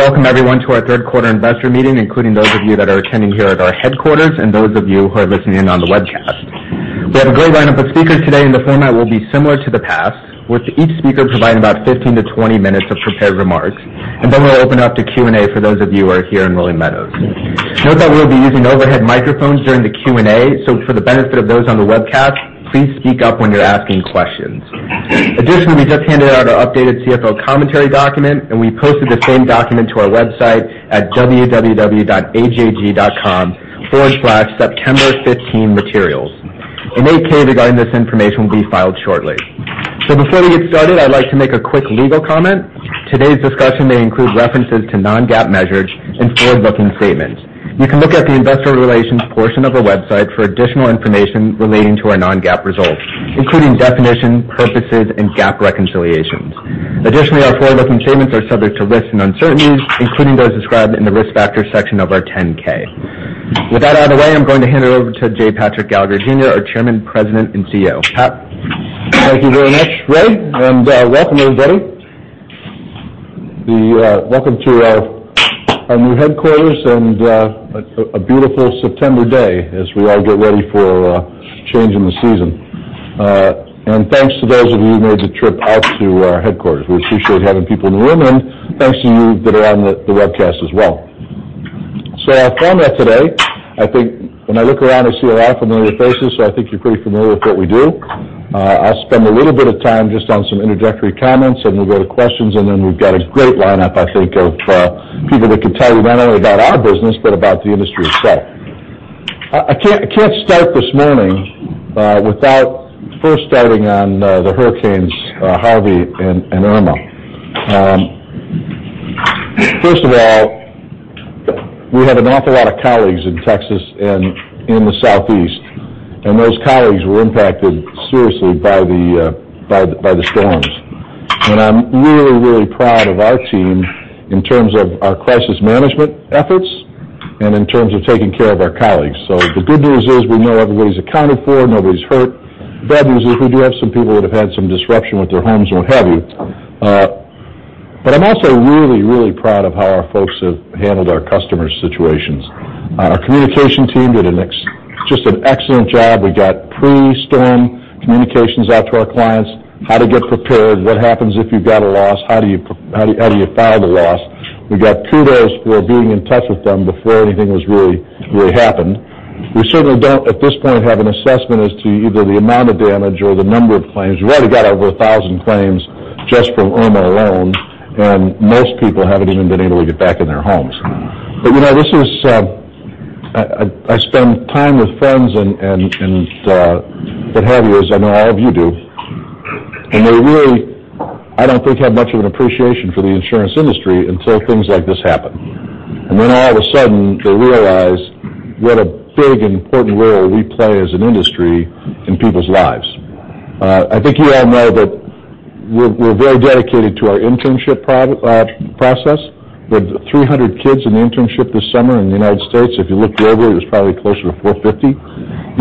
Welcome everyone to our third quarter investor meeting, including those of you that are attending here at our headquarters, and those of you who are listening in on the webcast. We have a great lineup of speakers today. The format will be similar to the past, with each speaker providing about 15 to 20 minutes of prepared remarks. Then we'll open up to Q&A for those of you who are here in Rolling Meadows. Note that we'll be using overhead microphones during the Q&A. For the benefit of those on the webcast, please speak up when you're asking questions. Additionally, we just handed out our updated CFO commentary document. We posted the same document to our website at www.ajg.com/september15materials. An 8-K regarding this information will be filed shortly. Before we get started, I'd like to make a quick legal comment. Today's discussion may include references to non-GAAP measures and forward-looking statements. You can look at the investor relations portion of our website for additional information relating to our non-GAAP results, including definitions, purposes, and GAAP reconciliations. Additionally, our forward-looking statements are subject to risks and uncertainties, including those described in the Risk Factors section of our 10-K. With that out of the way, I'm going to hand it over to J. Patrick Gallagher, Jr., our Chairman, President, and CEO. Pat? Thank you very much, Ray, and welcome everybody. Welcome to our new headquarters and a beautiful September day as we all get ready for a change in the season. Thanks to those of you who made the trip out to our headquarters. We appreciate having people in the room. Thanks to you that are on the webcast as well. Our format today, I think when I look around, I see a lot of familiar faces. I think you're pretty familiar with what we do. I'll spend a little bit of time just on some introductory comments. We'll go to questions. Then we've got a great lineup, I think, of people that can tell you not only about our business but about the industry itself. I can't start this morning without first starting on the Hurricanes Harvey and Irma. First of all, we have an awful lot of colleagues in Texas and in the Southeast. Those colleagues were impacted seriously by the storms. I'm really, really proud of our team in terms of our crisis management efforts and in terms of taking care of our colleagues. The good news is we know everybody's accounted for, nobody's hurt. Bad news is we do have some people that have had some disruption with their homes, what have you. I'm also really, really proud of how our folks have handled our customers' situations. Our communication team did just an excellent job. We got pre-storm communications out to our clients, how to get prepared, what happens if you've got a loss, how do you file the loss. We got kudos for being in touch with them before anything was really happened. We certainly don't, at this point, have an assessment as to either the amount of damage or the number of claims. We've already got over 1,000 claims just from Irma alone, and most people haven't even been able to get back in their homes. I spend time with friends and what have you, as I know all of you do, and they really, I don't think, have much of an appreciation for the insurance industry until things like this happen. Then all of a sudden, they realize what a big and important role we play as an industry in people's lives. I think you all know that we're very dedicated to our internship process. We had 300 kids in internship this summer in the U.S. If you looked globally, it was probably closer to 450,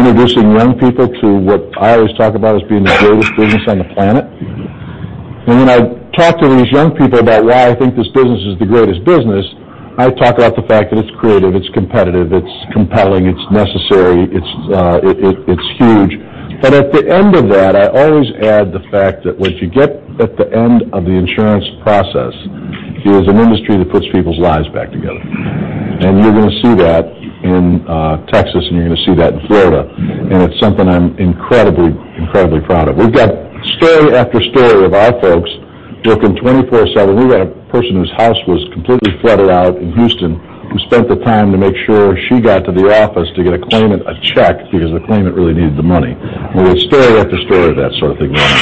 introducing young people to what I always talk about as being the greatest business on the planet. When I talk to these young people about why I think this business is the greatest business, I talk about the fact that it's creative, it's competitive, it's compelling, it's necessary, it's huge. At the end of that, I always add the fact that what you get at the end of the insurance process is an industry that puts people's lives back together. You're going to see that in Texas, and you're going to see that in Florida, and it's something I'm incredibly proud of. We've got story after story of our folks working 24/7. We've got a person whose house was completely flooded out in Houston who spent the time to make sure she got to the office to get a claimant a check because the claimant really needed the money. There's story after story of that sort of thing going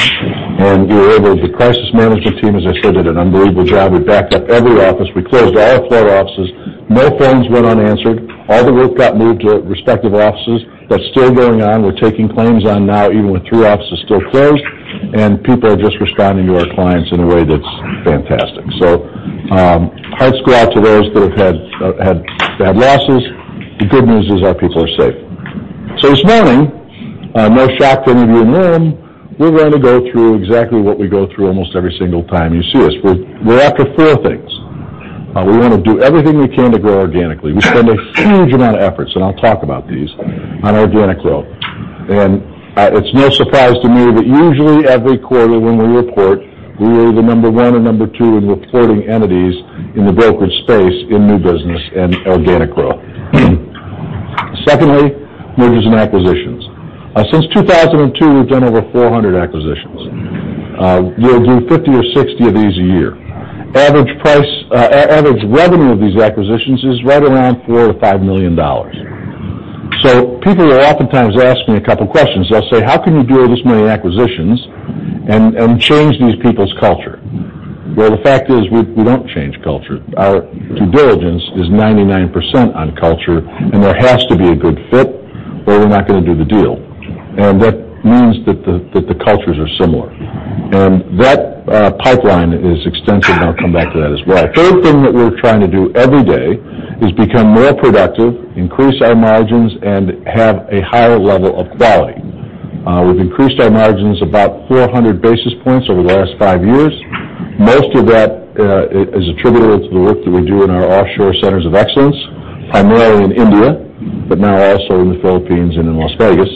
on. We were able, the crisis management team, as I said, did an unbelievable job. We backed up every office. We closed all our floor offices. No phones went unanswered. All the work got moved to respective offices. That's still going on. We're taking claims on now even with three offices still closed, and people are just responding to our clients in a way that's fantastic. Hearts go out to those that have had losses. The good news is our people are safe. This morning, no shock to any of you in the room, we're going to go through exactly what we go through almost every single time you see us. We're after four things. We want to do everything we can to grow organically. We spend a huge amount of efforts, and I'll talk about these, on organic growth. It's no surprise to me that usually every quarter when we report, we are the number 1 or number 2 in reporting entities in the brokerage space in new business and organic growth. Secondly, mergers and acquisitions. Since 2002, we've done over 400 acquisitions. We'll do 50 or 60 of these a year. Average revenue of these acquisitions is right around $4 million-$5 million. People will oftentimes ask me a couple questions. They'll say, "How can you do this many acquisitions and change these people's culture?" Well, the fact is we don't change culture. Our due diligence is 99% on culture, and there has to be a good fit, or we're not going to do the deal. That means that the cultures are similar. That pipeline is extensive, and I'll come back to that as well. Third thing that we're trying to do every day is become more productive, increase our margins, and have a higher level of quality. We've increased our margins about 400 basis points over the last five years. Most of that is attributable to the work that we do in our offshore centers of excellence, primarily in India, but now also in the Philippines and in Las Vegas.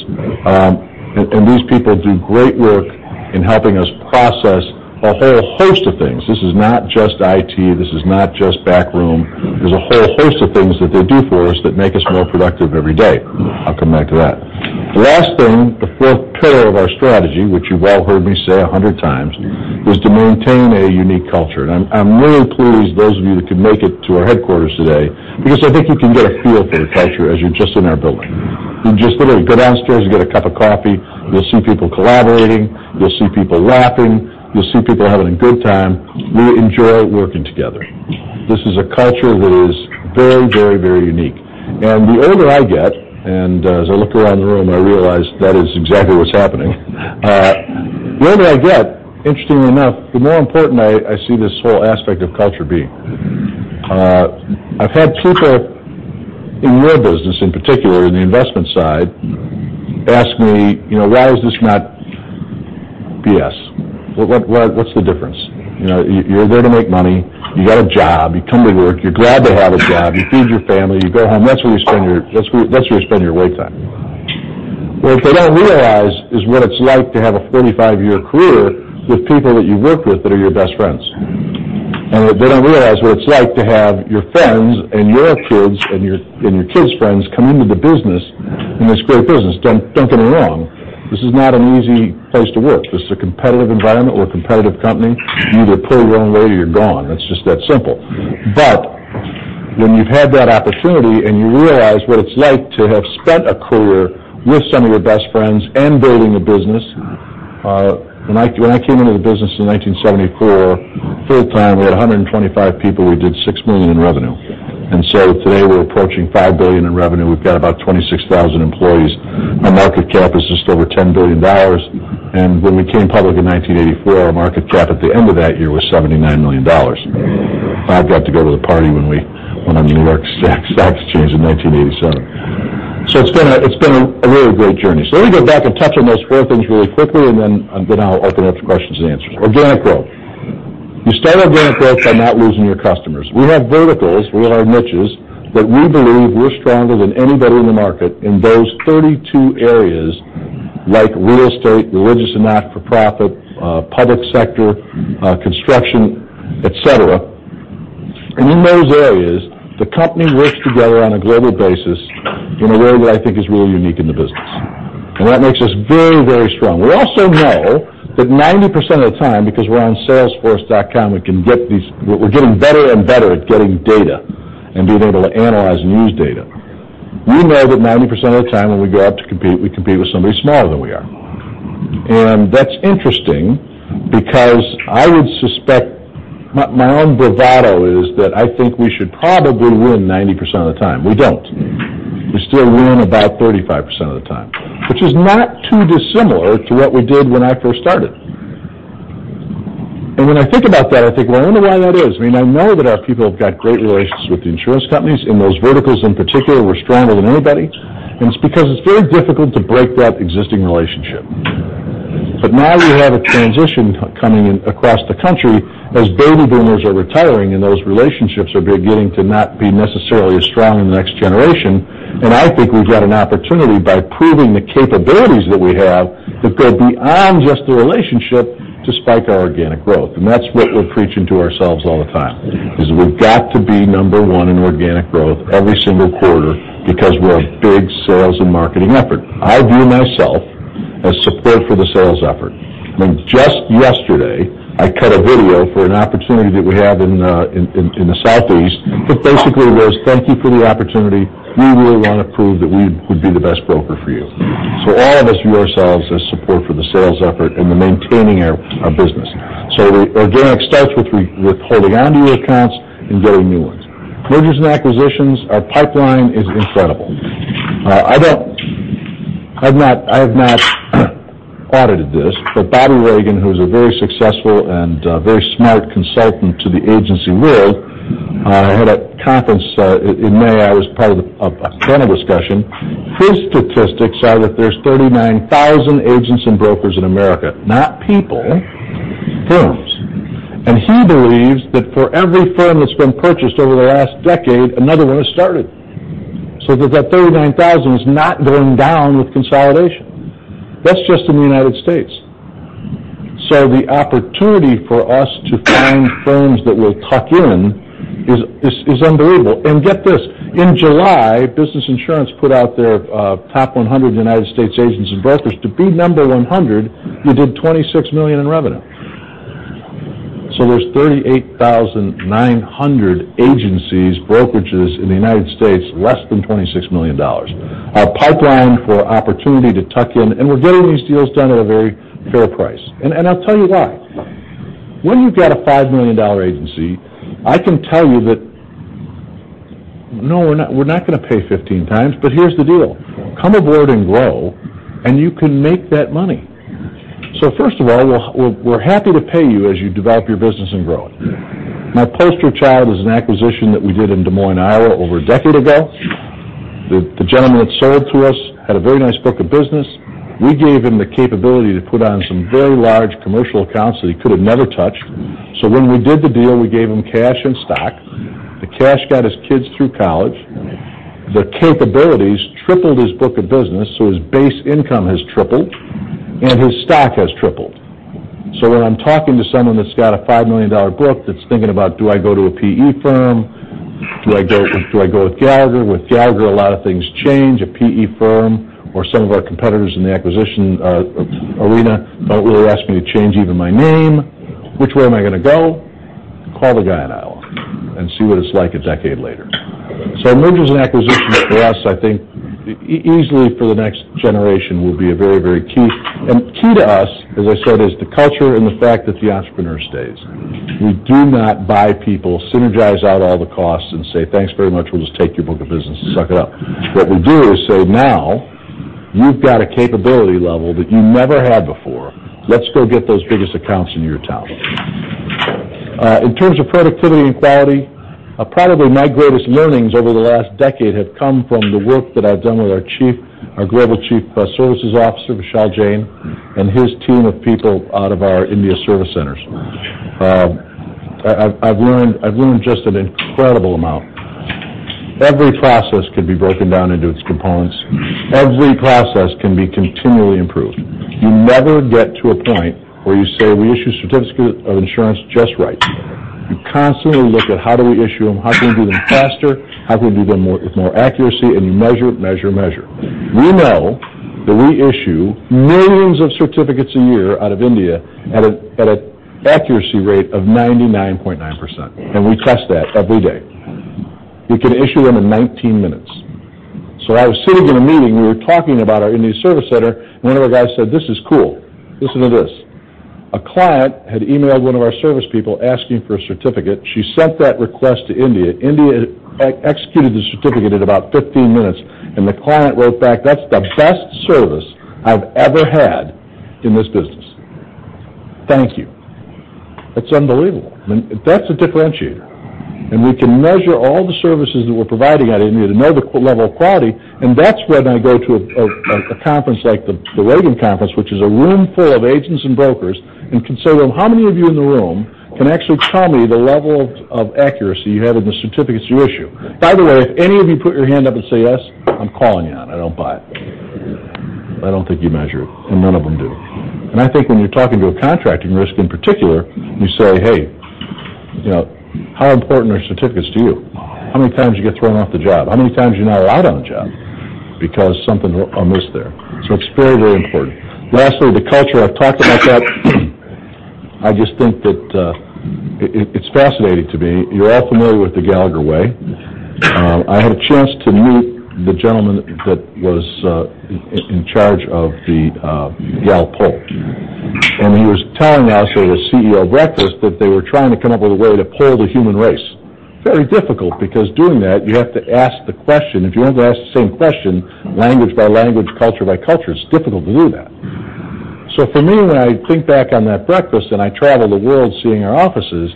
These people do great work in helping us process a whole host of things. This is not just IT, this is not just back room. There's a whole host of things that they do for us that make us more productive every day. I'll come back to that. The last thing, the fourth pillar of our strategy, which you've all heard me say 100 times, is to maintain a unique culture. I'm really pleased those of you that could make it to our headquarters today, because I think you can get a feel for the culture as you're just in our building. You just literally go downstairs, you get a cup of coffee, you'll see people collaborating, you'll see people laughing, you'll see people having a good time. We enjoy working together. This is a culture that is very unique. The older I get, and as I look around the room, I realize that is exactly what's happening. The older I get, interestingly enough, the more important I see this whole aspect of culture being. I've had people in your business, in particular, in the investment side, ask me, "Why is this not BS? What's the difference? You're there to make money. You got a job. You come to work. You're glad to have a job. You feed your family. You go home. That's where you spend your wake time." What they don't realize is what it's like to have a 35-year career with people that you've worked with that are your best friends. They don't realize what it's like to have your friends and your kids and your kids' friends come into the business, and it's a great business. Don't get me wrong. This is not an easy place to work. This is a competitive environment. We're a competitive company. You either pull your own weight or you're gone. It's just that simple. When you've had that opportunity and you realize what it's like to have spent a career with some of your best friends and building a business. When I came into the business in 1974, third time, we had 125 people, we did $6 million in revenue. Today, we're approaching $5 billion in revenue. We've got about 26,000 employees. Our market cap is just over $10 billion. When we came public in 1984, our market cap at the end of that year was $79 million. I got to go to the party when we went on the New York Stock Exchange in 1987. It's been a really great journey. Let me go back and touch on those four things really quickly, and then I'll open up to questions and answers. Organic growth. You start organic growth by not losing your customers. We have verticals, we all have niches, but we believe we're stronger than anybody in the market in those 32 areas like real estate, religious and not-for-profit, public sector, construction, et cetera. In those areas, the company works together on a global basis in a way that I think is really unique in the business. That makes us very strong. We also know that 90% of the time, because we're on salesforce.com, we're getting better and better at getting data and being able to analyze and use data. We know that 90% of the time when we go out to compete, we compete with somebody smaller than we are. That's interesting because I would suspect My own bravado is that I think we should probably win 90% of the time. We don't. We still win about 35% of the time, which is not too dissimilar to what we did when I first started. When I think about that, I think, well, I wonder why that is. I know that our people have got great relationships with the insurance companies. In those verticals in particular, we're stronger than anybody, and it's because it's very difficult to break that existing relationship. Now we have a transition coming in across the country as baby boomers are retiring, and those relationships are beginning to not be necessarily as strong in the next generation. I think we've got an opportunity by proving the capabilities that we have that go beyond just the relationship to spike our organic growth. That's what we're preaching to ourselves all the time, is we've got to be number one in organic growth every single quarter because we're a big sales and marketing effort. I view myself as support for the sales effort. Just yesterday, I cut a video for an opportunity that we have in the Southeast that basically was thank you for the opportunity. We really want to prove that we would be the best broker for you. All of us view ourselves as support for the sales effort and the maintaining our business. Organic starts with holding onto your accounts and getting new ones. Mergers and acquisitions. Our pipeline is incredible. I have not audited this, but Bobby Reagan, who's a very successful and very smart consultant to the agency world, had a conference in May. I was part of a panel discussion. His statistics are that there's 39,000 agents and brokers in America. Not people, firms. He believes that for every firm that's been purchased over the last decade, another one has started. That that 39,000 is not going down with consolidation. That's just in the U.S. The opportunity for us to find firms that we'll tuck in is unbelievable. Get this, in July, Business Insurance put out their top 100 U.S. agents and brokers. To be number 100, you did $26 million in revenue. There's 38,900 agencies, brokerages in the U.S., less than $26 million. Our pipeline for opportunity to tuck in, and we're getting these deals done at a very fair price. I'll tell you why. When you've got a $5 million agency, I can tell you that, no, we're not going to pay 15 times, but here's the deal. Come aboard and grow, and you can make that money. First of all, we're happy to pay you as you develop your business and grow it. My poster child is an acquisition that we did in Des Moines, Iowa over a decade ago. The gentleman that sold to us had a very nice book of business. We gave him the capability to put on some very large commercial accounts that he could have never touched. When we did the deal, we gave him cash and stock. The cash got his kids through college. The capabilities tripled his book of business, so his base income has tripled, and his stock has tripled. When I'm talking to someone that's got a $5 million book that's thinking about, do I go to a PE firm? Do I go with Gallagher? With Gallagher, a lot of things change. A PE firm or some of our competitors in the acquisition arena don't really ask me to change even my name. Which way am I going to go? Call the guy in Iowa and see what it's like a decade later. Mergers and acquisitions for us, I think easily for the next generation will be very key. Key to us, as I said, is the culture and the fact that the entrepreneur stays. We do not buy people, synergize out all the costs, and say, "Thanks very much, we'll just take your book of business and suck it up." What we do is say, "Now, you've got a capability level that you never had before. Let's go get those biggest accounts in your town." In terms of productivity and quality, probably my greatest learnings over the last decade have come from the work that I've done with our Global Chief Service Officer, Vishal Jain, and his team of people out of our India service centers. I've learned just an incredible amount. Every process can be broken down into its components. Every process can be continually improved. You never get to a point where you say, 'We issue certificates of insurance just right.' You constantly look at how do we issue them, how can we do them faster, how can we do them with more accuracy, and you measure. We know that we issue millions of certificates a year out of India at an accuracy rate of 99.9%, and we test that every day. We can issue them in 19 minutes. I was sitting in a meeting, we were talking about our India service center, and one of the guys said, "This is cool." Listen to this. A client had emailed one of our service people asking for a certificate. She sent that request to India. India executed the certificate in about 15 minutes, and the client wrote back, "That's the best service I've ever had in this business. Thank you." That's unbelievable. That's a differentiator. We can measure all the services that we're providing out of India to know the level of quality, and that's when I go to a conference like the Reagan Conference, which is a room full of agents and brokers, and can say to them, "How many of you in the room can actually tell me the level of accuracy you have in the certificates you issue? By the way, if any of you put your hand up and say yes, I'm calling you out. I don't buy it. I don't think you measure it. None of them do. I think when you're talking to a contracting risk in particular, you say, "Hey, how important are certificates to you? How many times you get thrown off the job? How many times you're not allowed on a job because something went amiss there?" It's very important. Lastly, the culture. I've talked about that. I just think that it's fascinating to me. You're all familiar with The Gallagher Way. I had a chance to meet the gentleman that was in charge of the Gallup Poll, and he was telling us at a CEO breakfast that they were trying to come up with a way to poll the human race. Very difficult, because doing that, you have to ask the question. If you have to ask the same question, language by language, culture by culture, it's difficult to do that. For me, when I think back on that breakfast and I travel the world seeing our offices,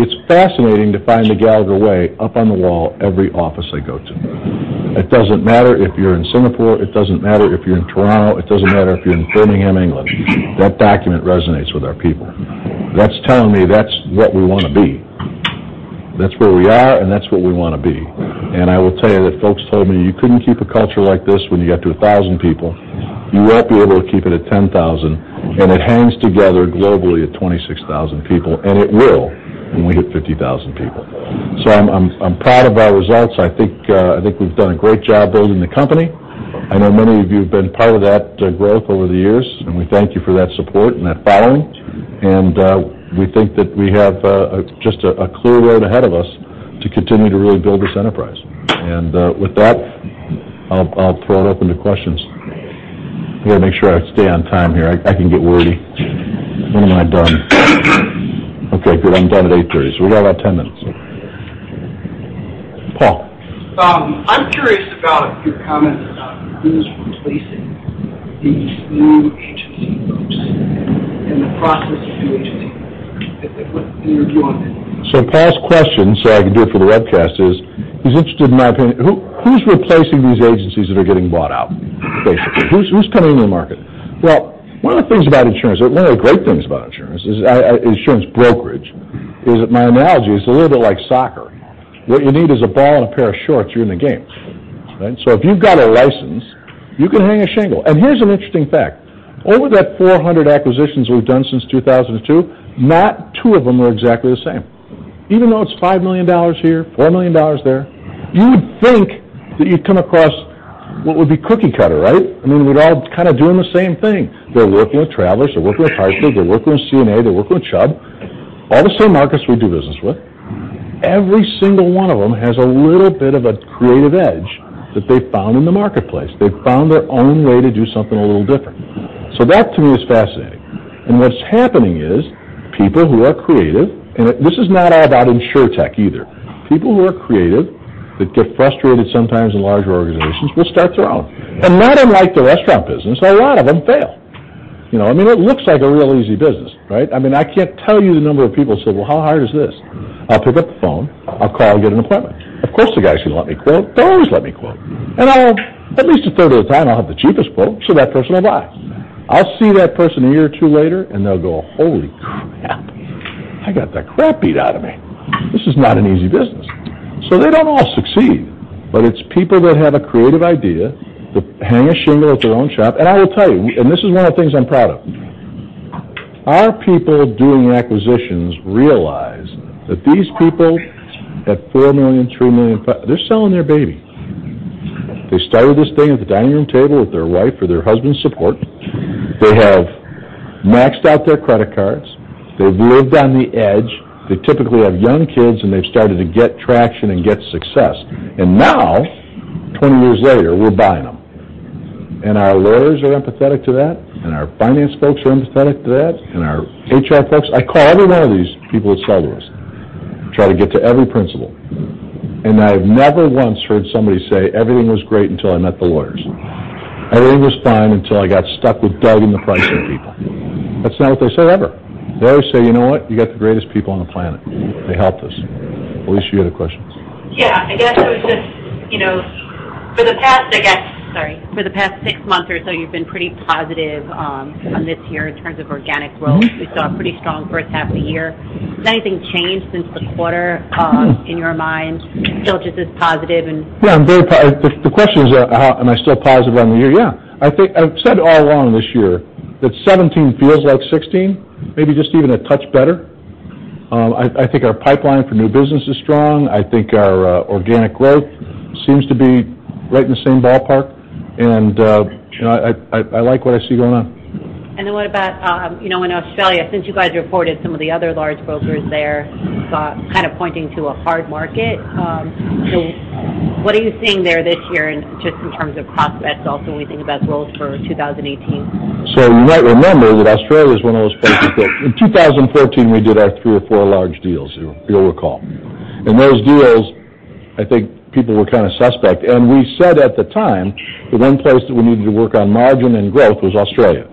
it's fascinating to find The Gallagher Way up on the wall every office I go to. It doesn't matter if you're in Singapore, it doesn't matter if you're in Toronto, it doesn't matter if you're in Birmingham, England. That document resonates with our people. That's telling me that's what we want to be. That's where we are, and that's what we want to be. I will tell you that folks told me you couldn't keep a culture like this when you get to 1,000 people. You won't be able to keep it at 10,000, and it hangs together globally at 26,000 people, and it will when we hit 50,000 people. I'm proud of our results. I think we've done a great job building the company. I know many of you have been part of that growth over the years, and we thank you for that support and that following. We think that we have just a clear road ahead of us to continue to really build this enterprise. With that, I'll throw it open to questions. I've got to make sure I stay on time here. I can get wordy. When am I done? Okay, good. I'm done at 8:30, so we got about 10 minutes. Paul. I'm curious about your comment about who's replacing these new agency groups and the process of due diligence and your view on that. Paul's question, so I can do it for the webcast, he's interested in my opinion, who's replacing these agencies that are getting bought out, basically? Who's coming into the market? One of the things about insurance, one of the great things about insurance brokerage, is my analogy is it's a little bit like soccer. What you need is a ball and a pair of shorts, you're in the game, right? If you've got a license, you can hang a shingle. Here's an interesting fact. Over that 400 acquisitions we've done since 2002, not two of them were exactly the same. Even though it's $5 million here, $4 million there, you would think that you'd come across what would be cookie cutter, right? I mean, we're all kind of doing the same thing. They're working with Travelers, they're working with Hartford, they're working with CNA, they're working with Chubb. All the same markets we do business with. Every single one of them has a little bit of a creative edge that they found in the marketplace. They found their own way to do something a little different. That, to me, is fascinating. What's happening is people who are creative, and this is not all about insurtech either. People who are creative that get frustrated sometimes in larger organizations will start their own. Not unlike the restaurant business, a lot of them fail. It looks like a real easy business, right? I can't tell you the number of people who say, "How hard is this? I'll pick up the phone, I'll call and get an appointment. Of course, the guy's going to let me quote. They always let me quote. At least a third of the time, I'll have the cheapest quote, so that person will buy." I'll see that person a year or two later, and they'll go, "Holy crap. I got the crap beat out of me." This is not an easy business. They don't all succeed, but it's people that have a creative idea that hang a shingle at their own shop. I will tell you, and this is one of the things I'm proud of, our people doing acquisitions realize that these people at $4 million, $3 million, $5 million, they're selling their baby. They started this thing at the dining room table with their wife or their husband's support. They have maxed out their credit cards. They've lived on the edge. They typically have young kids, and they've started to get traction and get success. Now, 20 years later, we're buying them. Our lawyers are empathetic to that, and our finance folks are empathetic to that, and our HR folks. I call every one of these people that sell to us, try to get to every principal. I've never once heard somebody say, "Everything was great until I met the lawyers." "Everything was fine until I got stuck with Doug and the pricing people." That's not what they say ever. They always say, "You know what? You got the greatest people on the planet. They helped us." Elyse, you had a question. Yeah. For the past six months or so, you've been pretty positive on this year in terms of organic growth. We saw a pretty strong first half of the year. Has anything changed since the quarter in your mind? Still just as positive and- Yeah, I'm very. The question is, am I still positive on the year? Yeah. I've said all along this year that 2017 feels like 2016, maybe just even a touch better. I think our pipeline for new business is strong. I think our organic growth seems to be right in the same ballpark. I like what I see going on. What about in Australia, since you guys reported some of the other large brokers there kind of pointing to a hard market. What are you seeing there this year just in terms of prospects, also when we think about growth for 2018? You might remember that Australia was one of those places that in 2014, we did our three or four large deals, you'll recall. In those deals, I think people were kind of suspect. We said at the time that one place that we needed to work on margin and growth was Australia.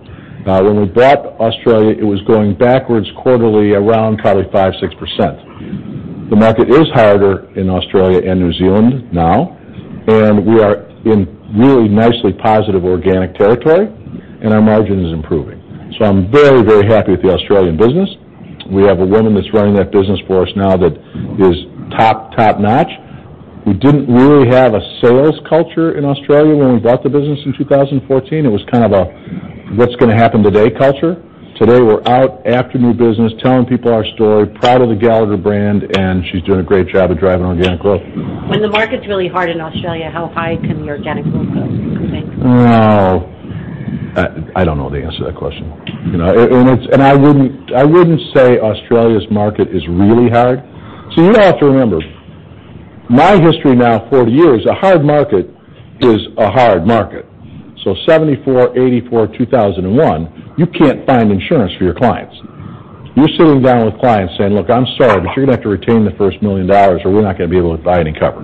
When we bought Australia, it was going backwards quarterly around probably 5%, 6%. The market is harder in Australia and New Zealand now, and we are in really nicely positive organic territory, and our margin is improving. I'm very, very happy with the Australian business. We have a woman that's running that business for us now that is top-notch. We didn't really have a sales culture in Australia when we bought the business in 2014. It was kind of a what's going to happen today culture. Today, we're out after new business, telling people our story, proud of the Gallagher brand, and she's doing a great job of driving organic growth. When the market's really hard in Australia, how high can the organic growth go, you think? I don't know the answer to that question. I wouldn't say Australia's market is really hard. You have to remember, my history now, 40 years, a hard market is a hard market. 1974, 1984, 2001, you can't find insurance for your clients. You're sitting down with clients saying, "Look, I'm sorry, but you're going to have to retain the first $1 million, or we're not going to be able to buy any cover."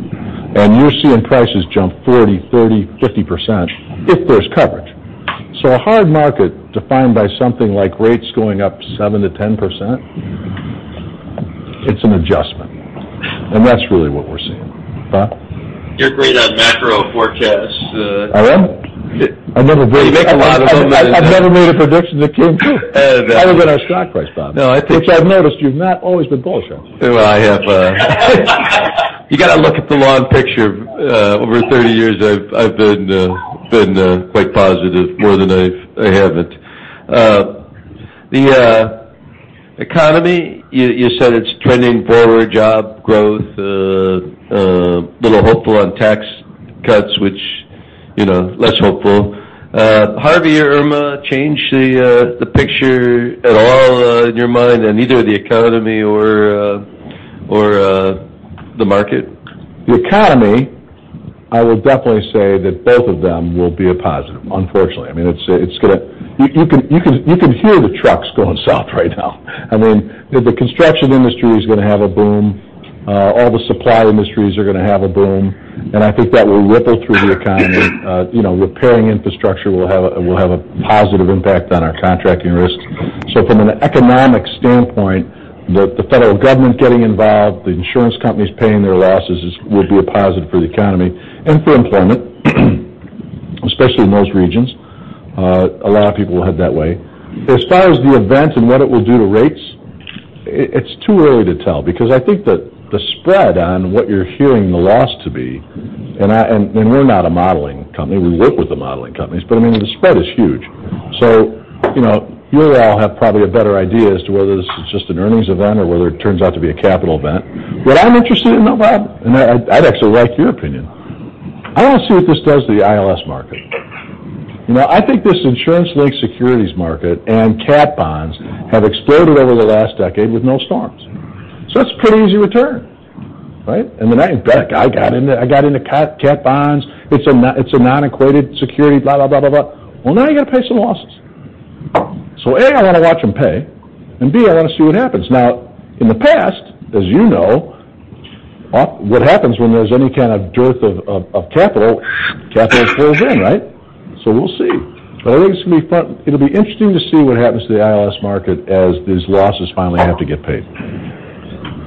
You're seeing prices jump 40%, 30%, 50% if there's coverage. A hard market defined by something like rates going up 7%-10%, it's an adjustment. That's really what we're seeing. Bob? You're great on macro forecasts. I am? I never did. You make a lot of them that- I've never made a prediction that came true. Other than our stock price, Bob. No, I think- Which I've noticed you've not always been bullish on. Well, I have. You got to look at the long picture. Over 30 years, I've been quite positive more than I haven't. The economy, you said it's trending forward, job growth, a little hopeful on tax cuts, which less hopeful. Harvey or Irma changed the picture at all in your mind in either the economy or the market? The economy, I will definitely say that both of them will be a positive, unfortunately. You can hear the trucks going south right now. The construction industry is going to have a boom. All the supply industries are going to have a boom. I think that will ripple through the economy. Repairing infrastructure will have a positive impact on our contracting risk. From an economic standpoint, the federal government getting involved, the insurance companies paying their losses will be a positive for the economy and for employment, especially in those regions. A lot of people will head that way. As far as the event and what it will do to rates, it's too early to tell because I think that the spread on what you're hearing the loss to be, and we're not a modeling company. We work with the modeling companies, but the spread is huge. You'll all have probably a better idea as to whether this is just an earnings event or whether it turns out to be a capital event. What I'm interested to know, Bob, and I'd actually like your opinion. I want to see what this does to the ILS market. I think this insurance-linked securities market and cat bonds have exploded over the last decade with no storms. It's a pretty easy return, right? Heck, I got into cat bonds. It's a non-correlated security, blah, blah, blah. Well, now you got to pay some losses. A, I want to watch them pay, and B, I want to see what happens. Now, in the past, as you know, what happens when there's any kind of dearth of capital? Capital pours in, right? We'll see. I think it's going to be fun. It'll be interesting to see what happens to the ILS market as these losses finally have to get paid.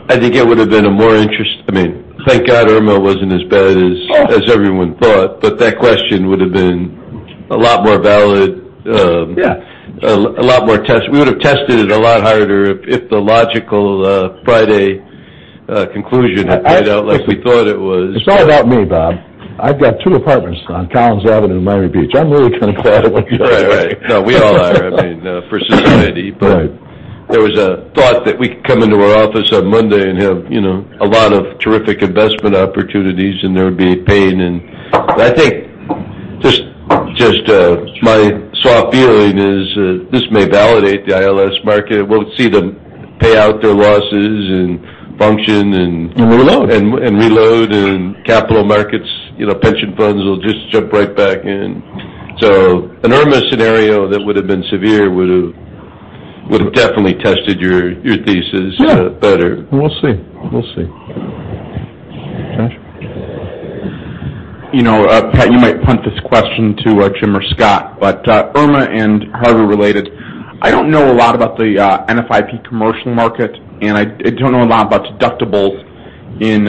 I think it would've been a more interest-- Thank God Irma wasn't as bad as everyone thought, but that question would've been a lot more valid. Yeah. We would've tested it a lot harder if the logical Friday conclusion had played out like we thought it was. It's all about me, Bob. I've got two apartments on Collins Avenue in Miami Beach. I'm really kind of glad it went the other way. Right. No, we all are for society. Right. There was a thought that we could come into our office on Monday and have a lot of terrific investment opportunities, and there would be a pain, and I think just my soft feeling is this may validate the ILS market, and we'll see them pay out their losses and function. Reload. Reload, and capital markets, pension funds will just jump right back in. An Irma scenario that would've been severe would've definitely tested your thesis better. Yeah. We'll see. Josh? Pat, you might punt this question to Jim or Scott, but Irma and Harvey related. I don't know a lot about the NFIP commercial market, and I don't know a lot about deductibles in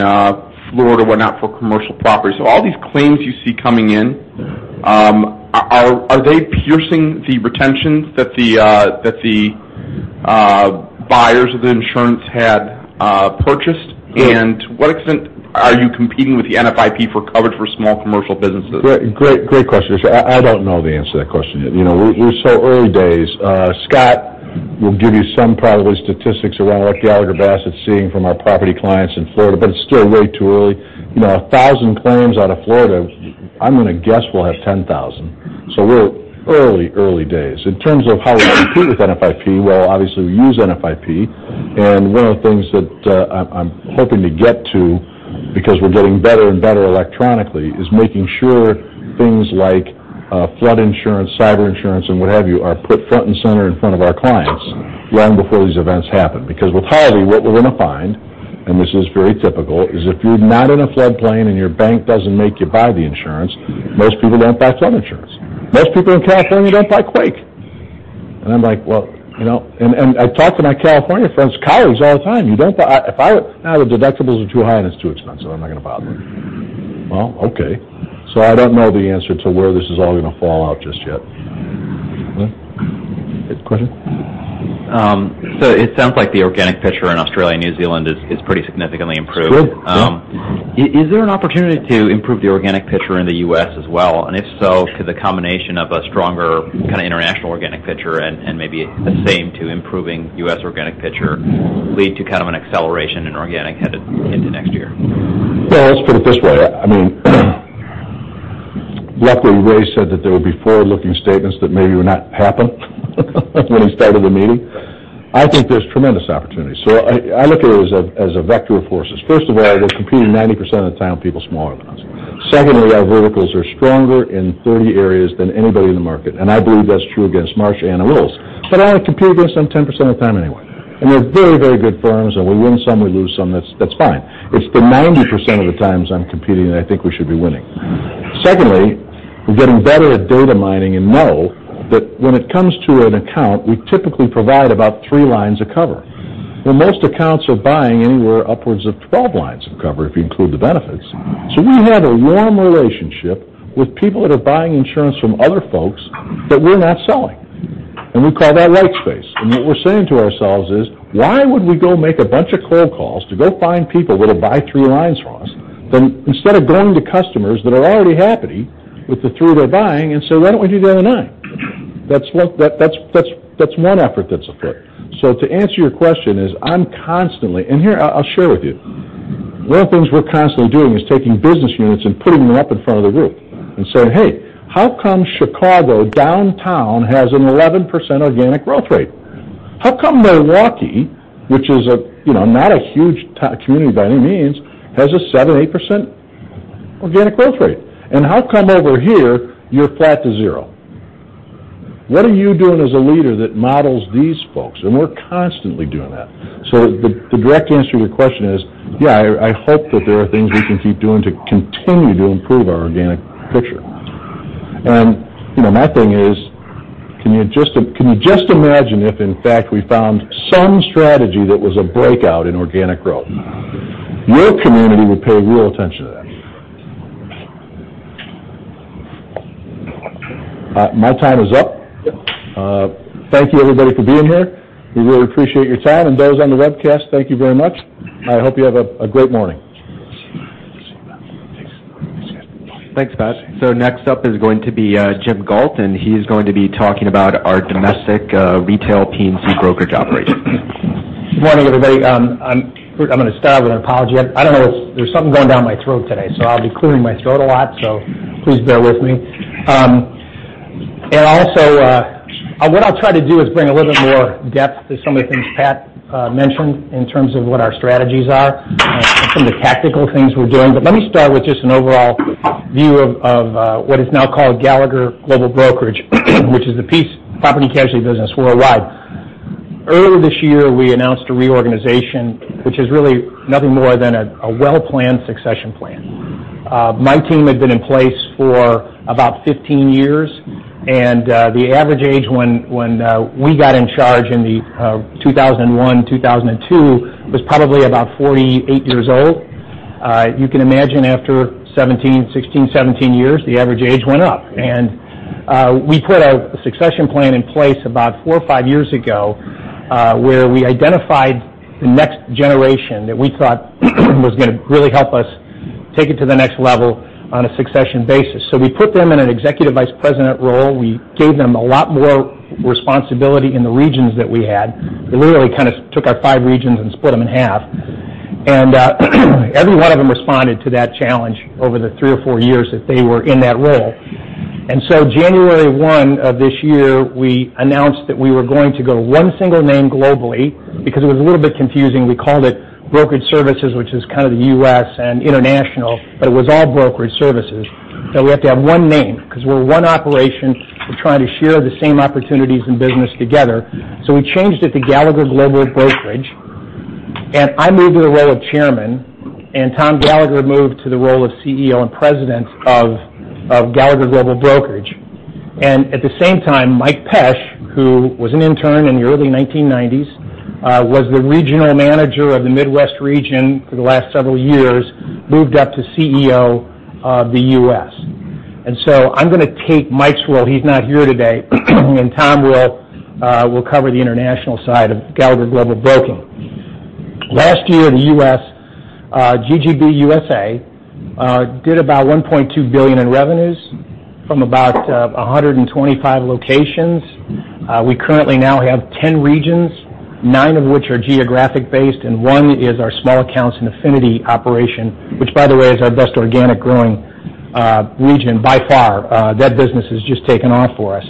Florida or whatnot for commercial property. All these claims you see coming in, are they piercing the retentions that the buyers of the insurance had purchased? Yeah. To what extent are you competing with the NFIP for coverage for small commercial businesses? Great question, Josh. I don't know the answer to that question yet. We're so early days. Scott will give you some probably statistics around what Gallagher Bassett's seeing from our property clients in Florida, but it's still way too early. A 1,000 claims out of Florida, I'm going to guess we'll have 10,000. We're early days. In terms of how we compete with NFIP, well, obviously, we use NFIP, and one of the things that I'm hoping to get to, because we're getting better and better electronically, is making sure things like flood insurance, cyber insurance, and what have you, are put front and center in front of our clients long before these events happen. With Harvey, what we're going to find, and this is very typical, is if you're not in a floodplain and your bank doesn't make you buy the insurance, most people don't buy flood insurance. Most people in California don't buy quake. I'm like, "Well," I talk to my California friends, colleagues all the time, "You don't buy. The deductibles are too high, and it's too expensive. I'm not going to bother." Well, okay. I don't know the answer to where this is all going to fall out just yet. Next question. It sounds like the organic picture in Australia and New Zealand is pretty significantly improved. It's good. Yeah. Is there an opportunity to improve the organic picture in the U.S. as well, and if so, could the combination of a stronger kind of international organic picture and maybe the same to improving U.S. organic picture lead to kind of an acceleration in organic headed into next year? Well, let's put it this way. Luckily, Ray said that there would be forward-looking statements that maybe would not happen when he started the meeting. I think there's tremendous opportunity. I look at it as a vector of forces. First of all, we're competing 90% of the time with people smaller than us. Secondly, our verticals are stronger in 30 areas than anybody in the market, and I believe that's true against Marsh and Willis. I only compete against them 10% of the time anyway. They're very, very good firms, and we win some, we lose some. That's fine. It's the 90% of the times I'm competing that I think we should be winning. Secondly, we're getting better at data mining and know that when it comes to an account, we typically provide about three lines of cover, where most accounts are buying anywhere upwards of 12 lines of cover if you include the benefits. We have a warm relationship with people that are buying insurance from other folks that we're not selling. We call that white space. What we're saying to ourselves is, why would we go make a bunch of cold calls to go find people that will buy three lines from us, than instead of going to customers that are already happy with the three they're buying and say, "Why don't we do the other nine?" That's one effort that's afoot. To answer your question is I'm constantly, and here, I'll share with you. One of the things we're constantly doing is taking business units and putting them up in front of the group and saying, "Hey, how come Chicago downtown has an 11% organic growth rate? How come Milwaukee, which is not a huge community by any means, has a 7, 8% organic growth rate? What are you doing as a leader that models these folks?" We're constantly doing that. The direct answer to your question is, yeah, I hope that there are things we can keep doing to continue to improve our organic picture. My thing is, can you just imagine if, in fact, we found some strategy that was a breakout in organic growth? Your community would pay real attention to that. My time is up. Thank you, everybody, for being here. We really appreciate your time, and those on the webcast, thank you very much. I hope you have a great morning. Thanks. Appreciate it. Thanks, Pat. Next up is going to be Jim Gault, and he is going to be talking about our domestic retail P&C brokerage operation. Good morning, everybody. I'm going to start with an apology. I don't know, there's something going down my throat today, so I'll be clearing my throat a lot, so please bear with me. Also, what I'll try to do is bring a little bit more depth to some of the things Pat mentioned in terms of what our strategies are and some of the tactical things we're doing. Let me start with just an overall view of what is now called Gallagher Global Brokerage, which is the property casualty business worldwide. Earlier this year, we announced a reorganization, which is really nothing more than a well-planned succession plan. My team had been in place for about 15 years, and the average age when we got in charge in 2001, 2002, was probably about 48 years old. You can imagine after 16, 17 years, the average age went up. We put a succession plan in place about four or five years ago, where we identified the next generation that we thought was going to really help us take it to the next level on a succession basis. We put them in an executive vice president role. We gave them a lot more responsibility in the regions that we had. We literally took our five regions and split them in half. Every one of them responded to that challenge over the three or four years that they were in that role. January 1 of this year, we announced that we were going to go one single name globally because it was a little bit confusing. We called it brokerage services, which is kind of the U.S. and international, but it was all brokerage services. We have to have one name because we're one operation. We're trying to share the same opportunities and business together. We changed it to Gallagher Global Brokerage, and I moved to the role of Chairman, and Tom Gallagher moved to the role of CEO and President of Gallagher Global Brokerage. At the same time, Mike Pesch, who was an intern in the early 1990s, was the regional manager of the Midwest region for the last several years, moved up to CEO of the U.S. I'm going to take Mike's role. He's not here today. Tom will cover the international side of Gallagher Global Brokerage. Last year in the U.S., GGB USA did about $1.2 billion in revenues from about 125 locations. We currently now have 10 regions, nine of which are geographic based, and one is our small accounts and affinity operation. Which by the way, is our best organic growing region by far. That business has just taken off for us.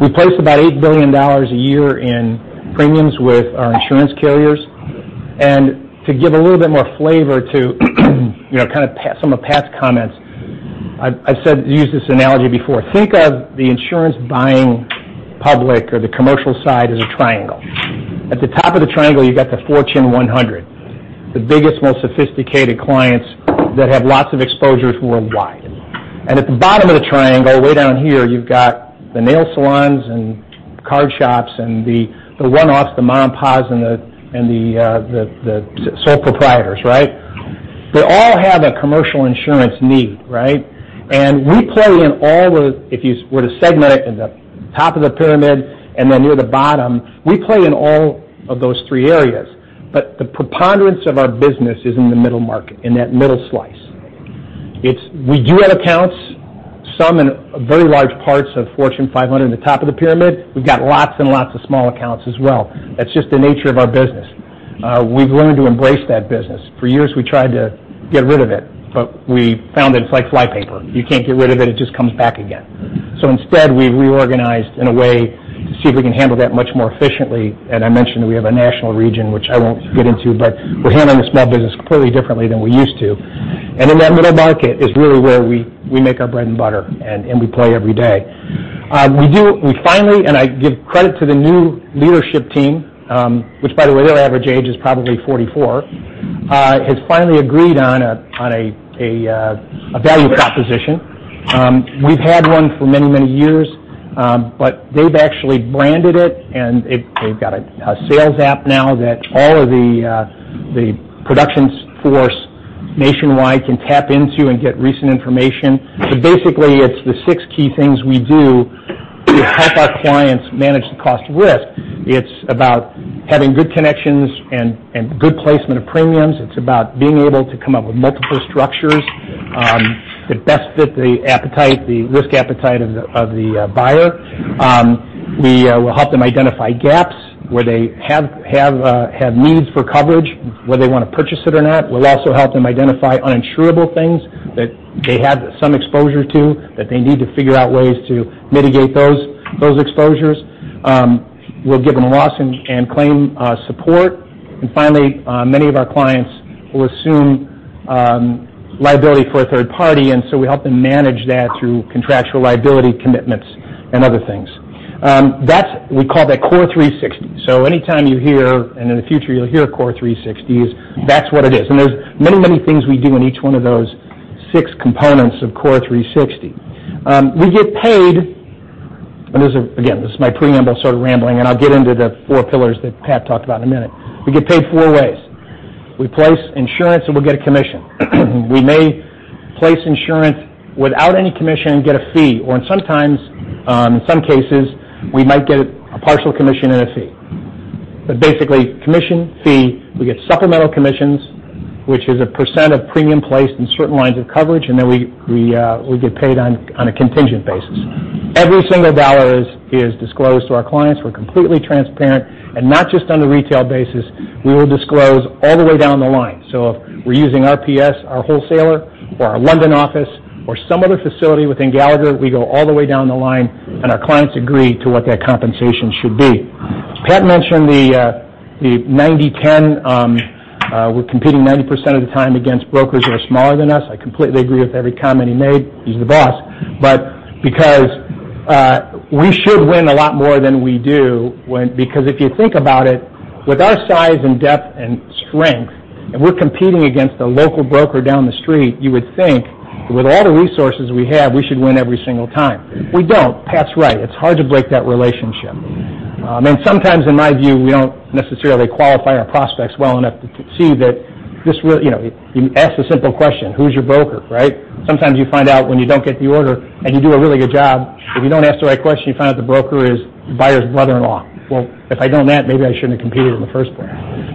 We place about $8 billion a year in premiums with our insurance carriers. To give a little bit more flavor to some of Pat's comments, I've used this analogy before. Think of the insurance buying public or the commercial side as a triangle. At the top of the triangle, you've got the Fortune 100, the biggest, most sophisticated clients that have lots of exposures worldwide. At the bottom of the triangle, way down here, you've got the nail salons and card shops and the one-offs, the ma-and-pops, and the sole proprietors, right? They all have a commercial insurance need, right? We play in all the-- if you were to segment it in the top of the pyramid and then near the bottom, we play in all of those three areas. The preponderance of our business is in the middle market, in that middle slice. We do have accounts, some in very large parts of Fortune 500 in the top of the pyramid. We've got lots and lots of small accounts as well. That's just the nature of our business. We've learned to embrace that business. For years, we tried to get rid of it, but we found that it's like flypaper. You can't get rid of it. It just comes back again. Instead, we reorganized in a way to see if we can handle that much more efficiently. I mentioned we have a national region, which I won't get into, but we're handling the small business clearly differently than we used to. In that middle market is really where we make our bread and butter, and we play every day. We finally, I give credit to the new leadership team, which by the way, their average age is probably 44, has finally agreed on a value proposition. We've had one for many, many years, but they've actually branded it, and they've got a sales app now that all of the production force nationwide can tap into and get recent information. Basically, it's the six key things we do to help our clients manage the cost of risk. It's about having good connections and good placement of premiums. It's about being able to come up with multiple structures that best fit the risk appetite of the buyer. We will help them identify gaps where they have needs for coverage, whether they want to purchase it or not. We'll also help them identify uninsurable things that they have some exposure to, that they need to figure out ways to mitigate those exposures. We'll give them loss and claim support. Finally, many of our clients will assume liability for a third party, so we help them manage that through contractual liability commitments and other things. We call that Gallagher CORE360. So anytime you hear, in the future you'll hear Gallagher CORE360, that's what it is. There's many, many things we do in each one of those six components of Gallagher CORE360. We get paid, again, this is my preamble, so I'm rambling, I'll get into the four pillars that Pat talked about in a minute. We get paid four ways. We place insurance, we'll get a commission. We may place insurance without any commission and get a fee, or sometimes, in some cases, we might get a partial commission and a fee. Basically, commission, fee, we get supplemental commissions, which is a percent of premium placed in certain lines of coverage, then we get paid on a contingent basis. Every single dollar is disclosed to our clients. We're completely transparent. Not just on the retail basis, we will disclose all the way down the line. If we're using RPS, our wholesaler, or our London office, or some other facility within Gallagher, we go all the way down the line, and our clients agree to what that compensation should be. Pat mentioned the 90-10. We're competing 90% of the time against brokers who are smaller than us. I completely agree with every comment he made, he's the boss. Because we should win a lot more than we do, because if you think about it, with our size and depth and strength, and we're competing against a local broker down the street, you would think with all the resources we have, we should win every single time. We don't. Pat's right. It's hard to break that relationship. Sometimes, in my view, we don't necessarily qualify our prospects well enough to see that this will. You ask the simple question, "Who's your broker?" Right? Sometimes you find out when you don't get the order, and you do a really good job. If you don't ask the right question, you find out the broker is the buyer's brother-in-law. If I'd known that, maybe I shouldn't have competed in the first place.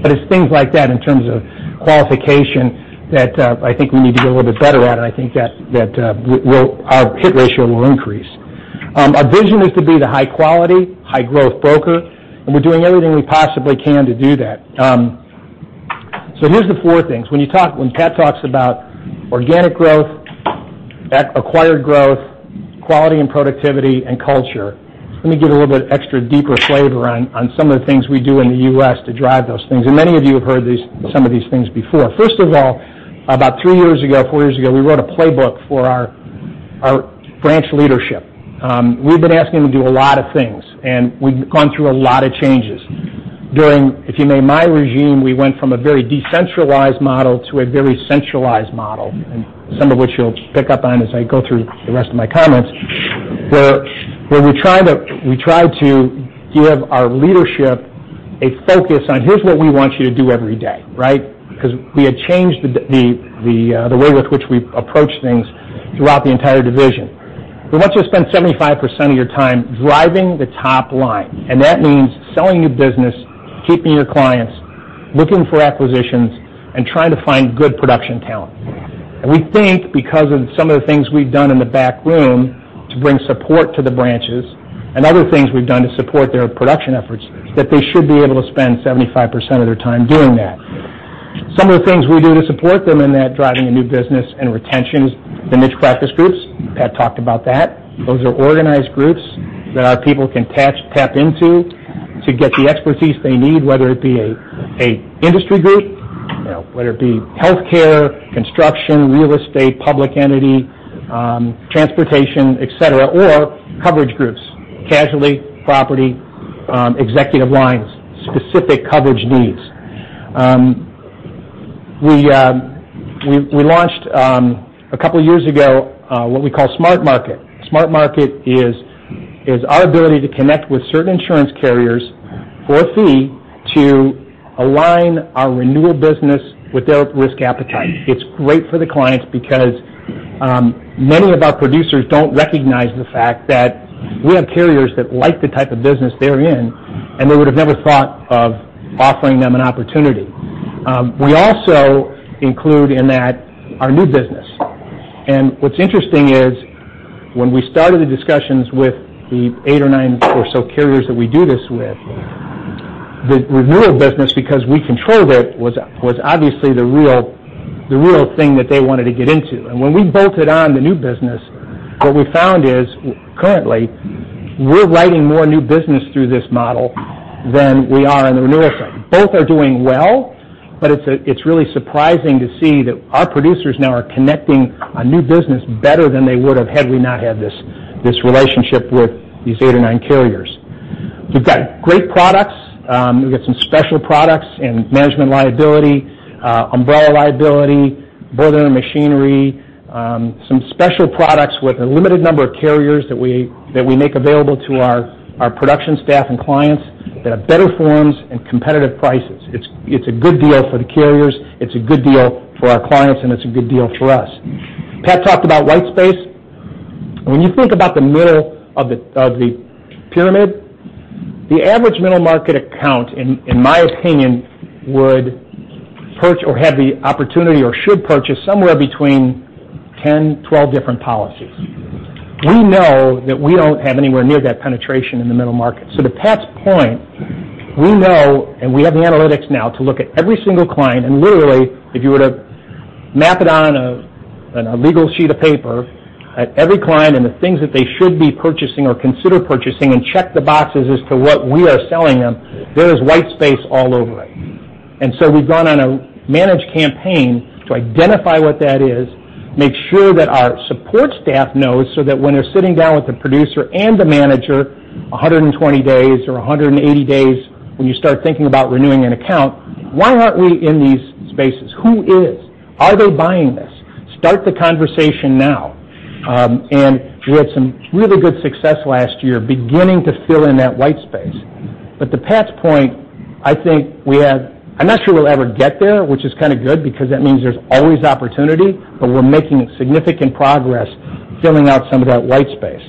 It's things like that in terms of qualification that I think we need to get a little bit better at, I think that our hit ratio will increase. Our vision is to be the high-quality, high-growth broker, we're doing everything we possibly can to do that. Here's the four things. When Pat talks about organic growth, acquired growth, quality and productivity, culture, let me give a little bit extra deeper flavor on some of the things we do in the U.S. to drive those things. Many of you have heard some of these things before. First of all, about three years ago, four years ago, we wrote a playbook for our branch leadership. We've been asking to do a lot of things, we've gone through a lot of changes. During, if you may, my regime, we went from a very decentralized model to a very centralized model. Some of which you'll pick up on as I go through the rest of my comments, where we try to give our leadership a focus on, here's what we want you to do every day, right? Because we had changed the way with which we approach things throughout the entire division. We want you to spend 75% of your time driving the top line. That means selling new business, keeping your clients, looking for acquisitions, and trying to find good production talent. We think because of some of the things we've done in the back room to bring support to the branches and other things we've done to support their production efforts, that they should be able to spend 75% of their time doing that. Some of the things we do to support them in that driving the new business and retention is the niche practice groups. Pat talked about that. Those are organized groups that our people can tap into to get the expertise they need, whether it be an industry group, whether it be healthcare, construction, real estate, public entity, transportation, et cetera, or coverage groups, casualty, property, executive lines, specific coverage needs. We launched, a couple of years ago, what we call Smart Market. Smart Market is our ability to connect with certain insurance carriers for a fee to align our renewal business with their risk appetite. It's great for the clients because many of our producers don't recognize the fact that we have carriers that like the type of business they're in, and they would have never thought of offering them an opportunity. We also include in that our new business. What's interesting is, when we started the discussions with the eight or nine or so carriers that we do this with, the renewal business, because we controlled it, was obviously the real thing that they wanted to get into. When we bolted on the new business, what we found is, currently, we're writing more new business through this model than we are in the renewal side. Both are doing well, but it's really surprising to see that our producers now are connecting on new business better than they would've had we not had this relationship with these eight or nine carriers. We've got great products. We've got some special products in management liability, umbrella liability, boiler and machinery. Some special products with a limited number of carriers that we make available to our production staff and clients that have better forms and competitive prices. It's a good deal for the carriers, it's a good deal for our clients, and it's a good deal for us. Pat talked about white space. When you think about the middle of the pyramid, the average middle market account, in my opinion, would purchase or have the opportunity or should purchase somewhere between 10, 12 different policies. We know that we don't have anywhere near that penetration in the middle market. To Pat's point, we know, and we have the analytics now to look at every single client, and literally, if you were to map it on a legal sheet of paper, at every client and the things that they should be purchasing or consider purchasing and check the boxes as to what we are selling them, there is white space all over it. We've gone on a managed campaign to identify what that is, make sure that our support staff knows so that when they're sitting down with the producer and the manager 120 days or 180 days when you start thinking about renewing an account, why aren't we in these spaces? Who is? Are they buying this? Start the conversation now. We had some really good success last year beginning to fill in that white space. To Pat's point, I'm not sure we'll ever get there, which is kind of good because that means there's always opportunity, but we're making significant progress filling out some of that white space.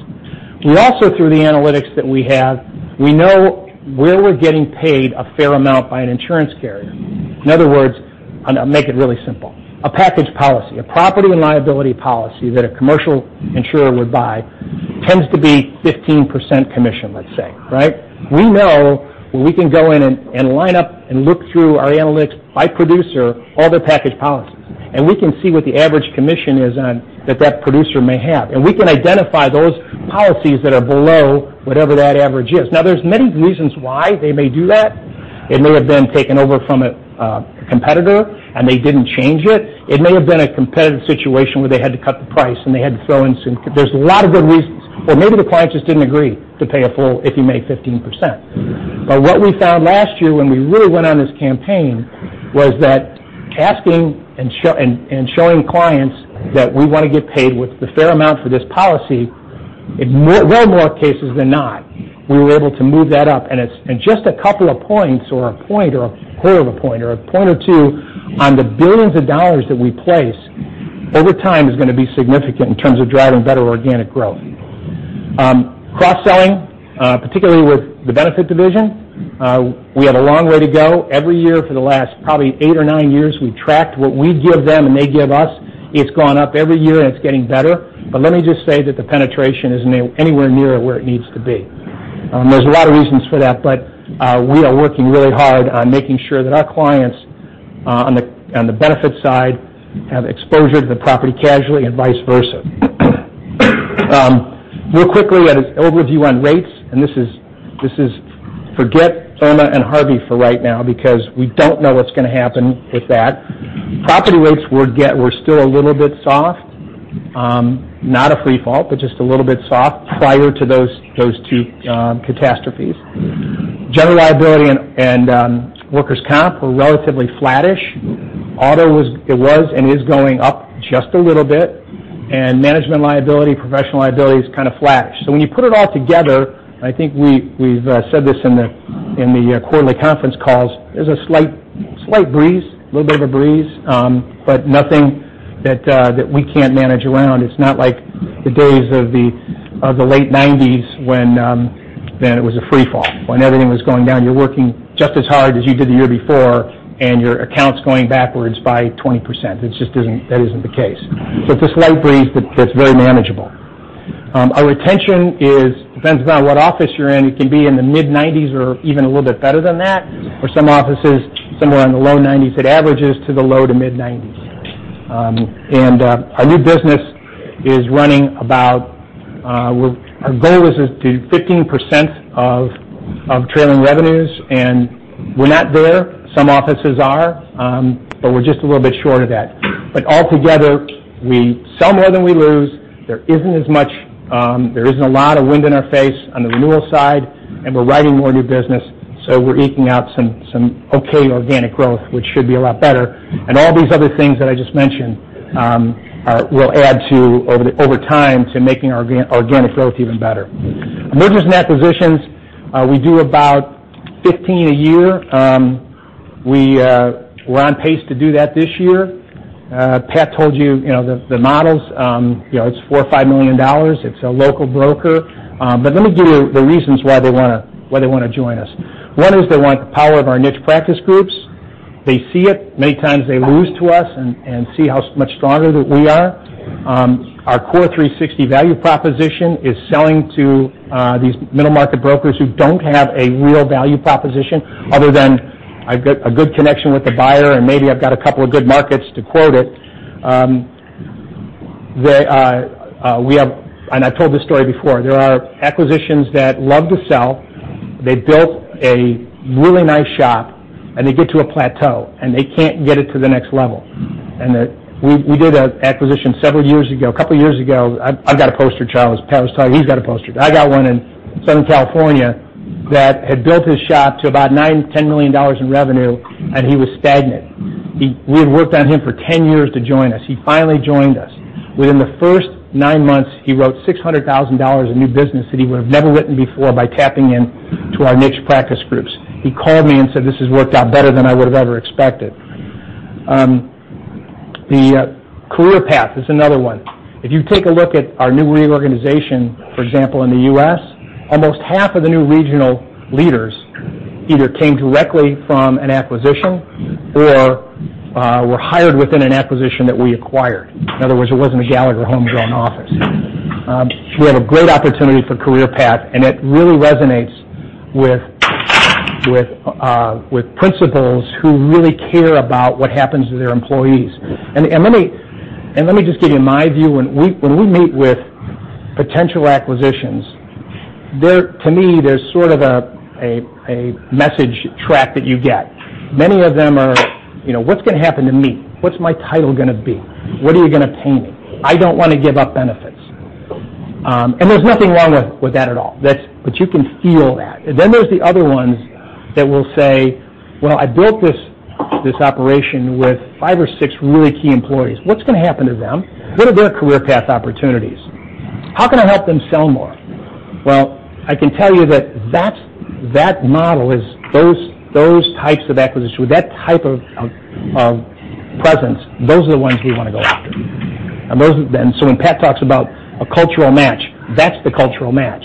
We also, through the analytics that we have, we know where we're getting paid a fair amount by an insurance carrier. In other words, I'll make it really simple. A package policy, a property and liability policy that a commercial insurer would buy tends to be 15% commission, let's say, right? We know we can go in and line up and look through our analytics by producer, all their package policies. We can see what the average commission is that producer may have. We can identify those policies that are below whatever that average is. There's many reasons why they may do that. It may have been taken over from a competitor and they didn't change it. It may have been a competitive situation where they had to cut the price, and they had to throw in. There's a lot of good reasons. Or maybe the client just didn't agree to pay a full, if you make 15%. What we found last year when we really went on this campaign was that asking and showing clients that we want to get paid with the fair amount for this policy, well more cases than not, we were able to move that up. Just a couple of points or a point or a quarter of a point or a point or two on the billions of dollars that we place over time is going to be significant in terms of driving better organic growth. Cross-selling, particularly with the benefit division, we have a long way to go. Every year for the last probably eight or nine years, we've tracked what we give them and they give us. It's gone up every year, and it's getting better. Let me just say that the penetration isn't anywhere near where it needs to be. There's a lot of reasons for that, we are working really hard on making sure that our clients on the benefit side have exposure to the property casualty and vice versa. Real quickly, an overview on rates, forget Irma and Harvey for right now, because we don't know what's going to happen with that. Property rates were still a little bit soft. Not a free fall, just a little bit soft prior to those two catastrophes. General liability and workers' comp were relatively flattish. Auto, it was and is going up just a little bit, and management liability, professional liability is kind of flattish. When you put it all together, I think we've said this in the quarterly conference calls, there's a slight breeze, a little bit of a breeze, nothing that we can't manage around. It's not like the days of the late '90s when it was a free fall, when everything was going down. You're working just as hard as you did the year before and your account's going backwards by 20%. That isn't the case. It's a slight breeze that's very manageable. Our retention depends upon what office you're in. It can be in the mid-90s or even a little bit better than that. For some offices, somewhere in the low 90s, it averages to the low to mid-90s. Our new business is running about, our goal was to do 15% of trailing revenues, and we're not there. Some offices are. We're just a little bit short of that. Altogether, we sell more than we lose. There isn't a lot of wind in our face on the renewal side, we're writing more new business, we're eking out some okay organic growth, which should be a lot better. All these other things that I just mentioned will add over time to making our organic growth even better. Mergers and acquisitions, we do about 15 a year. We're on pace to do that this year. Pat told you the models. It's $4 million or $5 million. It's a local broker. Let me give you the reasons why they want to join us. One is they want the power of our niche practice groups. They see it. Many times they lose to us and see how much stronger that we are. Our CORE360 value proposition is selling to these middle market brokers who don't have a real value proposition other than a good connection with the buyer and maybe I've got a couple of good markets to quote it. I've told this story before. There are acquisitions that love to sell. They built a really nice shop, and they get to a plateau, and they can't get it to the next level. We did an acquisition several years ago, a couple of years ago. I've got a poster. Pat was telling you he's got a poster. I got one in Southern California that had built his shop to about $9 million, $10 million in revenue, and he was stagnant. We had worked on him for 10 years to join us. He finally joined us. Within the first nine months, he wrote $600,000 of new business that he would have never written before by tapping into our niche practice groups. He called me and said, "This has worked out better than I would've ever expected." The career path is another one. If you take a look at our new reorganization, for example, in the U.S., almost half of the new regional leaders either came directly from an acquisition or were hired within an acquisition that we acquired. In other words, it wasn't a Gallagher homegrown office. We have a great opportunity for career path, and it really resonates with principals who really care about what happens to their employees. Let me just give you my view. When we meet with potential acquisitions, to me, there's sort of a message track that you get. Many of them are, "What's going to happen to me? What's my title going to be? What are you going to pay me? I don't want to give up benefits." There's nothing wrong with that at all. You can feel that. There's the other ones that will say, "Well, I built this operation with five or six really key employees. What's going to happen to them? What are their career path opportunities? How can I help them sell more?" I can tell you that that model is those types of acquisitions, with that type of presence, those are the ones we want to go after. When Pat talks about a cultural match, that's the cultural match.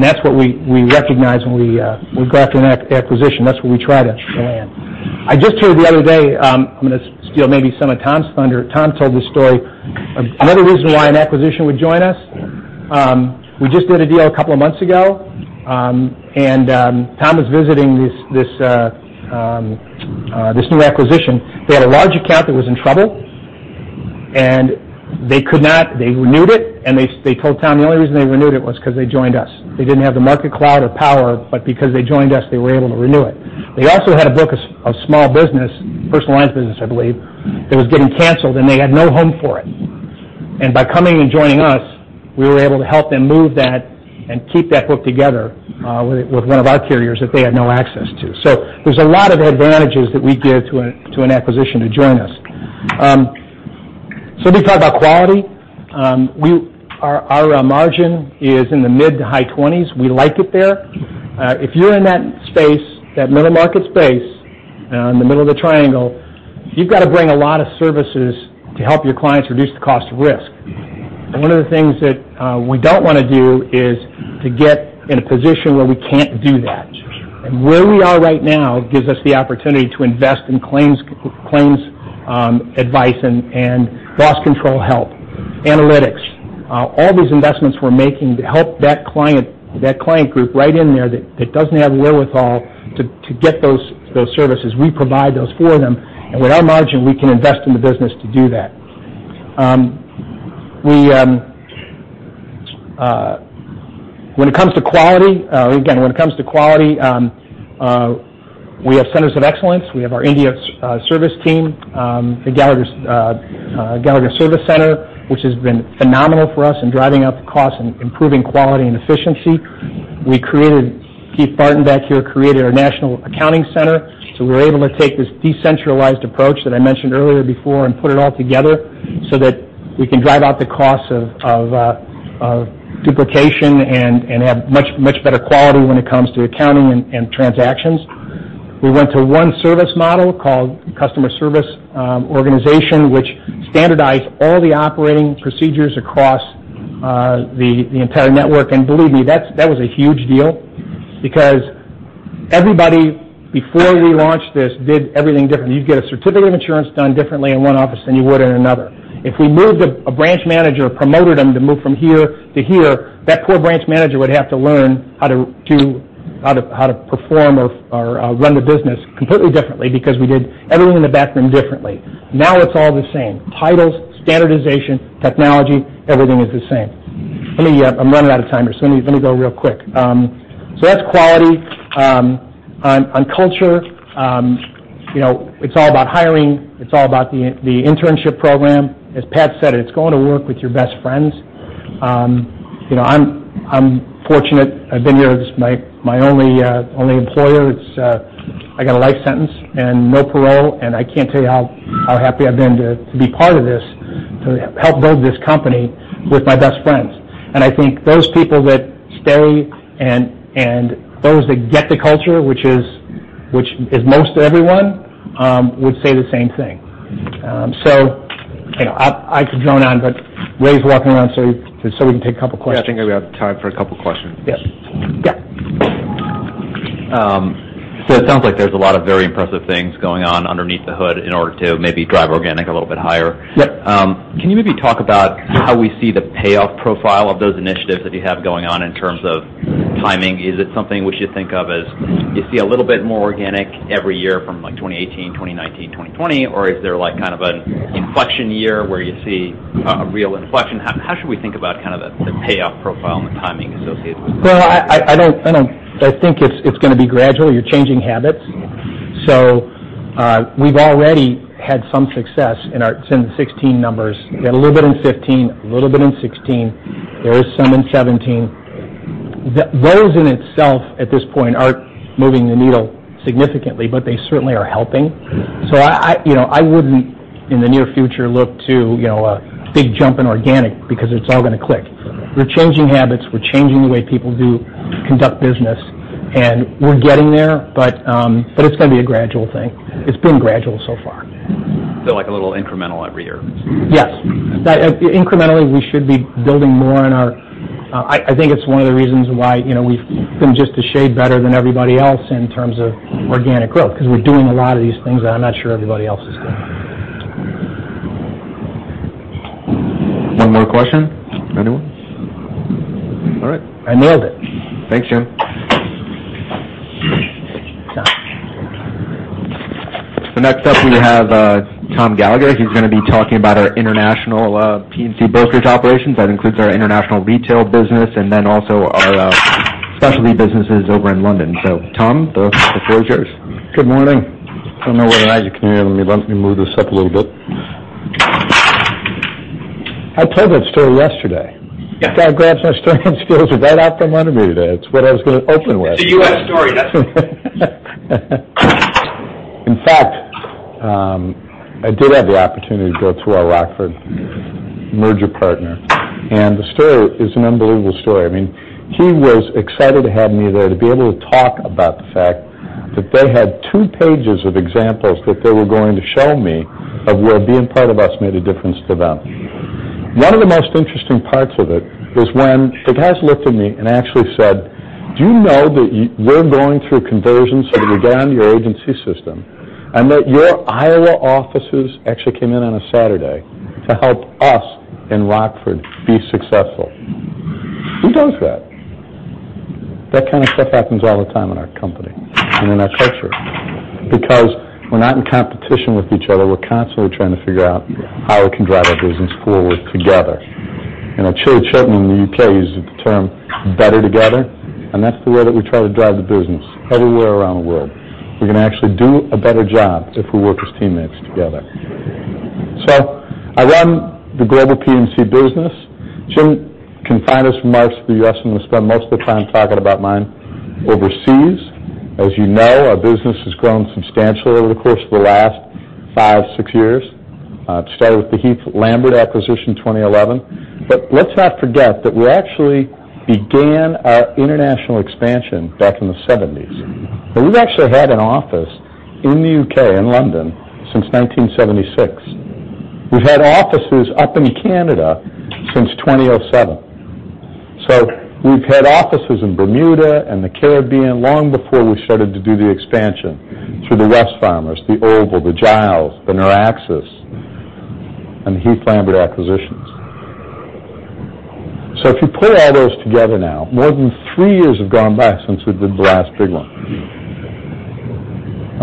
That's what we recognize when we go after an acquisition. That's where we try to land. I just heard the other day, I'm going to steal maybe some of Tom's thunder. Tom told this story. Another reason why an acquisition would join us. We just did a deal a couple of months ago, Tom was visiting this new acquisition. They had a large account that was in trouble, and they renewed it and they told Tom the only reason they renewed it was because they joined us. They didn't have the market clout or power, because they joined us, they were able to renew it. They also had a book of small business, personalized business, I believe, that was getting canceled, they had no home for it. By coming and joining us, we were able to help them move that and keep that book together with one of our carriers that they had no access to. There's a lot of advantages that we give to an acquisition to join us. Let me talk about quality. Our margin is in the mid to high 20s. We like it there. If you're in that space, that middle market space, in the middle of the triangle, you've got to bring a lot of services to help your clients reduce the cost of risk. One of the things that we don't want to do is to get in a position where we can't do that. Where we are right now gives us the opportunity to invest in claims advice and loss control help, analytics. All these investments we're making to help that client group right in there that doesn't have the wherewithal to get those services. We provide those for them. With our margin, we can invest in the business to do that. When it comes to quality, we have centers of excellence. We have our India service team, the Gallagher Service Center, which has been phenomenal for us in driving out the cost and improving quality and efficiency. Keith Barton back here created our national accounting center. We're able to take this decentralized approach that I mentioned earlier before and put it all together so that we can drive out the cost of duplication and have much better quality when it comes to accounting and transactions. We went to one service model called Customer Service Organization, which standardized all the operating procedures across the entire network. Believe me, that was a huge deal because everybody, before we launched this, did everything different. You'd get a certificate of insurance done differently in one office than you would in another. If we moved a branch manager or promoted them to move from here to here, that core branch manager would have to learn how to perform or run the business completely differently because we did everything in the back room differently. Now it's all the same. Titles, standardization, technology, everything is the same. I'm running out of time here, let me go real quick. That's quality. On culture, it's all about hiring. It's all about the internship program. As Pat said, it's going to work with your best friends. I'm fortunate. I've been here. It's my only employer. I got a life sentence and no parole, and I can't tell you how happy I've been to be part of this, to help build this company with my best friends. I think those people that stay and those that get the culture, which is most everyone, would say the same thing. I could drone on, but Ray's walking around so we can take a couple questions. Yeah, I think we have time for a couple questions. Yes. Yeah. It sounds like there's a lot of very impressive things going on underneath the hood in order to maybe drive organic a little bit higher. Yep. Can you maybe talk about how we see the payoff profile of those initiatives that you have going on in terms of timing? Is it something we should think of as, you see a little bit more organic every year from 2018, 2019, 2020? Is there an inflection year where you see a real inflection? How should we think about the payoff profile and the timing associated with that? Well, I think it's going to be gradual. You're changing habits. We've already had some success in the 2016 numbers. We had a little bit in 2015, a little bit in 2016. There is some in 2017. Those in itself, at this point, aren't moving the needle significantly, but they certainly are helping. I wouldn't, in the near future, look to a big jump in organic because it's all going to click. We're changing habits. We're changing the way people conduct business. We're getting there, but it's going to be a gradual thing. It's been gradual so far. Like a little incremental every year? Yes. Incrementally, we should be building more in. I think it's one of the reasons why we've been just a shade better than everybody else in terms of organic growth, because we're doing a lot of these things that I'm not sure everybody else is doing. One more question? Anyone? All right. I nailed it. Thanks, Jim. Next up, we have Tom Gallagher. He's going to be talking about our international P&C brokerage operations. That includes our international retail business and also our specialty businesses over in London. Tom, the floor is yours. Good morning. I don't know whether or not you can hear me. Let me move this up a little bit. I told that story yesterday. Yeah. Guy grabs my strength skills right off the monitor there. It's what I was going to open with. It's a U.S. story, that's all. In fact, I did have the opportunity to go to our Rockford merger partner, and the story is an unbelievable story. He was excited to have me there to be able to talk about the fact that they had two pages of examples that they were going to show me of where being part of us made a difference to them. One of the most interesting parts of it was when the guys looked at me and actually said, "Do you know that we're going through conversions so that we can get on your agency system?" Your Iowa offices actually came in on a Saturday to help us in Rockford be successful. Who does that? That kind of stuff happens all the time in our company and in our culture because we're not in competition with each other. We're constantly trying to figure out how we can drive our business forward together. I'm sure Chet in the U.K. uses the term better together, and that's the way that we try to drive the business everywhere around the world. We're going to actually do a better job if we work as teammates together. I run the global P&C business. Jim can find us Marsh for U.S., and we'll spend most of the time talking about mine overseas. As you know, our business has grown substantially over the course of the last 5, 6 years. It started with the Heath Lambert acquisition in 2011. Let's not forget that we actually began our international expansion back in the 1970s. We've actually had an office in the U.K., in London since 1976. We've had offices up in Canada since 2007. We've had offices in Bermuda and the Caribbean long before we started to do the expansion through the Wesfarmers, the Oval Group, the Giles Group of Companies, the Noraxis, and the Heath Lambert acquisitions. If you pull all those together now, more than 3 years have gone by since we did the last big one.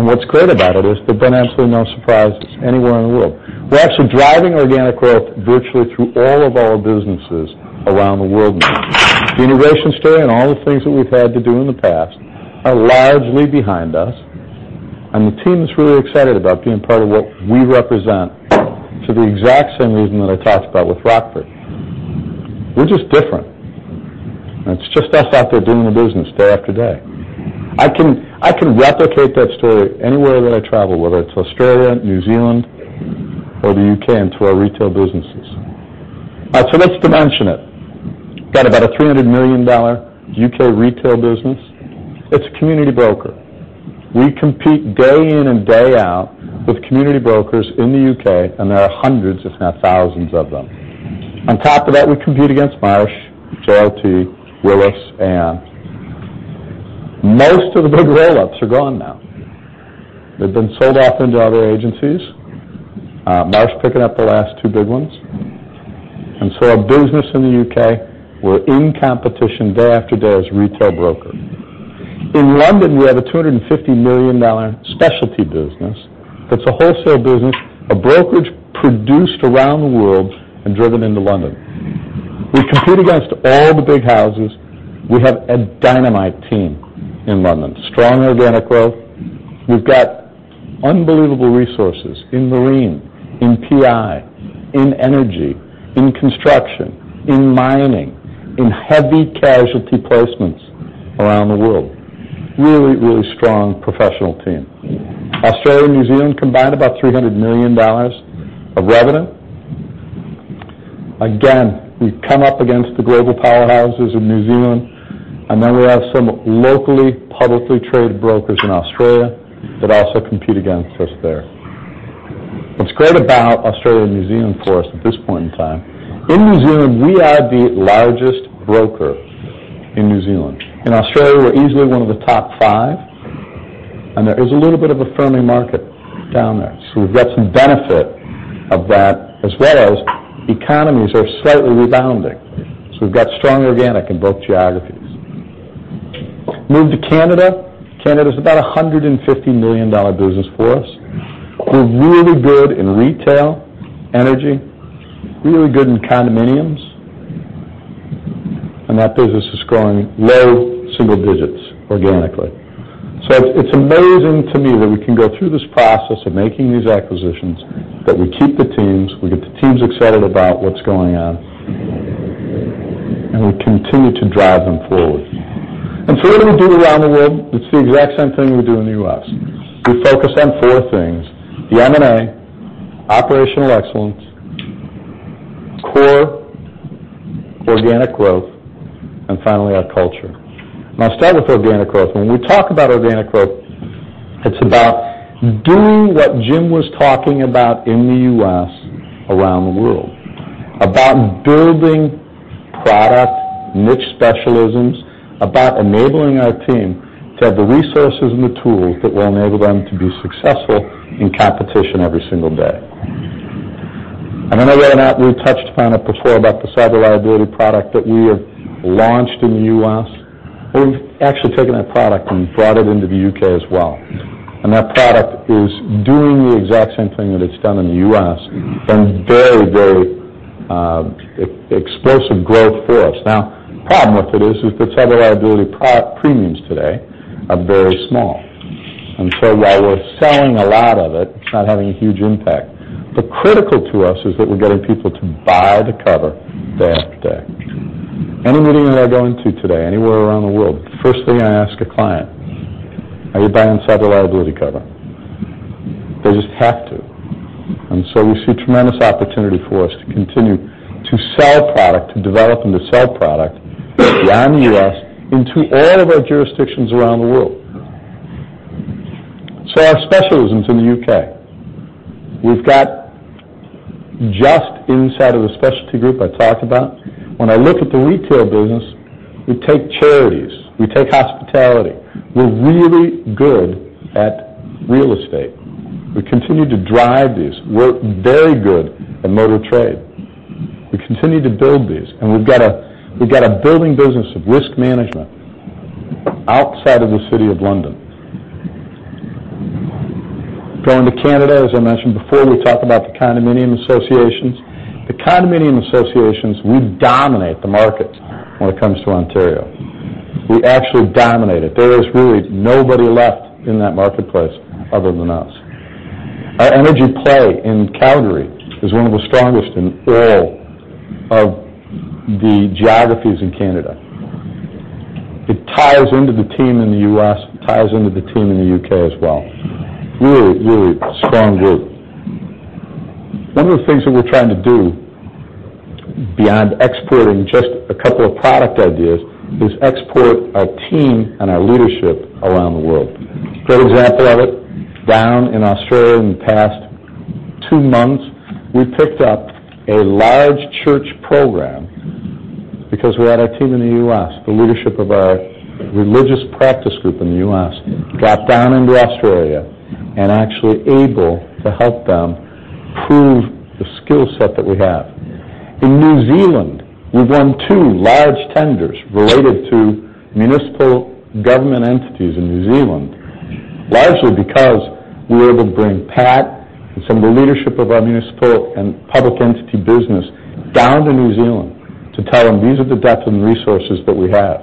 What's great about it is there have been absolutely no surprises anywhere in the world. We're actually driving organic growth virtually through all of our businesses around the world now. The integration story and all the things that we've had to do in the past are largely behind us, and the team is really excited about being part of what we represent for the exact same reason that I talked about with Rockford. We're just different. It's just us out there doing the business day after day. I can replicate that story anywhere that I travel, whether it's Australia, New Zealand, or the U.K., and to our retail businesses. Let's dimension it. Got about a $300 million U.K. retail business. It's a community broker. We compete day in and day out with community brokers in the U.K., and there are hundreds, if not thousands of them. On top of that, we compete against Marsh, JLT, Willis, and most of the big roll-ups are gone now. They've been sold off into other agencies. Marsh picking up the last 2 big ones. Our business in the U.K., we're in competition day after day as a retail broker. In London, we have a $250 million specialty business that's a wholesale business, a brokerage produced around the world and driven into London. We compete against all the big houses. We have a dynamite team in London. Strong organic growth. We've got unbelievable resources in marine, in PI, in energy, in construction, in mining, in heavy casualty placements around the world. Really strong professional team. Australia and New Zealand combined about $300 million of revenue. Again, we've come up against the global powerhouses of New Zealand, and then we have some locally, publicly traded brokers in Australia that also compete against us there. What's great about Australia and New Zealand for us at this point in time, in New Zealand, we are the largest broker in New Zealand. In Australia, we're easily one of the top 5, and there is a little bit of a firming market down there. We've got some benefit of that as well as economies are slightly rebounding. We've got strong organic in both geographies. Move to Canada. Canada is about $150 million business for us. We're really good in retail, energy, really good in condominiums, and that business is growing low single digits organically. It's amazing to me that we can go through this process of making these acquisitions, that we keep the teams, we get the teams excited about what's going on, and we continue to drive them forward. What do we do around the world? It's the exact same thing we do in the U.S. We focus on four things, the M&A, operational excellence, core organic growth, and finally, our culture. I'll start with organic growth. When we talk about organic growth, it's about doing what Jim was talking about in the U.S. around the world, about building product niche specialisms, about enabling our team to have the resources and the tools that will enable them to be successful in competition every single day. I know that we touched upon it before about the cyber liability product that we have launched in the U.S. We've actually taken that product and brought it into the U.K. as well. That product is doing the exact same thing that it's done in the U.S. in very, very explosive growth for us. Now, the problem with it is that cyber liability product premiums today are very small. While we're selling a lot of it's not having a huge impact. Critical to us is that we're getting people to buy the cover day after day. Any meeting that I go into today, anywhere around the world, the first thing I ask a client, "Are you buying cyber liability cover?" They just have to. We see tremendous opportunity for us to continue to sell product, to develop and to sell product beyond the U.S. into all of our jurisdictions around the world. Our specialisms in the U.K. Just inside of the specialty group I talked about. When I look at the retail business, we take charities, we take hospitality. We're really good at real estate. We continue to drive these. We're very good at motor trade. We continue to build these, and we've got a building business of risk management outside of the City of London. Going to Canada, as I mentioned before, we talked about the condominium associations. The condominium associations, we dominate the market when it comes to Ontario. We actually dominate it. There is really nobody left in that marketplace other than us. Our energy play in Calgary is one of the strongest in all of the geographies in Canada. It ties into the team in the U.S., it ties into the team in the U.K. as well. Really, really strong group. One of the things that we're trying to do beyond exporting just a couple of product ideas is export our team and our leadership around the world. Great example of it, down in Australia in the past two months, we picked up a large church program because we had our team in the U.S. The leadership of our religious practice group in the U.S. got down into Australia and actually able to help them prove the skill set that we have. In New Zealand, we've won two large tenders related to municipal government entities in New Zealand, largely because we're able to bring Pat and some of the leadership of our municipal and public entity business down to New Zealand to tell them these are the depth and resources that we have.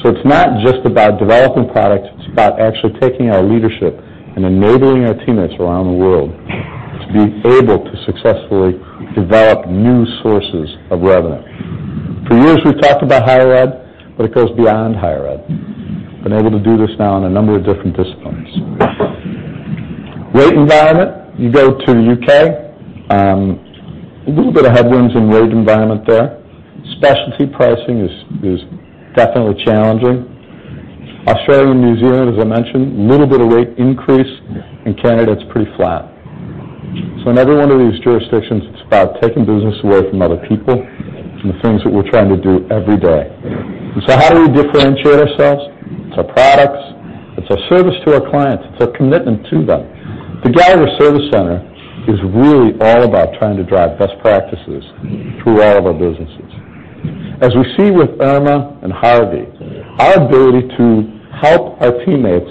It's not just about developing products, it's about actually taking our leadership and enabling our teammates around the world to be able to successfully develop new sources of revenue. For years we've talked about higher ed, it goes beyond higher ed. We've been able to do this now in a number of different disciplines. Rate environment, you go to the U.K., a little bit of headwinds in rate environment there. Specialty pricing is definitely challenging. Australia and New Zealand, as I mentioned, little bit of rate increase. Canada, it's pretty flat. In every one of these jurisdictions, it's about taking business away from other people and the things that we're trying to do every day. How do we differentiate ourselves? It's our products. It's our service to our clients. It's our commitment to them. The Gallagher Service Center is really all about trying to drive best practices through all of our businesses. As we see with Irma and Harvey, our ability to help our teammates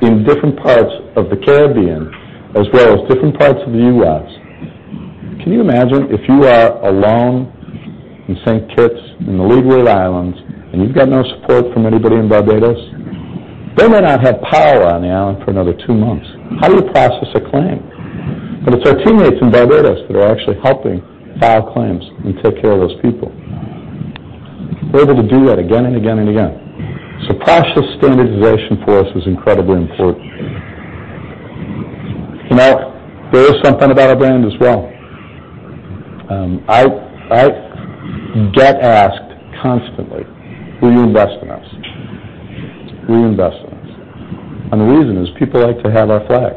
in different parts of the Caribbean as well as different parts of the U.S. Can you imagine if you are alone in St. Kitts in the Leeward Islands and you've got no support from anybody in Barbados? They may not have power on the island for another two months. How do you process a claim? It's our teammates in Barbados that are actually helping file claims and take care of those people. We're able to do that again and again and again. Process standardization for us is incredibly important. There is something about our brand as well. I get asked constantly, will you invest in us? The reason is people like to have our flag.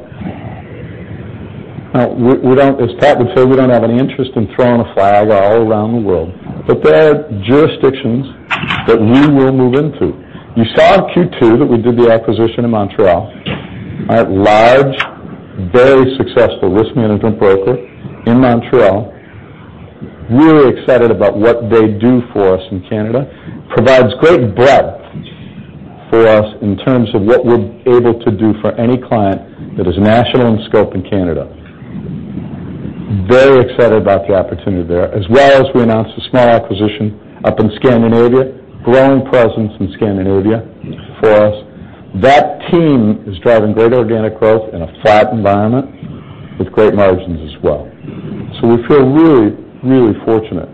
As Pat would say, we don't have any interest in throwing a flag all around the world. There are jurisdictions that we will move into. You saw in Q2 that we did the acquisition in Montreal, a large, very successful risk management broker in Montreal. Really excited about what they do for us in Canada. Provides great breadth for us in terms of what we're able to do for any client that is national in scope in Canada. Very excited about the opportunity there, as well as we announced a small acquisition up in Scandinavia. Growing presence in Scandinavia for us. That team is driving great organic growth in a flat environment with great margins as well. We feel really, really fortunate.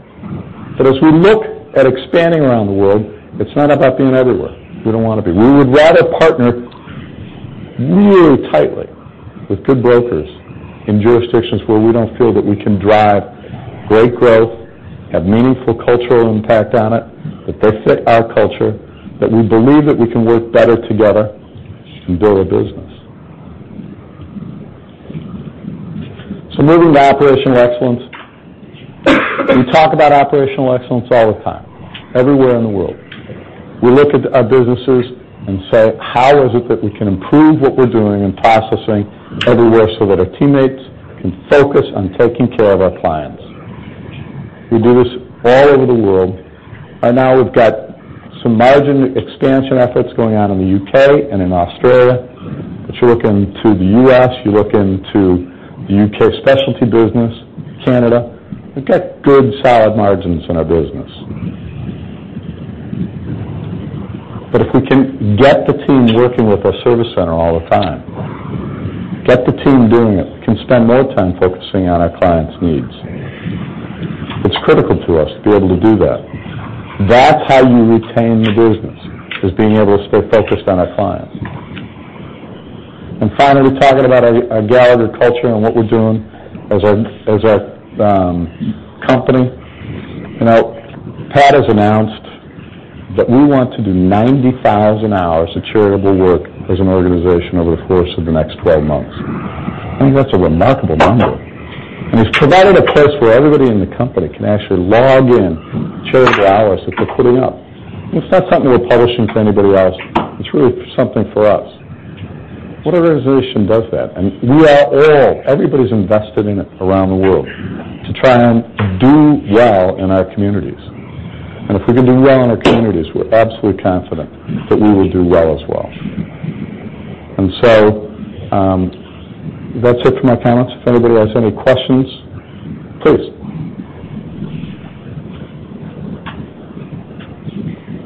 As we look at expanding around the world, it's not about being everywhere. We don't want to be. We would rather partner really tightly with good brokers in jurisdictions where we don't feel that we can drive great growth, have meaningful cultural impact on it, that they fit our culture, that we believe that we can work better together and build a business. Moving to operational excellence. We talk about operational excellence all the time, everywhere in the world. We look at our businesses and say, how is it that we can improve what we're doing and processing everywhere so that our teammates can focus on taking care of our clients? We do this all over the world. Now we've got some margin expansion efforts going on in the U.K. and in Australia. You look into the U.S., you look into the U.K. specialty business, Canada, we've got good, solid margins in our business. If we can get the team working with our Gallagher Service Center all the time, get the team doing it, can spend more time focusing on our clients' needs. It's critical to us to be able to do that. That's how you retain the business, is being able to stay focused on our clients. Finally, talking about our Gallagher culture and what we're doing as a company. Pat has announced. We want to do 90,000 hours of charitable work as an organization over the course of the next 12 months. I think that's a remarkable number, and it's provided a place where everybody in the company can actually log in charitable hours that they're putting up. It's not something we're publishing for anybody else. It's really something for us. What organization does that? We are all, everybody's invested in it around the world to try and do well in our communities. If we can do well in our communities, we're absolutely confident that we will do well as well. So, that's it for my comments. If anybody has any questions, please.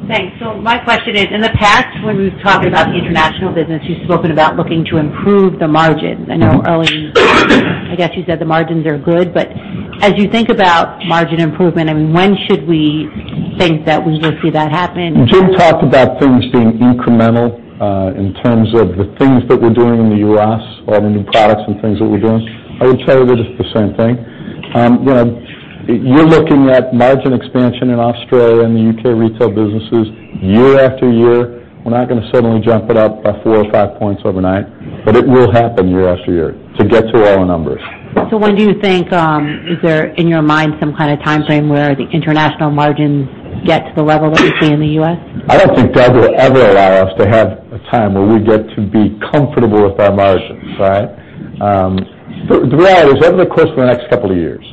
Thanks. My question is, in the past, when we've talked about the international business, you've spoken about looking to improve the margins. I know earlier, I guess you said the margins are good, as you think about margin improvement, when should we think that we will see that happen? Jim talked about things being incremental in terms of the things that we're doing in the U.S., all the new products and things that we're doing. I would tell you it is the same thing. You're looking at margin expansion in Australia and the U.K. retail businesses year after year. We're not going to suddenly jump it up by four or five points overnight. It will happen year after year to get to our numbers. Is there, in your mind, some kind of timeframe where the international margins get to the level that we see in the U.S.? I don't think Doug will ever allow us to have a time where we get to be comfortable with our margins, right? The reality is, over the course of the next couple of years,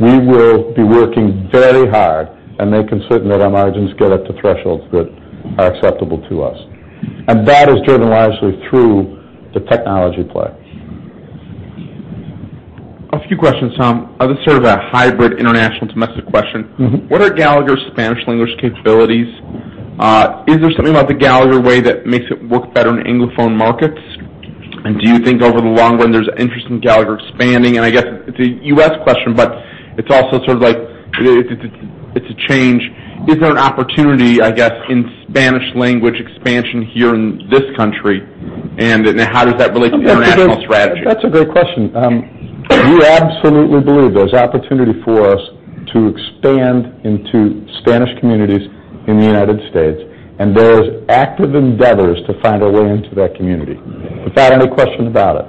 we will be working very hard and making certain that our margins get up to thresholds that are acceptable to us. That is driven largely through the technology play. A few questions, Tom. This is sort of a hybrid international domestic question. What are Gallagher's Spanish language capabilities? Is there something about The Gallagher Way that makes it work better in anglophone markets? Do you think over the long run, there's interest in Gallagher expanding? I guess it's a U.S. question, but it's also sort of like it's a change. Is there an opportunity, I guess, in Spanish language expansion here in this country? How does that relate to international strategy? That's a great question. We absolutely believe there's opportunity for us to expand into Spanish communities in the U.S., and there's active endeavors to find a way into that community, without any question about it.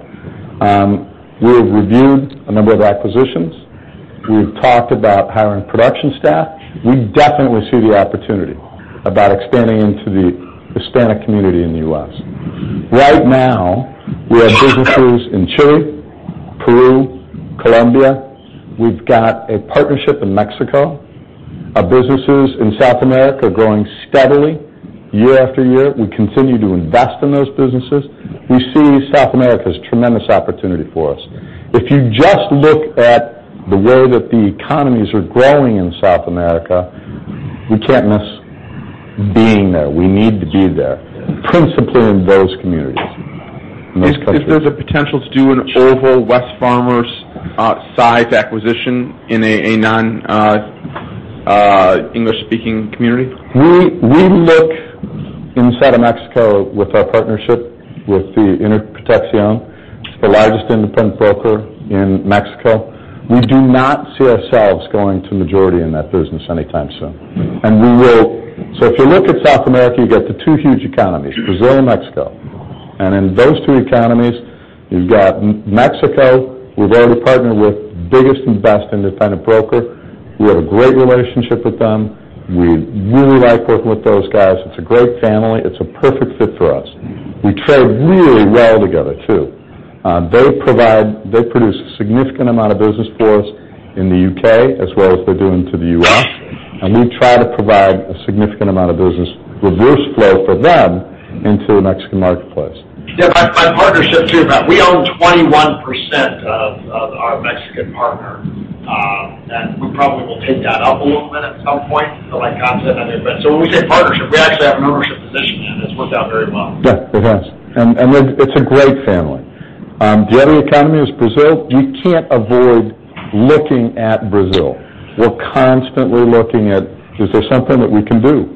We've reviewed a number of acquisitions. We've talked about hiring production staff. We definitely see the opportunity about expanding into the Hispanic community in the U.S. Right now, we have businesses in Chile, Peru, Colombia. We've got a partnership in Mexico. Our businesses in South America are growing steadily year after year. We continue to invest in those businesses. We see South America as a tremendous opportunity for us. If you just look at the way that the economies are growing in South America, we can't miss being there. We need to be there, principally in those communities, in those countries. Is there the potential to do an overall Wesfarmers size acquisition in a non-English speaking community? We look inside of Mexico with our partnership with Interprotección, the largest independent broker in Mexico. We do not see ourselves going to majority in that business anytime soon. If you look at South America, you've got the two huge economies, Brazil and Mexico. In those two economies, you've got Mexico. We've already partnered with the biggest and best independent broker. We have a great relationship with them. We really like working with those guys. It's a great family. It's a perfect fit for us. We trade really well together, too. They produce a significant amount of business for us in the U.K. as well as they do into the U.S., and we try to provide a significant amount of business reverse flow for them into the Mexican marketplace. By partnership too, we own 21% of our Mexican partner. We probably will take that up a little bit at some point. Like constant. When we say partnership, we actually have an ownership position, and it's worked out very well. Yeah, it has. It's a great family. The other economy is Brazil. You can't avoid looking at Brazil. We're constantly looking at, is there something that we can do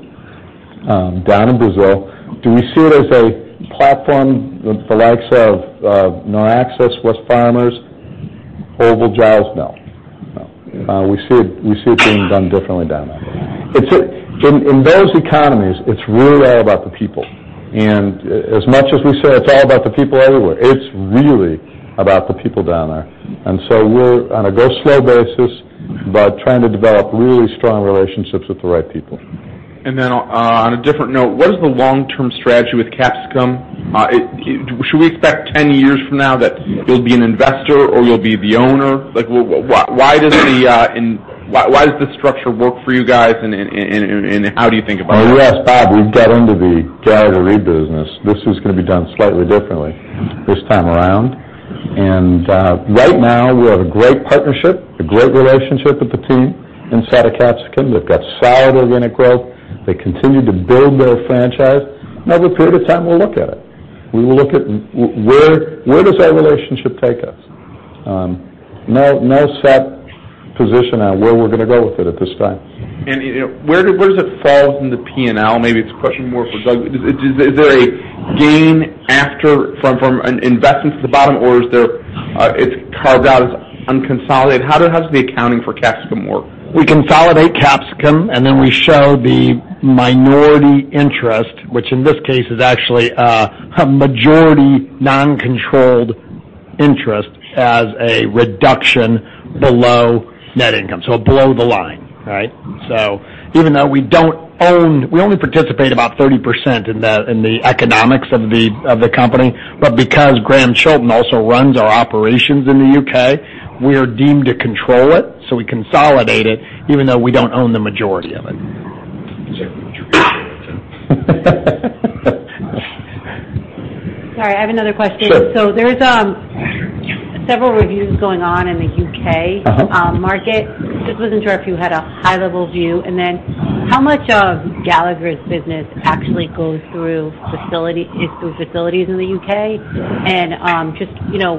down in Brazil? Do we see it as a platform for the likes of Noraxis, Wesfarmers, Oval Group? No. We see it being done differently down there. In those economies, it's really all about the people. As much as we say it's all about the people everywhere, it's really about the people down there. We're on a go slow basis, but trying to develop really strong relationships with the right people. On a different note, what is the long-term strategy with Capsicum Re? Should we expect 10 years from now that you'll be an investor or you'll be the owner? Why does this structure work for you guys, and how do you think about that? When you asked Bob, we've got into the Gallagher Re business. This is going to be done slightly differently this time around. Right now, we have a great partnership, a great relationship with the team inside of Capsicum Re. They've got solid organic growth. They continue to build their franchise. Over a period of time, we'll look at it. We will look at where does that relationship take us? No set position on where we're going to go with it at this time. Where does it fall in the P&L? Maybe it's a question more for Doug. Is there a gain after from an investment to the bottom, or is it carved out as unconsolidated? How does the accounting for Capsicum work? We consolidate Capsicum, and then we show the minority interest, which in this case is actually a majority non-controlled interest, as a reduction below net income, so below the line. Even though we only participate about 30% in the economics of the company, but because Grahame Chilton also runs our operations in the U.K., we are deemed to control it, so we consolidate it even though we don't own the majority of it. Sorry, I have another question. Sure. There's several reviews going on in the U.K. market. Just wasn't sure if you had a high-level view. How much of Gallagher's business actually goes through facilities in the U.K.? Just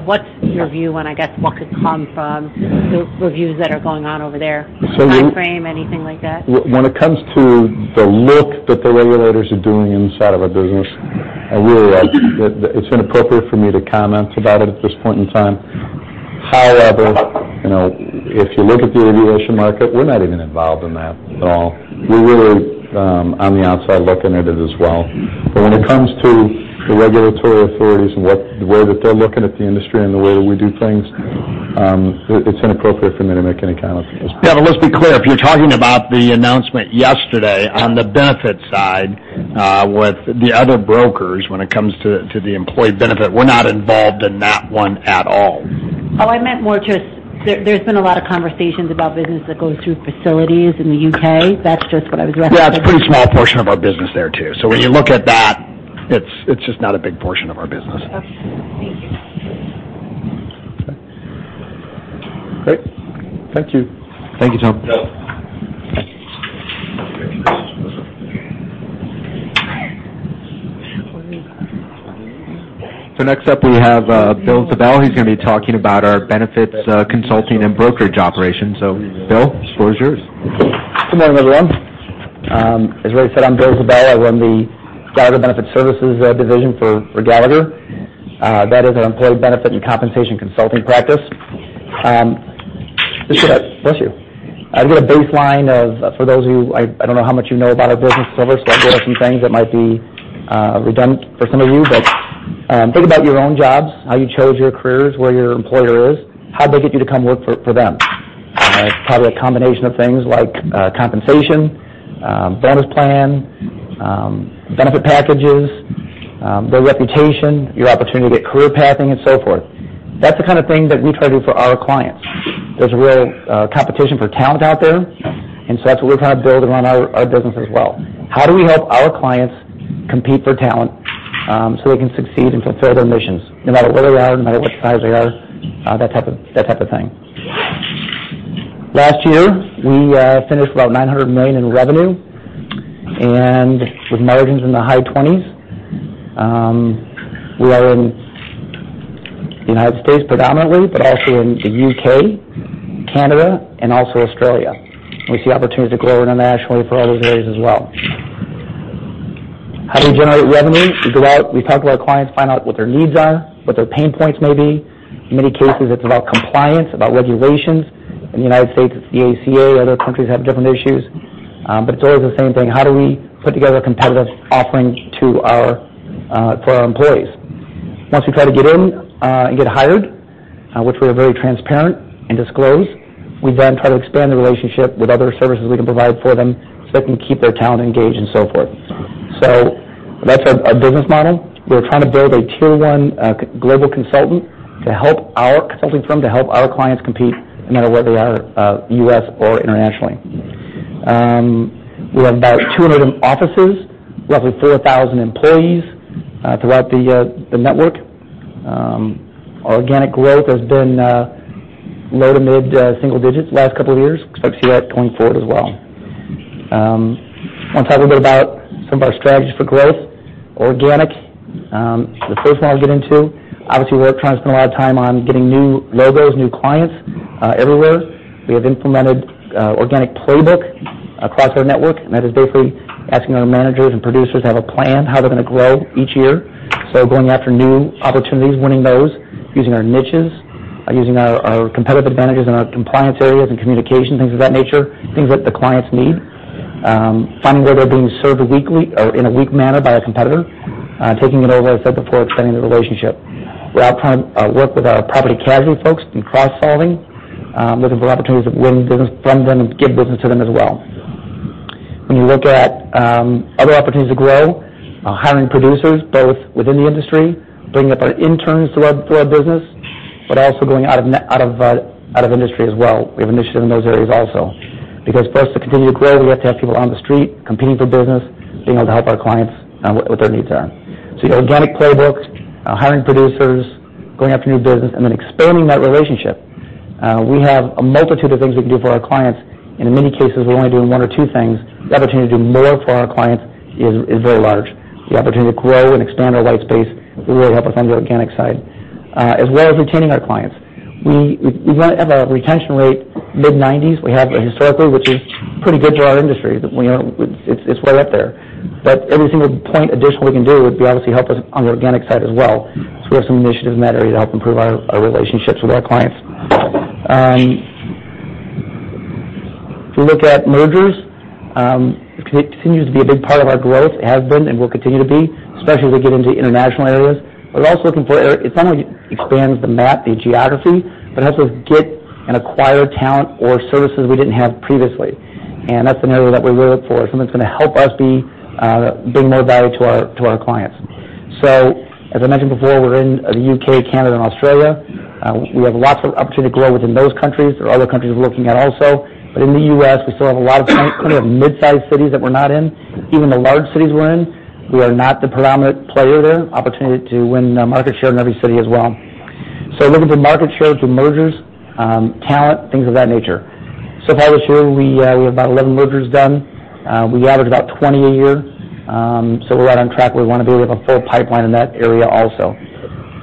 what's your view on, I guess, what could come from the reviews that are going on over there? Timeframe, anything like that. When it comes to the look that the regulators are doing inside of our business, really, it's inappropriate for me to comment about it at this point in time. High level, if you look at the remediation market, we're not even involved in that at all. We're really on the outside looking at it as well. When it comes to the regulatory authorities and the way that they're looking at the industry and the way we do things, it's inappropriate for me to make any comment at this point. Let's be clear. If you're talking about the announcement yesterday on the benefit side with the other brokers when it comes to the employee benefit, we're not involved in that one at all. I meant more just, there's been a lot of conversations about business that goes through facilities in the U.K. That's just what I was referencing. It's a pretty small portion of our business there, too. When you look at that, it's just not a big portion of our business. Okay. Thank you. Okay. Great. Thank you. Thank you, Tom. No. Next up, we have Bill Ziebell. He's going to be talking about our benefits, consulting, and brokerage operations. Bill, the floor is yours. Good morning, everyone. As Ray said, I'm Bill Ziebell. I run the Gallagher Benefit Services division for Gallagher. That is an employee benefit and compensation consulting practice. To get a baseline of, for those of you, I don't know how much you know about our business service, I'll go over some things that might be redundant for some of you. Think about your own jobs, how you chose your careers, where your employer is, how'd they get you to come work for them? Probably a combination of things like compensation, bonus plan, benefit packages, their reputation, your opportunity to get career pathing, and so forth. That's the kind of thing that we try to do for our clients. There's a real competition for talent out there, that's what we're trying to build around our business as well. How do we help our clients compete for talent, so they can succeed and fulfill their missions no matter where they are, no matter what size they are, that type of thing. Last year, we finished about $900 million in revenue and with margins in the high twenties. We are in the U.S. predominantly, but also in the U.K., Canada, and also Australia. We see opportunities to grow internationally for all those areas as well. How do we generate revenue? We go out, we talk to our clients, find out what their needs are, what their pain points may be. In many cases, it's about compliance, about regulations. In the U.S., it's the ACA. Other countries have different issues. It's always the same thing. How do we put together a competitive offering for our employees? Once we try to get in and get hired, which we're very transparent and disclose, we then try to expand the relationship with other services we can provide for them so they can keep their talent engaged and so forth. That's our business model. We're trying to build a tier 1 global consultant to help our consulting firm, to help our clients compete no matter where they are, U.S. or internationally. We have about 200 offices, roughly 4,000 employees throughout the network. Our organic growth has been low to mid-single digits the last couple of years. Expect to see that going forward as well. I want to talk a little bit about some of our strategies for growth. Organic, the first one I'll get into. Obviously, we're trying to spend a lot of time on getting new logos, new clients everywhere. We have implemented organic playbook across our network, that is basically asking our managers and producers to have a plan how they're going to grow each year. Going after new opportunities, winning those, using our niches, using our competitive advantages in our compliance areas and communication, things of that nature, things that the clients need. Finding where they're being served weekly or in a weak manner by a competitor, taking it over, as I said before, expanding the relationship. We're also trying to work with our property casualty folks in cross-selling, looking for opportunities of winning business from them and give business to them as well. When you look at other opportunities to grow, hiring producers, both within the industry, bringing up our interns to our business, but also going out of industry as well. We have initiative in those areas also. For us to continue to grow, we have to have people on the street competing for business, being able to help our clients, what their needs are. The organic playbook, hiring producers, going after new business, and then expanding that relationship. We have a multitude of things we can do for our clients. In many cases, we're only doing one or two things. The opportunity to do more for our clients is very large. The opportunity to grow and expand our white space will really help us on the organic side, as well as retaining our clients. We have a retention rate mid-90s, we have historically, which is pretty good for our industry. It's way up there. Every single point additional we can do would obviously help us on the organic side as well. We have some initiatives in that area to help improve our relationships with our clients. If you look at mergers, it continues to be a big part of our growth, has been and will continue to be, especially as we get into international areas. We're also looking for areas, it's not only expands the map, the geography, but helps us get and acquire talent or services we didn't have previously. That's an area that we look for, something that's going to help us bring more value to our clients. As I mentioned before, we're in the U.K., Canada and Australia. We have lots of opportunity to grow within those countries. There are other countries we're looking at also. In the U.S., we still have a lot of mid-sized cities that we're not in. Even the large cities we're in, we are not the predominant player there. Opportunity to win market share in every city as well. We're looking for market share through mergers, talent, things of that nature. Far this year, we have about 11 mergers done. We average about 20 a year, we're right on track where we want to be. We have a full pipeline in that area also.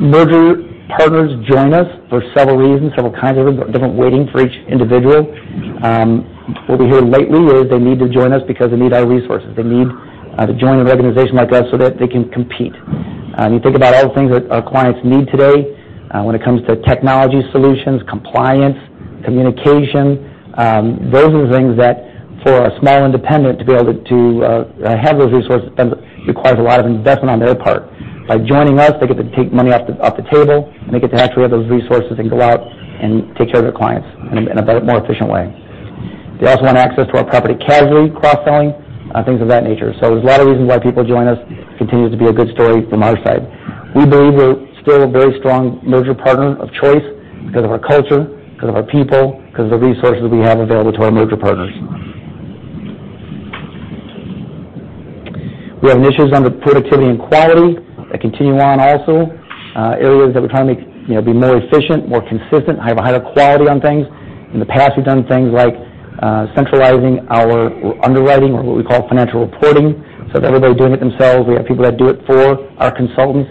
Merger partners join us for several reasons, several kinds of different weighting for each individual. What we hear lately is they need to join us because they need our resources. They need to join an organization like us so that they can compete. You think about all the things that our clients need today when it comes to technology solutions, compliance, communication. Those are the things that for a small independent to be able to have those resources requires a lot of investment on their part. By joining us, they get to take money off the table, and they get to actually have those resources and go out and take care of their clients in a more efficient way. They also want access to our property casualty cross-selling, things of that nature. There's a lot of reasons why people join us. Continues to be a good story from our side. We believe we're still a very strong merger partner of choice because of our culture, because of our people, because of the resources we have available to our merger partners. We have initiatives under productivity and quality that continue on also. Areas that we're trying to make be more efficient, more consistent, have a higher quality on things. In the past, we've done things like centralizing our underwriting or what we call financial reporting. Instead of everybody doing it themselves, we have people that do it for our consultants.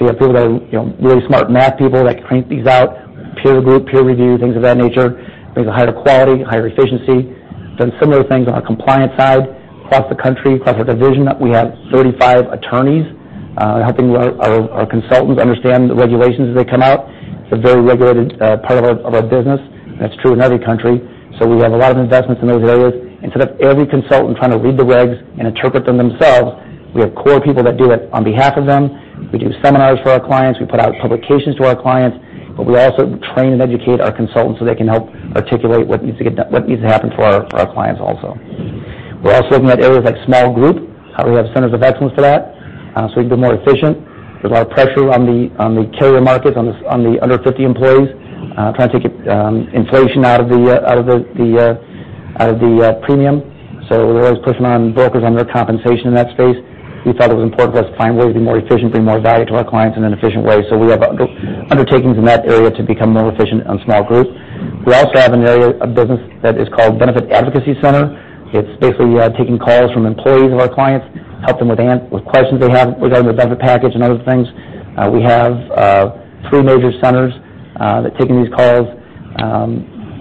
We have people that are really smart math people that can crank these out, peer group, peer review, things of that nature, brings a higher quality, higher efficiency. Done similar things on our compliance side across the country, across our division. We have 35 attorneys helping our consultants understand the regulations as they come out. It's a very regulated part of our business, and that's true in every country. We have a lot of investments in those areas. Instead of every consultant trying to read the regs and interpret them themselves, we have core people that do it on behalf of them. We do seminars for our clients. We put out publications to our clients. We also train and educate our consultants so they can help articulate what needs to happen for our clients also. We're also looking at areas like small group. We have centers of excellence for that, so we can be more efficient. There's a lot of pressure on the carrier market, on the under 50 employees, trying to take inflation out of the premium. We're always pushing on brokers on their compensation in that space. We thought it was important for us to find ways to be more efficient, bring more value to our clients in an efficient way. We have undertakings in that area to become more efficient on small group. We also have an area of business that is called Benefit Advocacy Center. It's basically taking calls from employees of our clients, help them with questions they have regarding their benefit package and other things. We have three major centers that are taking these calls.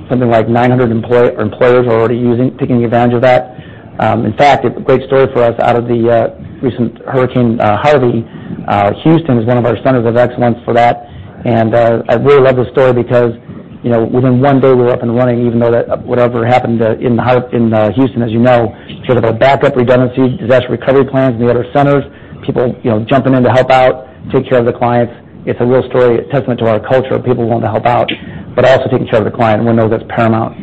Something like 900 employers are already using, taking advantage of that. In fact, a great story for us out of the recent Hurricane Harvey. Houston is one of our centers of excellence for that. I really love this story because within one day we were up and running even though whatever happened in Houston, as you know, our backup redundancy, disaster recovery plans in the other centers, people jumping in to help out, take care of the clients. It's a real story, a testament to our culture of people wanting to help out, but also taking care of the client. We know that's paramount.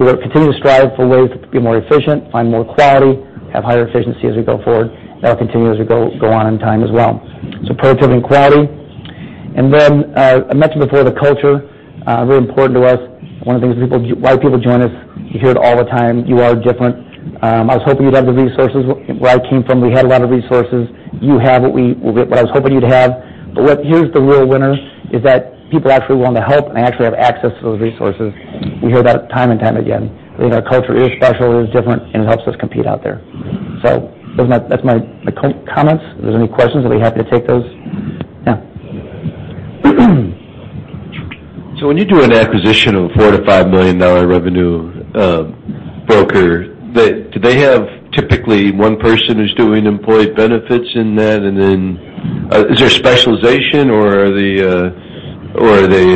We'll continue to strive for ways to be more efficient, find more quality, have higher efficiency as we go forward. That'll continue as we go on in time as well, productivity and quality. Then I mentioned before the culture, really important to us. One of the things why people join us, you hear it all the time, "You are different. I was hoping you'd have the resources. Where I came from, we had a lot of resources. You have what I was hoping you'd have." Here's the real winner, is that people actually want to help and actually have access to those resources. We hear that time and time again, that our culture is special, is different, and it helps us compete out there. Those are my comments. If there's any questions, I'd be happy to take those. Yeah. When you do an acquisition of a $4 million-$5 million revenue broker, do they have typically one person who's doing employee benefits in that? Then is there specialization, or are they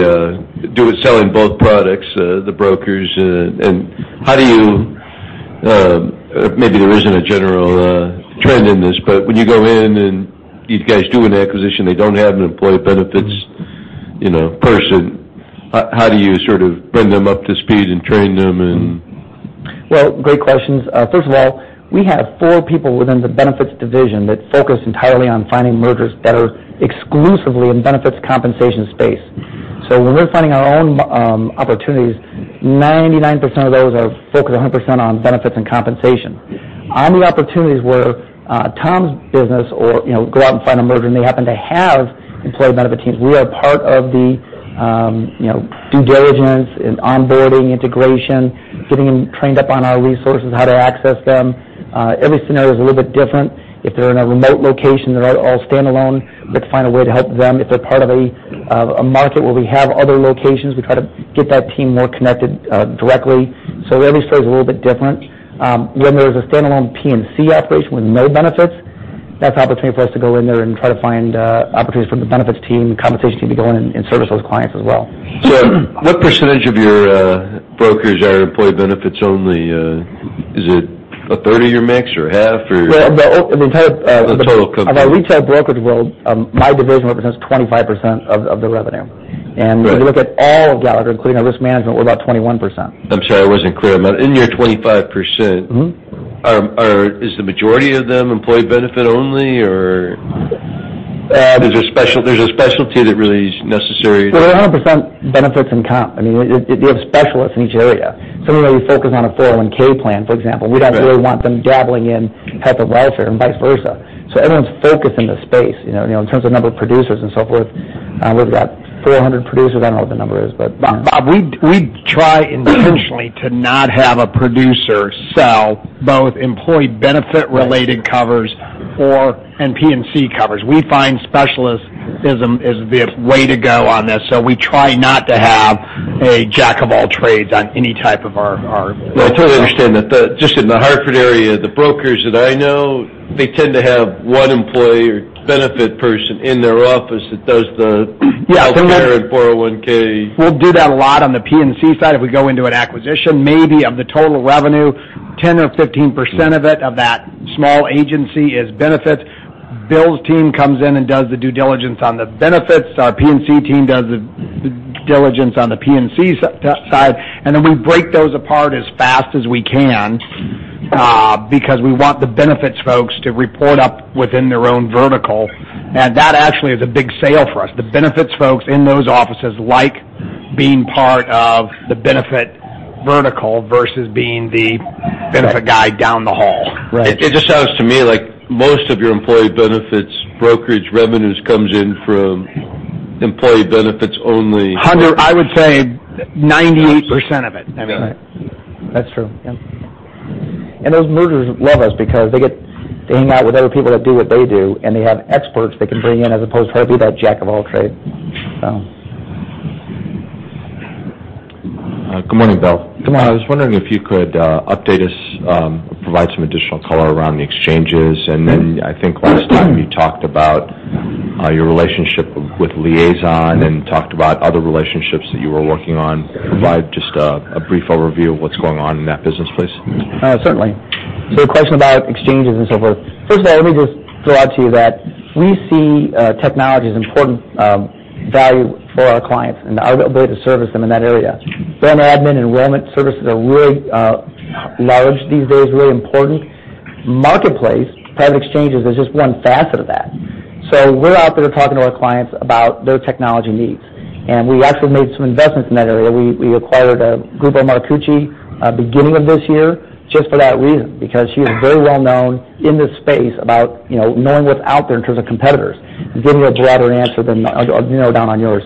selling both products, the brokers? How do you-- Maybe there isn't a general trend in this, but when you go in and these guys do an acquisition, they don't have an employee benefits person, how do you sort of bring them up to speed and train them? Well, great questions. First of all, we have four people within the benefits division that focus entirely on finding mergers that are exclusively in benefits compensation space. When we're finding our own opportunities, 99% of those are focused 100% on benefits and compensation. On the opportunities where Tom's business or go out and find a merger, and they happen to have employee benefit teams. We are part of the due diligence and onboarding integration, getting them trained up on our resources, how to access them. Every scenario is a little bit different. If they're in a remote location, they're all standalone, let's find a way to help them. If they're part of a market where we have other locations, we try to get that team more connected directly. Every story is a little bit different. When there's a standalone P&C operation with no benefits, that's an opportunity for us to go in there and try to find opportunities for the benefits team, compensation team to go in and service those clients as well. What percentage of your brokers are employee benefits only? Is it a third of your mix or half or? Well. The total company. Of our retail brokerage world, my division represents 25% of the revenue. Right. If you look at all of Gallagher, including our risk management, we're about 21%. I'm sorry, I wasn't clear. In your 25%- Is the majority of them employee benefit only or? Uh- There's a specialty that really is necessary. Well, they're 100% benefits and comp. I mean, you have specialists in each area. Somebody focus on a 401 plan, for example. Right. We don't really want them dabbling in type of welfare and vice versa. Everyone's focused in the space, in terms of number of producers and so forth. We've got 400 producers. I don't know what the number is. Bob, we try intentionally to not have a producer sell both employee benefit related covers and P&C covers. We find specialists is the way to go on this. We try not to have a jack of all trades on any type of our. I totally understand that. Just in the Hartford area, the brokers that I know, they tend to have one employee or benefit person in their office that does the. Yeah. Health care and 401. We'll do that a lot on the P&C side if we go into an acquisition, maybe of the total revenue, 10% or 15% of it, of that small agency is benefit. Bill's team comes in and does the due diligence on the benefits. Our P&C team does the due diligence on the P&C side. We break those apart as fast as we can, because we want the benefits folks to report up within their own vertical. That actually is a big sale for us. The benefits folks in those offices like being part of the benefit vertical versus being the benefit guy down the hall. Right. It just sounds to me like most of your employee benefits brokerage revenues comes in from employee benefits only. Hundred, I would say 98% of it. That's true. Yep. Those mergers love us because they get to hang out with other people that do what they do, and they have experts they can bring in as opposed to having that jack of all trades. Good morning, Bill. Good morning. I was wondering if you could update us, provide some additional color around the exchanges, I think last time you talked about your relationship with Liazon and talked about other relationships that you were working on. Provide just a brief overview of what's going on in that business, please. Certainly. Your question about exchanges and so forth. First of all, let me just throw out to you that we see technology as important value for our clients and our ability to service them in that area. Ben-admin enrollment services are really large these days, really important. Marketplace, private exchanges is just one facet of that. We're out there talking to our clients about their technology needs, and we actually made some investments in that area. We acquired Gruppo Marcucci beginning of this year just for that reason, because she is very well known in this space about knowing what's out there in terms of competitors and giving a broader answer than narrow down on yours.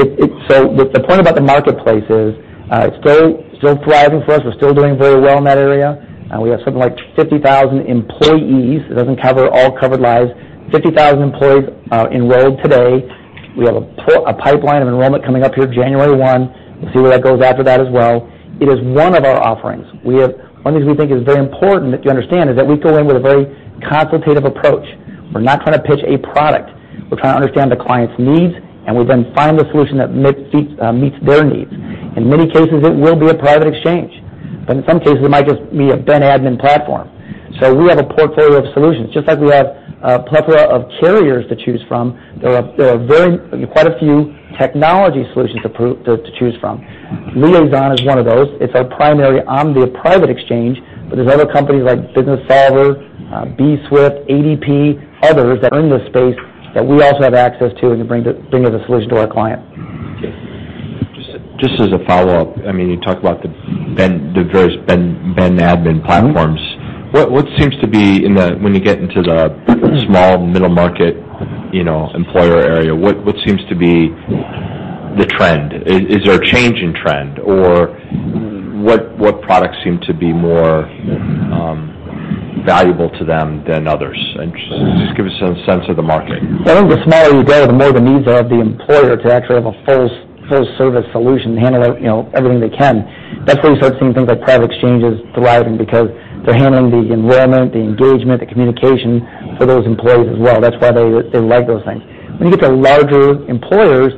The point about the marketplace is, it's still thriving for us. We're still doing very well in that area. We have something like 50,000 employees. It doesn't cover all covered lives, 50,000 employees enrolled today. We have a pipeline of enrollment coming up here January 1. We'll see where that goes after that as well. It is one of our offerings. One of the things we think is very important that you understand is that we go in with a very consultative approach. We're not trying to pitch a product. We're trying to understand the client's needs, and we then find the solution that meets their needs. In many cases, it will be a private exchange, in some cases, it might just be a ben-admin platform. We have a portfolio of solutions. Just like we have a plethora of carriers to choose from, there are quite a few technology solutions to choose from. Liazon is one of those. It's our primary on the private exchange. There's other companies like Businessolver, bswift, ADP, others that are in this space that we also have access to and can bring as a solution to our client. Okay. Just as a follow-up, you talked about the various ben-admin platforms. When you get into the small middle market employer area, what seems to be the trend? Is there a change in trend or what products seem to be more valuable to them than others? Just give us a sense of the market. I think the smaller you go, the more the needs are of the employer to actually have a full-service solution, handle everything they can. That's where you start seeing things like private exchanges thriving because they're handling the enrollment, the engagement, the communication for those employees as well. That's why they like those things. When you get to larger employers,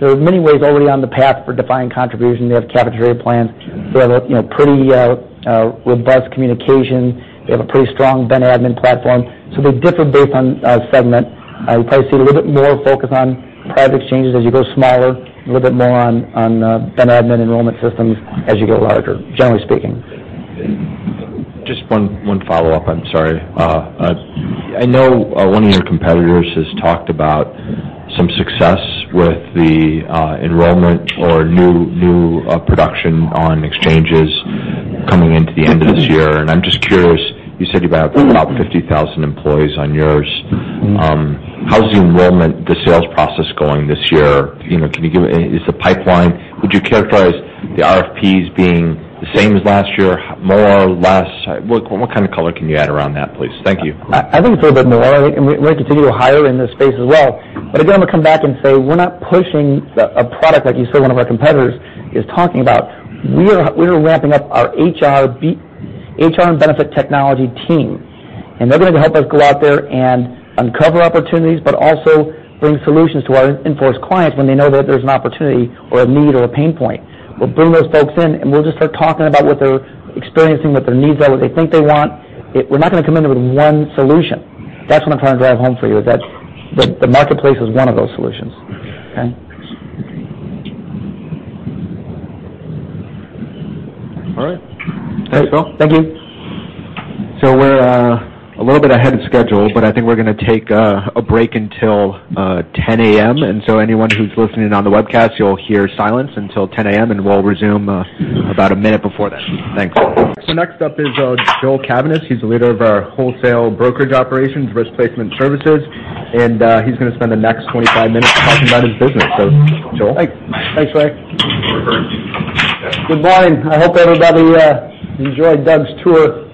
they're in many ways already on the path for defined contribution. They have cafeteria plans. They have a pretty robust communication. They have a pretty strong ben-admin platform. They differ based on segment. You probably see a little bit more focus on private exchanges as you go smaller, a little bit more on ben-admin enrollment systems as you go larger, generally speaking. Just one follow-up. I'm sorry. I know one of your competitors has talked about some success with the enrollment or new production on exchanges coming into the end of this year, and I'm just curious, you said you have about 50,000 employees on yours. How's the enrollment, the sales process going this year? Would you characterize the RFPs being the same as last year, more or less? What kind of color can you add around that, please? Thank you. I think it's a little bit more, and we're going to continue to hire in this space as well. Again, I'm going to come back and say, we're not pushing a product, like you said, one of our competitors is talking about. We are ramping up our HR and benefit technology team, and they're going to help us go out there and uncover opportunities, but also bring solutions to our in-force clients when they know that there's an opportunity or a need or a pain point. We'll bring those folks in, and we'll just start talking about what they're experiencing, what their needs are, what they think they want. We're not going to come in with one solution. That's what I'm trying to drive home for you, is that the marketplace is one of those solutions. Okay? All right. Thanks, Bill. Thank you. We're a little bit ahead of schedule, but I think we're going to take a break until 10:00 A.M. Anyone who's listening on the webcast, you'll hear silence until 10:00 A.M., and we'll resume about a minute before then. Thanks. Next up is Joel Cavaness. He's the leader of our wholesale brokerage operations, Risk Placement Services, and he's going to spend the next 25 minutes talking about his business. Joel. Thanks, Ray. Good morning. I hope everybody enjoyed Doug's tour.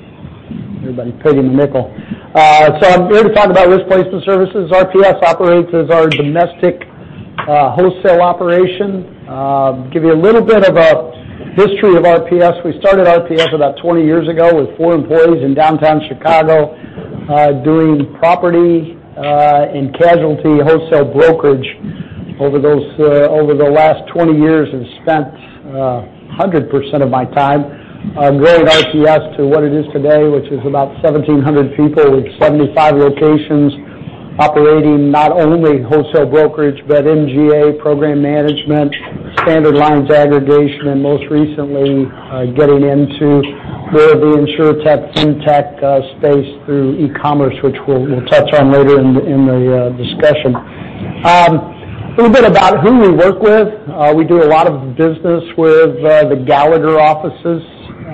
Everybody pig in the nickel. I'm here to talk about Risk Placement Services. RPS operates as our domestic wholesale operation. Give you a little bit of a history of RPS. We started RPS about 20 years ago with four employees in downtown Chicago, doing property and casualty wholesale brokerage. Over the last 20 years, have spent 100% of my time growing RPS to what it is today, which is about 1,700 people with 75 locations operating not only wholesale brokerage, but MGA program management, standard lines aggregation, and most recently, getting into more of the insurtech, fintech space through e-commerce, which we'll touch on later in the discussion. A little bit about who we work with. We do a lot of business with the Gallagher offices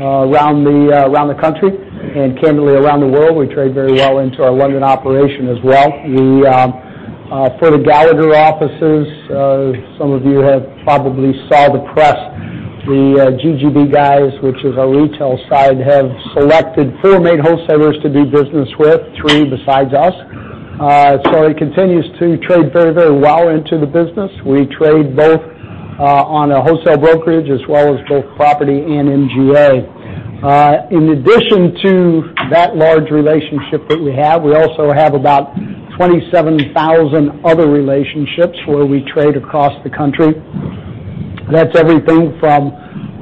around the country and candidly, around the world. We trade very well into our London operation as well. For the Gallagher offices, some of you have probably saw the press. The GGB guys, which is our retail side, have selected four main wholesalers to do business with, three besides us. It continues to trade very well into the business. We trade both on a wholesale brokerage as well as both property and MGA. In addition to that large relationship that we have, we also have about 27,000 other relationships where we trade across the country. That's everything from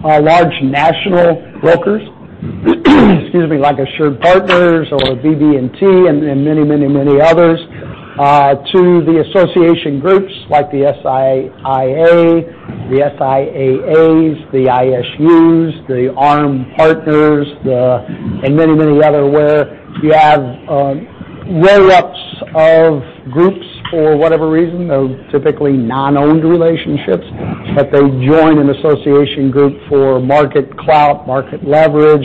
large national brokers, excuse me, like AssuredPartners or BB&T and many others, to the association groups like the SIAA, the SIAAs, the ISUs, the ARM partners, and many other, where you have roll-ups of groups for whatever reason. They're typically non-owned relationships, they join an association group for market clout, market leverage,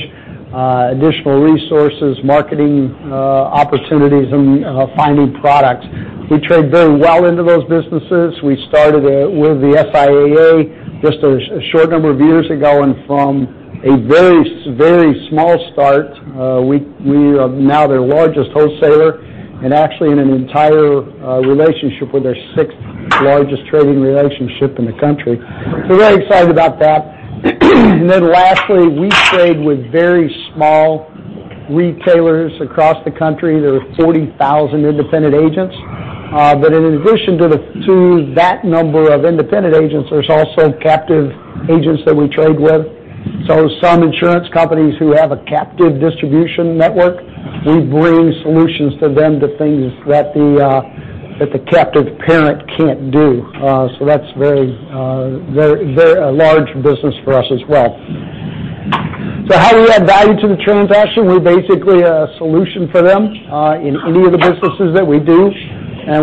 additional resources, marketing opportunities, and finding products. We trade very well into those businesses. We started with the SIAA just a short number of years ago, from a very small start, we are now their largest wholesaler and actually in an entire relationship with their sixth-largest trading relationship in the country. Very excited about that. Lastly, we trade with very small retailers across the country. There are 40,000 independent agents. In addition to that number of independent agents, there's also captive agents that we trade with. Some insurance companies who have a captive distribution network, we bring solutions to them to things that the captive parent can't do. That's a very large business for us as well. How do we add value to the transaction? We're basically a solution for them in any of the businesses that we do,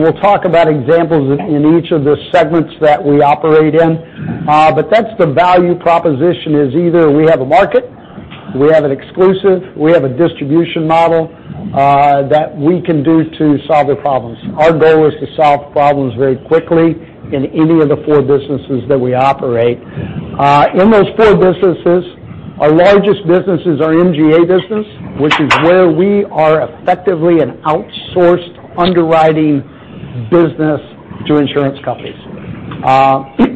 we'll talk about examples in each of the segments that we operate in. That's the value proposition is either we have a market, we have an exclusive, we have a distribution model that we can do to solve their problems. Our goal is to solve problems very quickly in any of the four businesses that we operate. In those four businesses, our largest business is our MGA business, which is where we are effectively an outsourced underwriting business to insurance companies.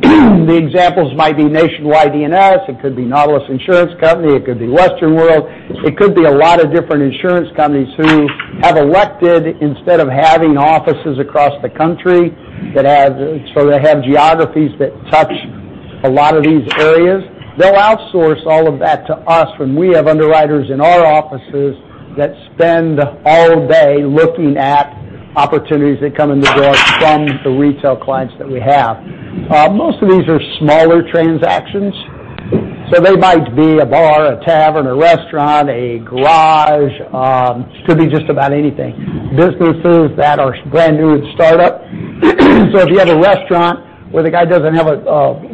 The examples might be Nationwide E&S, it could be Nautilus Insurance Company, it could be Western World. It could be a lot of different insurance companies who have elected, instead of having offices across the country, they have geographies that touch a lot of these areas. They'll outsource all of that to us when we have underwriters in our offices that spend all day looking at opportunities that come in the door from the retail clients that we have. Most of these are smaller transactions. They might be a bar, a tavern, a restaurant, a garage, could be just about anything. Businesses that are brand new and startup. If you have a restaurant where the guy doesn't have a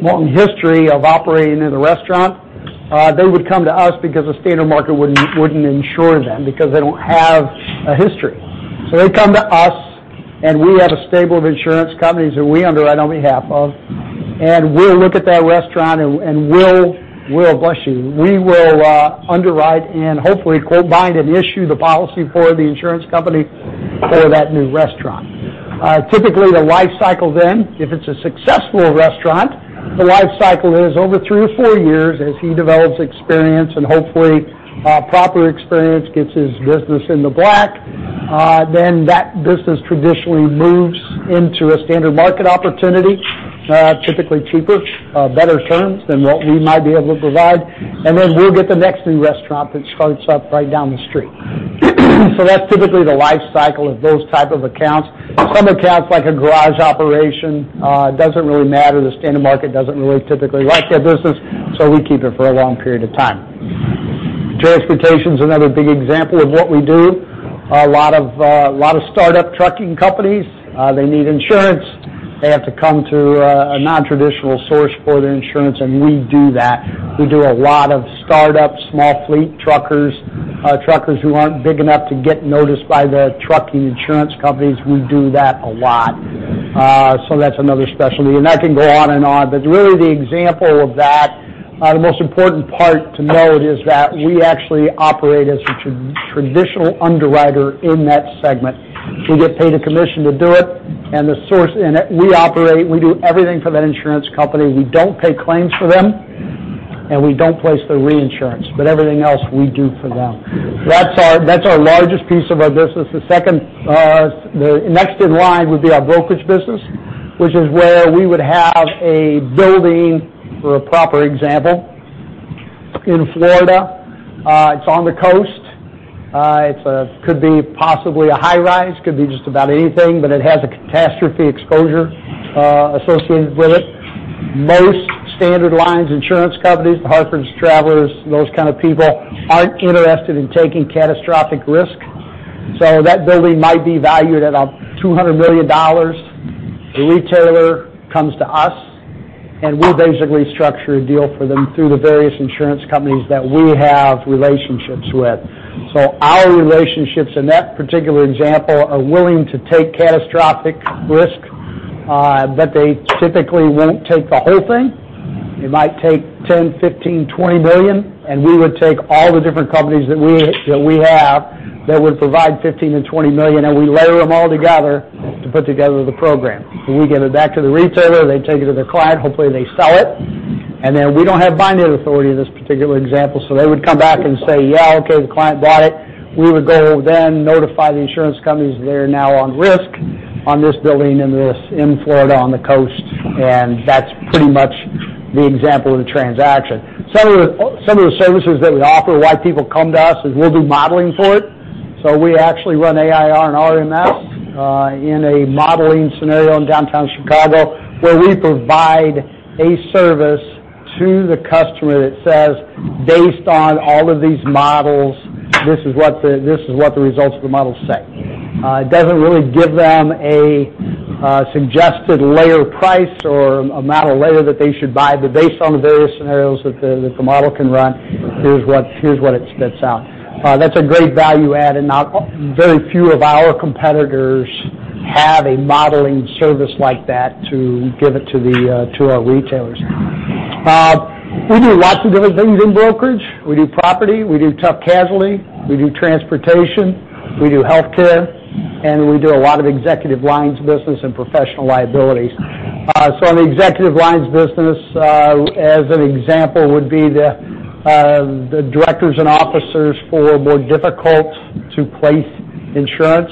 long history of operating in a restaurant, they would come to us because a standard market wouldn't insure them because they don't have a history. They come to us, we have a stable of insurance companies that we underwrite on behalf of, we'll look at that restaurant, We will underwrite and hopefully, quote, bind, and issue the policy for the insurance company for that new restaurant. Typically, the life cycle then, if it's a successful restaurant, the life cycle is over three to four years as he develops experience and hopefully proper experience, gets his business in the black. That business traditionally moves into a standard market opportunity, typically cheaper, better terms than what we might be able to provide. We'll get the next new restaurant that starts up right down the street. That's typically the life cycle of those type of accounts. Some accounts, like a garage operation, doesn't really matter. The standard market doesn't really typically like that business, we keep it for a long period of time. Transportation's another big example of what we do. A lot of startup trucking companies, they need insurance. They have to come to a non-traditional source for their insurance, and we do that. We do a lot of startup small fleet truckers who aren't big enough to get noticed by the trucking insurance companies. We do that a lot. That's another specialty. I can go on and on. Really, the example of that, the most important part to note is that we actually operate as a traditional underwriter in that segment. We get paid a commission to do it, and the source in it, we operate, we do everything for that insurance company. We don't pay claims for them, and we don't place their reinsurance. Everything else we do for them. That's our largest piece of our business. The second, the next in line would be our brokerage business, which is where we would have a building, for a proper example, in Florida. It's on the coast. It could be possibly a high-rise, could be just about anything, but it has a catastrophe exposure associated with it. Most standard lines insurance companies, The Hartford, Travelers, those kind of people, aren't interested in taking catastrophic risk. That building might be valued at $200 million. The retailer comes to us, and we basically structure a deal for them through the various insurance companies that we have relationships with. Our relationships in that particular example are willing to take catastrophic risk, but they typically won't take the whole thing. They might take $10 million, $15 million, $20 million, and we would take all the different companies that we have that would provide $15 million-$20 million, and we layer them all together to put together the program. We give it back to the retailer, they take it to their client, hopefully, they sell it. We don't have binding authority in this particular example, they would come back and say, "Yeah, okay, the client bought it." We would go then notify the insurance companies they're now on risk on this building in Florida on the coast, and that's pretty much the example of the transaction. Some of the services that we offer, why people come to us, is we'll do modeling for it. We actually run AIR and RMS in a modeling scenario in Downtown Chicago, where we provide a service to the customer that says, based on all of these models, this is what the results of the models say. It doesn't really give them a suggested layer price or amount of layer that they should buy. Based on the various scenarios that the model can run, here's what it spits out. That's a great value add, very few of our competitors have a modeling service like that to give it to our retailers. We do lots of different things in brokerage. We do property, we do tough casualty, we do transportation, we do healthcare, and we do a lot of executive lines business and professional liabilities. On the executive lines business, as an example, would be the directors and officers for more difficult-to-place insurance.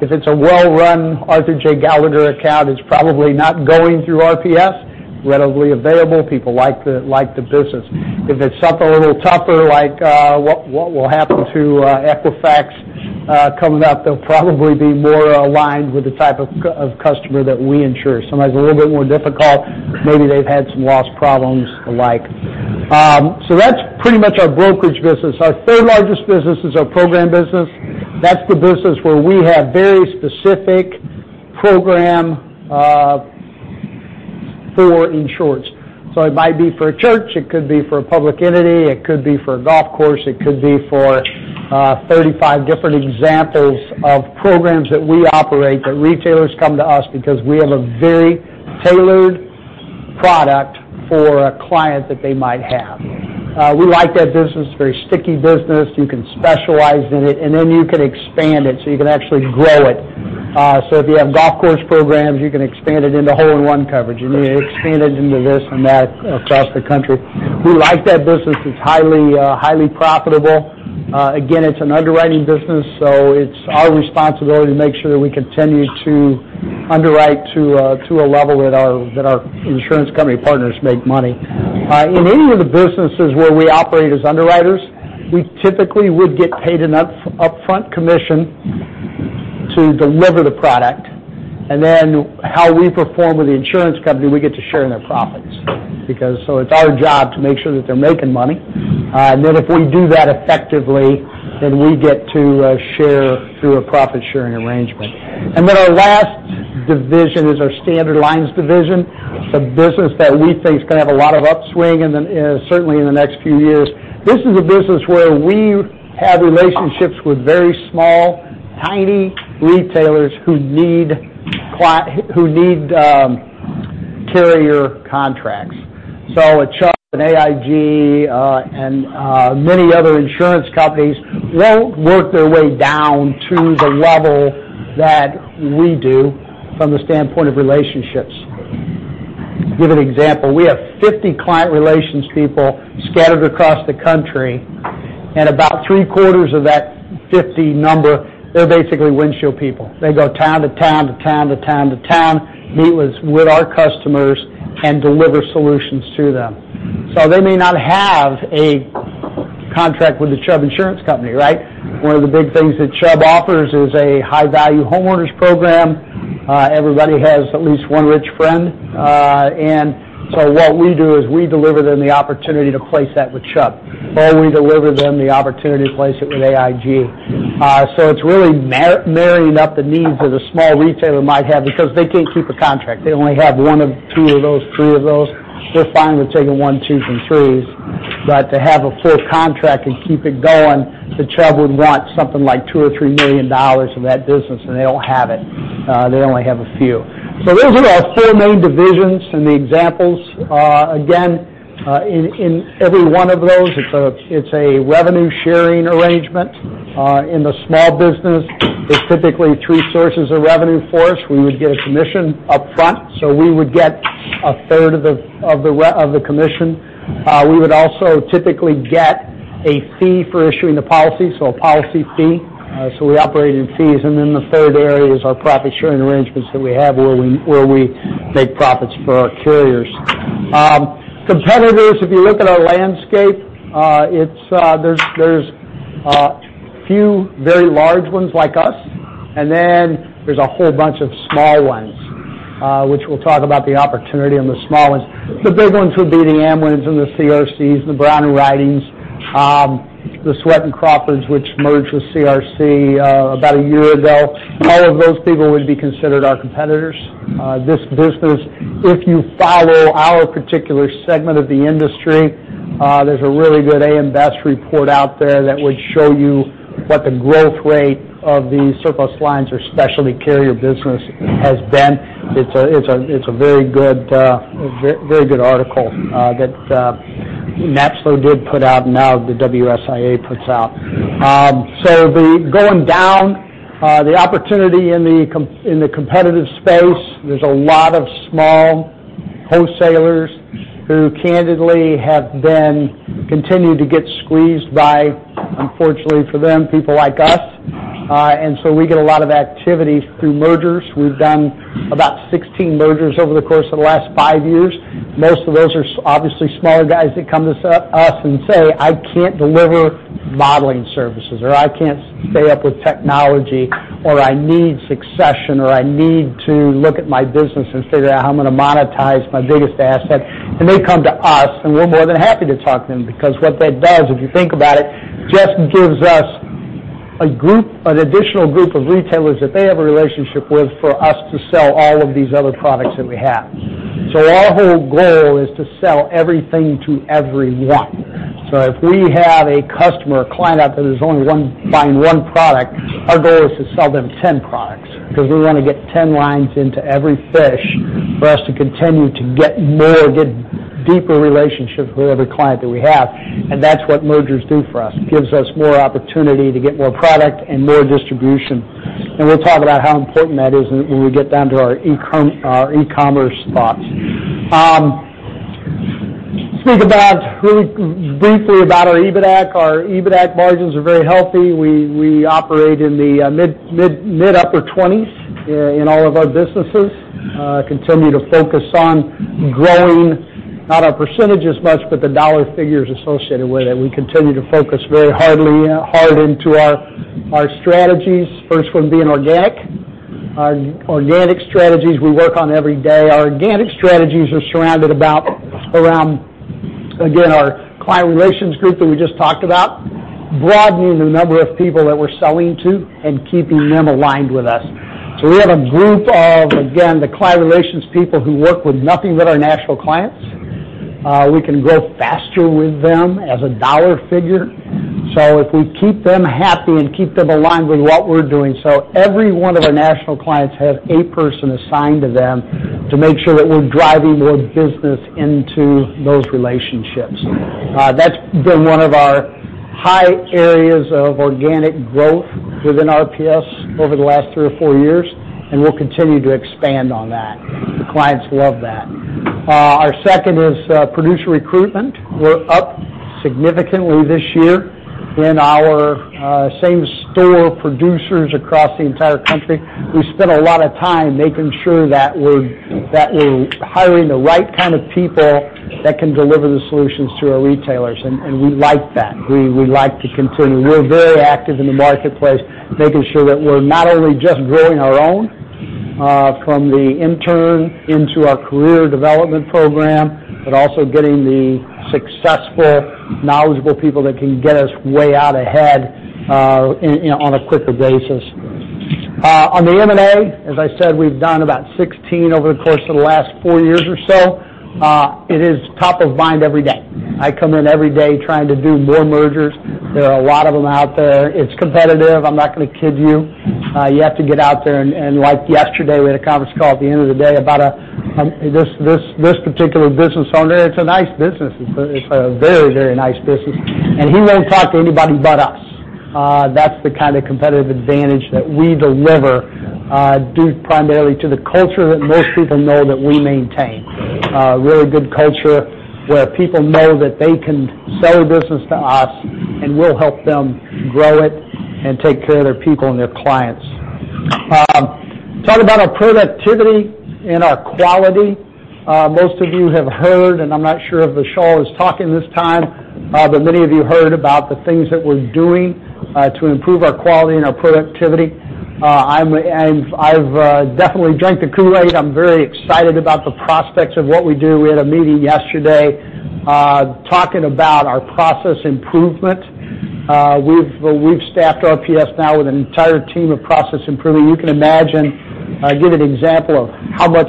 If it's a well-run Arthur J. Gallagher account, it's probably not going through RPS. Readily available, people like the business. If it's something a little tougher, like what will happen to Equifax coming up, they'll probably be more aligned with the type of customer that we insure. Somebody's a little bit more difficult. Maybe they've had some loss problems alike. That's pretty much our brokerage business. Our third largest business is our program business. That's the business where we have very specific program for insurance. It might be for a church, it could be for a public entity, it could be for a golf course, it could be for 35 different examples of programs that we operate. Retailers come to us because we have a very tailored product for a client that they might have. We like that business. It's a very sticky business. You can specialize in it, you can expand it, you can actually grow it. If you have golf course programs, you can expand it into hole-in-one coverage, you can expand it into this and that across the country. We like that business. It's highly profitable. Again, it's an underwriting business, it's our responsibility to make sure that we continue to underwrite to a level that our insurance company partners make money. In any of the businesses where we operate as underwriters we typically would get paid an upfront commission to deliver the product, how we perform with the insurance company, we get to share in their profits. It's our job to make sure that they're making money. If we do that effectively, we get to share through a profit-sharing arrangement. Our last division is our standard lines division. It's a business that we think is going to have a lot of upswing, certainly in the next few years. This is a business where we have relationships with very small, tiny retailers who need carrier contracts. A Chubb, an AIG, and many other insurance companies won't work their way down to the level that we do from the standpoint of relationships. Give an example. We have 50 client relations people scattered across the country, about three-quarters of that 50 number, they're basically windshield people. They go town to town, to town, to town, to town, meet with our customers and deliver solutions to them. They may not have a contract with the Chubb Insurance Company. One of the big things that Chubb offers is a high-value homeowners program. Everybody has at least one rich friend. What we do is we deliver them the opportunity to place that with Chubb, or we deliver them the opportunity to place it with AIG. It's really marrying up the needs that a small retailer might have because they can't keep a contract. They only have one of two of those, three of those. We're fine with taking one, twos, and threes. To have a full contract and keep it going to Chubb would want something like $2 million or $3 million of that business, they don't have it. They only have a few. Those are our four main divisions and the examples. Again, in every one of those, it's a revenue-sharing arrangement. In the small business, there's typically three sources of revenue for us. We would get a commission up front. We would get a third of the commission. We would also typically get a fee for issuing the policy, a policy fee. We operate in fees. The third area is our profit-sharing arrangements that we have where we make profits for our carriers. Competitors, if you look at our landscape, there's a few very large ones like us, there's a whole bunch of small ones, which we'll talk about the opportunity on the small ones. The big ones would be the Amwins, the CRCs, the Brown & Riding, the Swett & Crawford, which merged with CRC about a year ago. All of those people would be considered our competitors. This business, if you follow our particular segment of the industry, there's a really good AM Best report out there that would show you what the growth rate of the surplus lines or specialty carrier business has been. It's a very good article that NAIC did put out, now the WSIA puts out. Going down, the opportunity in the competitive space, there's a lot of small wholesalers who candidly have been continued to get squeezed by, unfortunately for them, people like us. We get a lot of activity through mergers. We've done about 16 mergers over the course of the last five years. Most of those are obviously smaller guys that come to us and say, "I can't deliver modeling services," or, "I can't stay up with technology," or, "I need succession," or, "I need to look at my business and figure out how I'm going to monetize my biggest asset." They come to us, and we're more than happy to talk to them because what that does, if you think about it, just gives us an additional group of retailers that they have a relationship with for us to sell all of these other products that we have. Our whole goal is to sell everything to everyone. If we have a customer or client out there that is only buying one product, our goal is to sell them 10 products because we want to get 10 lines into every fish for us to continue to get more, get deeper relationships with every client that we have. That's what mergers do for us. Gives us more opportunity to get more product and more distribution. We'll talk about how important that is when we get down to our e-commerce thoughts. Speak about really briefly about our EBITDAC. Our EBITDAC margins are very healthy. We operate in the mid upper 20s in all of our businesses. Continue to focus on growing not our percentage as much, but the dollar figures associated with it. We continue to focus very hard into our strategies. First one being organic. Our organic strategies we work on every day. Our organic strategies are surrounded around, again, our client relations group that we just talked about, broadening the number of people that we're selling to and keeping them aligned with us. We have a group of, again, the client relations people who work with nothing but our national clients. We can grow faster with them as a dollar figure. If we keep them happy and keep them aligned with what we're doing. Every one of our national clients has a person assigned to them to make sure that we're driving more business into those relationships. That's been one of our high areas of organic growth within RPS over the last three or four years. We'll continue to expand on that. The clients love that. Our second is producer recruitment. We're up significantly this year in our same store producers across the entire country. We spent a lot of time making sure that we're hiring the right kind of people that can deliver the solutions to our retailers. We like that. We like to continue. We're very active in the marketplace, making sure that we're not only just growing our own from the intern into our career development program, but also getting the successful, knowledgeable people that can get us way out ahead on a quicker basis. On the M&A, as I said, we've done about 16 over the course of the last four years or so. It is top of mind every day. I come in every day trying to do more mergers. There are a lot of them out there. It's competitive, I'm not going to kid you. You have to get out there. Like yesterday, we had a conference call at the end of the day about this particular business owner. It's a nice business. It's a very nice business. He won't talk to anybody but us. That's the kind of competitive advantage that we deliver due primarily to the culture that most people know that we maintain. A really good culture where people know that they can sell business to us, and we'll help them grow it and take care of their people and their clients. Talk about our productivity and our quality. Most of you have heard. I'm not sure if Vishal was talking this time, but many of you heard about the things that we're doing to improve our quality and our productivity. I've definitely drank the Kool-Aid. I'm very excited about the prospects of what we do. We had a meeting yesterday talking about our process improvement. We've staffed RPS now with an entire team of process improvement. You can imagine, I'll give an example of how much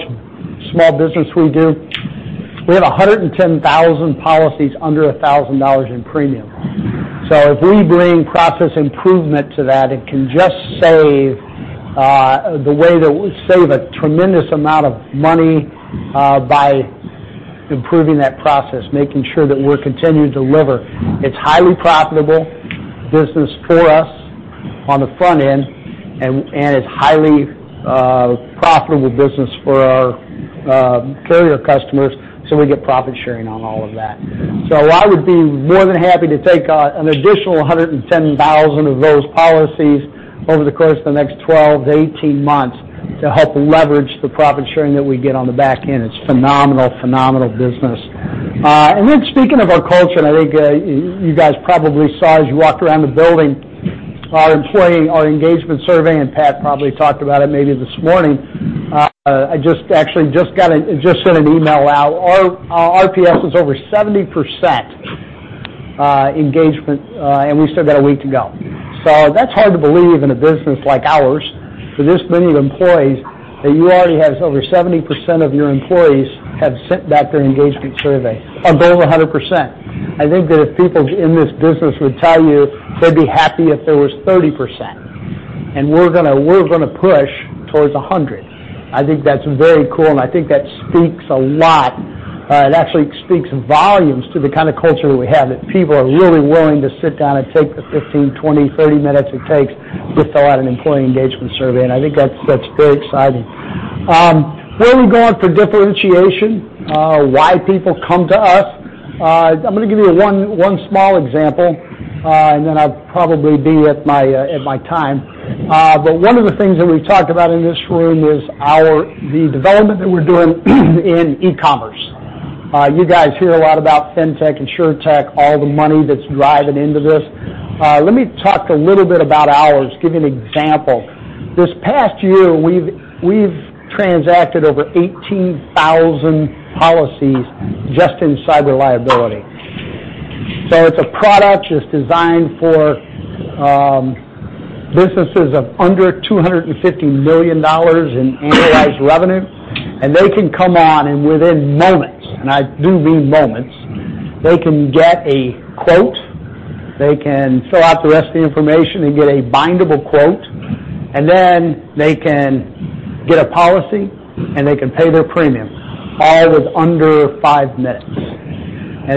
small business we do. We have 110,000 policies under $1,000 in premium. If we bring process improvement to that, it can just save a tremendous amount of money by improving that process, making sure that we're continuing to deliver. It's highly profitable business for us on the front end. It's highly profitable business for our carrier customers, so we get profit sharing on all of that. I would be more than happy to take an additional 110,000 of those policies over the course of the next 12 to 18 months to help leverage the profit sharing that we get on the back end. It's phenomenal business. Speaking of our culture. I think you guys probably saw as you walked around the building, our employee, our engagement survey. Pat probably talked about it maybe this morning. I just actually sent an email out. Our RPS was over 70% engagement. We still got a week to go. That's hard to believe in a business like ours, with this many employees, that you already have over 70% of your employees have sent back their engagement survey. Our goal is 100%. I think that if people in this business would tell you they'd be happy if there was 30%. We're going to push towards 100. I think that's very cool. I think that speaks a lot. It actually speaks volumes to the kind of culture that we have, that people are really willing to sit down and take the 15, 20, 30 minutes it takes to fill out an employee engagement survey. I think that's very exciting. Where are we going for differentiation? Why people come to us. I'm going to give you one small example. Then I'll probably be at my time. One of the things that we've talked about in this room is the development that we're doing in e-commerce. You guys hear a lot about fintech, insurtech, all the money that's driving into this. Let me talk a little bit about ours, give you an example. This past year, we've transacted over 18,000 policies just in cyber liability. It's a product that's designed for businesses of under $250 million in annualized revenue. They can come on and within moments, I do mean moments, they can get a quote. They can fill out the rest of the information and get a bindable quote. Then they can get a policy. They can pay their premium, all with under five minutes.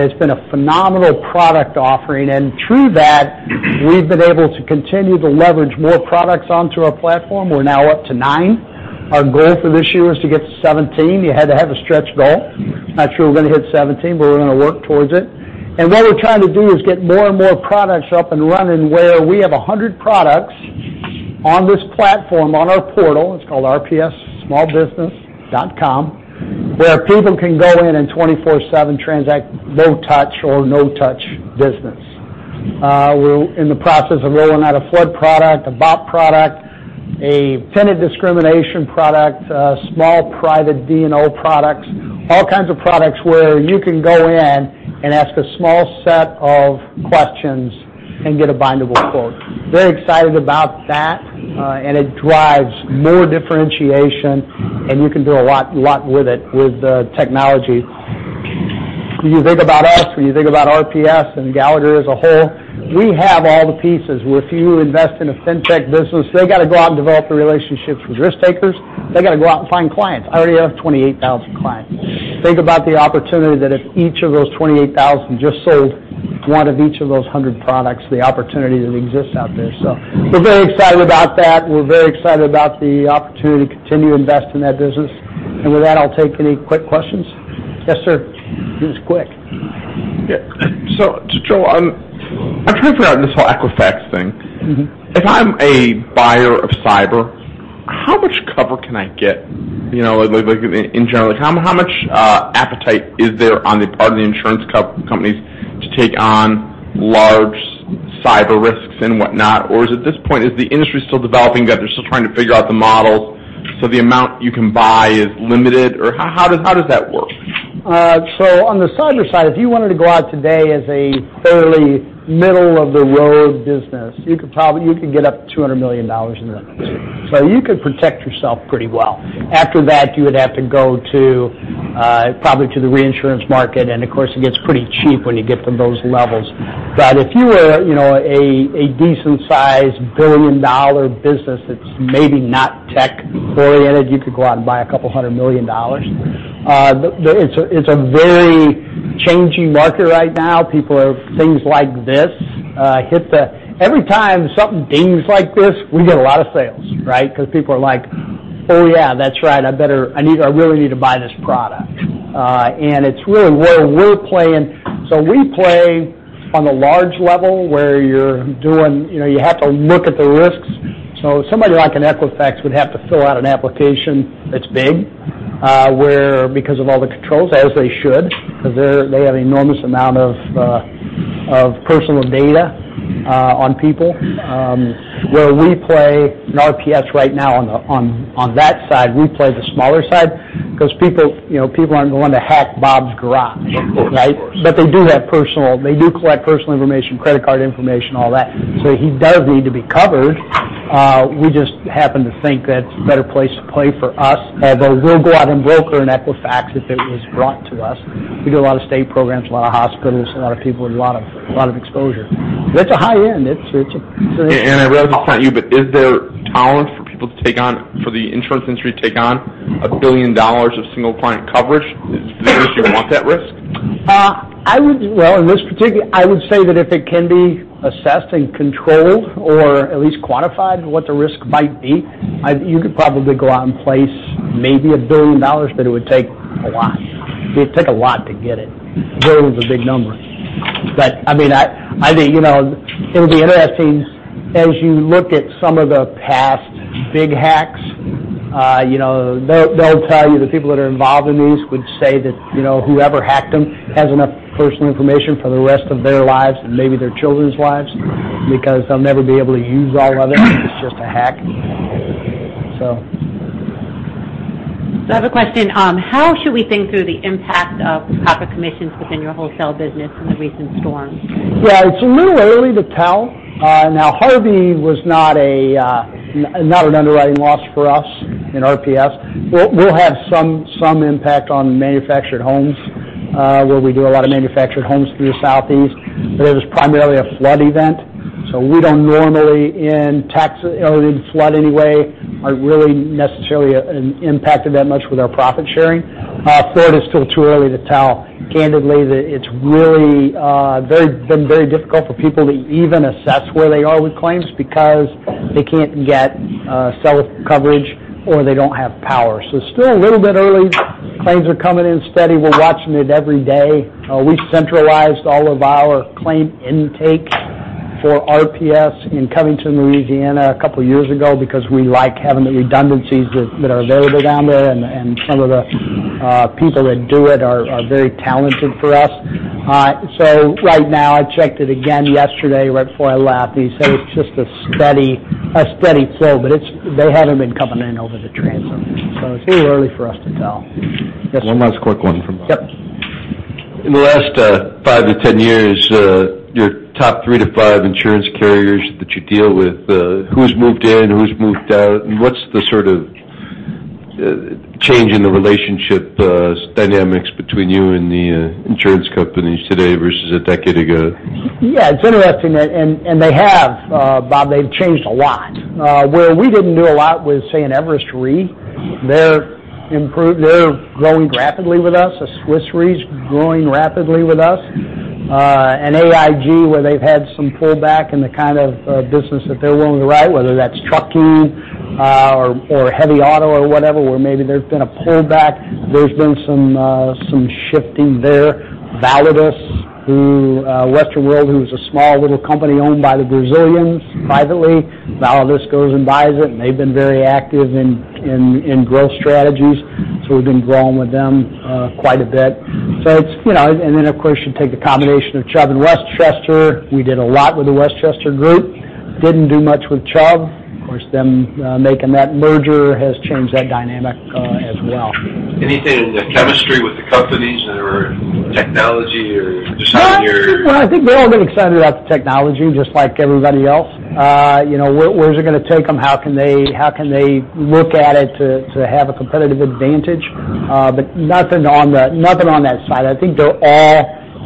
It's been a phenomenal product offering. Through that, we've been able to continue to leverage more products onto our platform. We're now up to nine. Our goal for this year is to get to 17. You had to have a stretch goal. Not sure we're going to hit 17. We're going to work towards it. What we're trying to do is get more and more products up and running where we have 100 products on this platform, on our portal, it's called rpssmallbusiness.com, where people can go in and 24/7 transact no touch or no touch business. We're in the process of rolling out a flood product, a BOP product, a tenant discrimination product, small private D&O products, all kinds of products where you can go in and ask a small set of questions and get a bindable quote. Very excited about that. It drives more differentiation. You can do a lot with it with the technology. When you think about us, when you think about RPS and Gallagher as a whole, we have all the pieces. If you invest in a fintech business, they got to go out and develop the relationships with risk takers. They got to go out and find clients. I already have 28,000 clients. Think about the opportunity that if each of those 28,000 just sold one of each of those 100 products, the opportunity that exists out there. We're very excited about that. We're very excited about the opportunity to continue to invest in that business. With that, I'll take any quick questions. Yes, sir. Just quick. Yeah. Joel, I'm trying to figure out this whole Equifax thing. If I'm a buyer of cyber, how much cover can I get, in general? How much appetite is there on the part of the insurance companies to take on large cyber risks and whatnot? Is it at this point, is the industry still developing that they're still trying to figure out the models, so the amount you can buy is limited? Or how does that work? On the cyber side, if you wanted to go out today as a fairly middle-of-the-road business, you could get up to $200 million in limits. You could protect yourself pretty well. After that, you would have to go probably to the reinsurance market, and of course, it gets pretty cheap when you get to those levels. If you were a decent-sized billion-dollar business that's maybe not tech-oriented, you could go out and buy a couple of 100 million dollars. It's a very changing market right now. People have things like this hit the Every time something dings like this, we get a lot of sales. People are like, "Oh yeah, that's right, I really need to buy this product." It's really where we're playing. We play on the large level where you have to look at the risks. Somebody like an Equifax would have to fill out an application that's big, where because of all the controls, as they should, because they have an enormous amount of personal data on people. Where we play in RPS right now on that side, we play the smaller side because people aren't going to hack Bob's garage. Of course. They do collect personal information, credit card information, all that. He does need to be covered. We just happen to think that it's a better place to play for us. Although we'll go out and broker an Equifax if it was brought to us. We do a lot of state programs, a lot of hospitals, a lot of people with a lot of exposure. It's a high end. I realize it's not you, is there tolerance for the insurance industry to take on $1 billion of single point coverage? Is there, do you want that risk? In this particular, I would say that if it can be assessed and controlled or at least quantified what the risk might be, you could probably go out and place maybe $1 billion, it would take a lot. It'd take a lot to get it. $1 billion is a big number. It'll be interesting as you look at some of the past big hacks. They'll tell you the people that are involved in these would say that whoever hacked them has enough personal information for the rest of their lives and maybe their children's lives because they'll never be able to use all of it. It's just a hack. I have a question. How should we think through the impact of profit commissions within your wholesale business in the recent storms? It's a little early to tell. Harvey was not an underwriting loss for us in RPS. We'll have some impact on manufactured homes, where we do a lot of manufactured homes through the Southeast. It was primarily a flood event, we don't normally in tax or in flood anyway, are really necessarily impacted that much with our profit sharing. Florida is still too early to tell. Candidly, it's really been very difficult for people to even assess where they are with claims because they can't get cell coverage or they don't have power. It's still a little bit early. Claims are coming in steady. We're watching it every day. We've centralized all of our claim intake for RPS in Covington, Louisiana a couple of years ago because we like having the redundancies that are available down there, and some of the people that do it are very talented for us. Right now, I checked it again yesterday right before I left, and he said it's just a steady flow, but they haven't been coming in over the transom. It's a little early for us to tell. Yes, sir. One last quick one from Bob. Yep. In the last five to 10 years, your top three to five insurance carriers that you deal with, who's moved in, who's moved out, and what's the sort of change in the relationship dynamics between you and the insurance companies today versus a decade ago? Yeah, it's interesting. They have, Bob, they've changed a lot. Where we didn't do a lot with, say, an Everest Re, they're growing rapidly with us. A Swiss Re's growing rapidly with us. AIG, where they've had some pullback in the kind of business that they're willing to write, whether that's trucking or heavy auto or whatever, where maybe there's been a pullback. There's been some shifting there. Validus, who Western World, who was a small little company owned by the Brazilians privately, Validus goes and buys it, and they've been very active in growth strategies. We've been growing with them quite a bit. Of course, you take the combination of Chubb and Westchester. We did a lot with the Westchester Group. Didn't do much with Chubb. Of course, them making that merger has changed that dynamic as well. Anything in the chemistry with the companies or technology or just how you're- I think they all get excited about the technology just like everybody else. Where's it going to take them? How can they look at it to have a competitive advantage? Nothing on that side. I think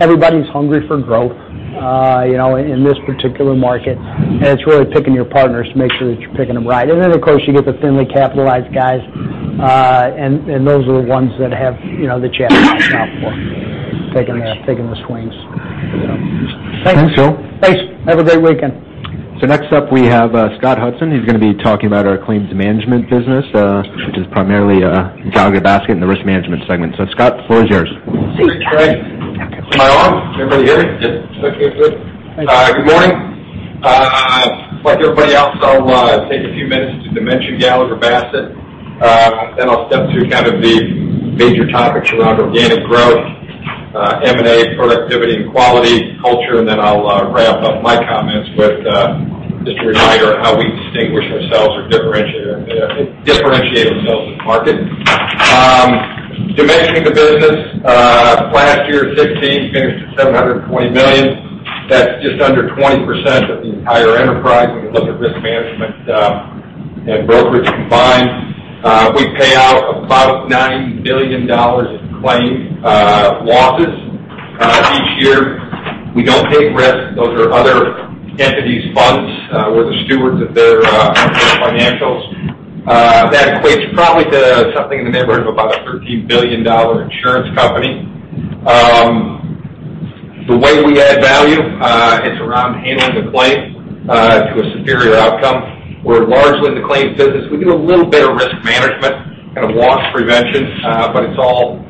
everybody's hungry for growth in this particular market, and it's really picking your partners to make sure that you're picking them right. Of course, you get the thinly capitalized guys, and those are the ones that have the jackpots now for taking the swings. Thanks, Joe. Thanks. Have a great weekend. Next up, we have Scott Hudson, who's going to be talking about our claims management business, which is primarily Gallagher Bassett in the Risk Management segment. Scott, the floor is yours. Great. Am I on? Can everybody hear me? Yes. Okay, good. Good morning. Like everybody else, I'll take a few minutes to dimension Gallagher Bassett. I'll step through kind of the major topics around organic growth, M&A, productivity and quality, culture, and then I'll wrap up my comments with just a reminder on how we distinguish ourselves or differentiate ourselves in the market. Dimensioning the business, last year, 2016, finished at $720 million. That's just under 20% of the entire enterprise when you look at Risk Management and Brokerage combined. We pay out about $9 billion in claim losses each year. We don't take risks. Those are other entities' funds. We're the stewards of their financials. That equates probably to something in the neighborhood of about a $13 billion insurance company. The way we add value, it's around handling the claim to a superior outcome. We're largely in the claims business. We do a little bit of risk management, kind of loss prevention. It's all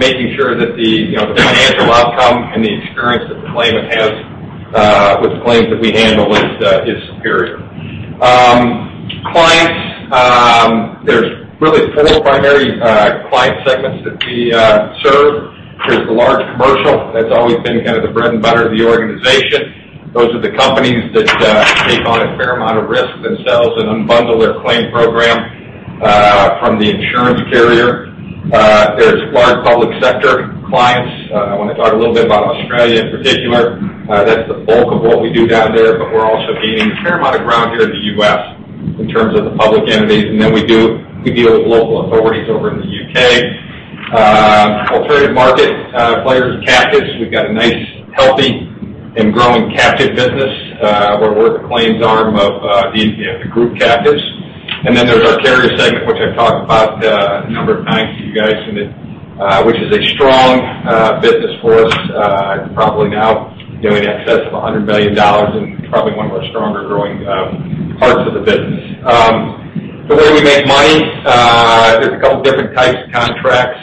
making sure that the financial outcome and the experience that the claimant has with the claims that we handle is superior. Clients. There's really 4 primary client segments that we serve. There's the large commercial. That's always been kind of the bread and butter of the organization. Those are the companies that take on a fair amount of risk themselves and unbundle their claim program from the insurance carrier. There's large public sector clients. I want to talk a little bit about Australia in particular. That's the bulk of what we do down there, but we're also gaining a fair amount of ground here in the U.S. in terms of the public entities. We deal with local authorities over in the U.K. Alternative market players and captives. We've got a nice, healthy and growing captive business where we're the claims arm of the group captives. There's our carrier segment, which I've talked about a number of times to you guys, which is a strong business for us, probably now doing in excess of $100 million and probably one of our stronger growing parts of the business. The way we make money, there's 2 different types of contracts.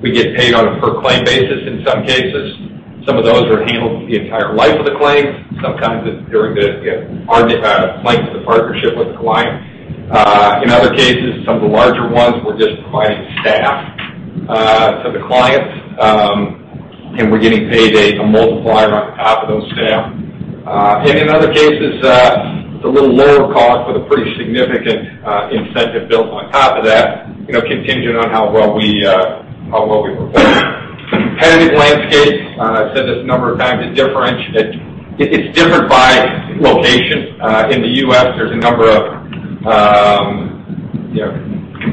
We get paid on a per claim basis in some cases. Some of those are handled the entire life of the claim. Sometimes it's during the length of the partnership with the client. In other cases, some of the larger ones, we're just providing staff to the clients, and we're getting paid a multiplier on top of those staff. In other cases, it's a little lower cost with a pretty significant incentive built on top of that contingent on how well we perform. Competitive landscape. I've said this a number of times. It's different by location. In the U.S., there's a number of competitors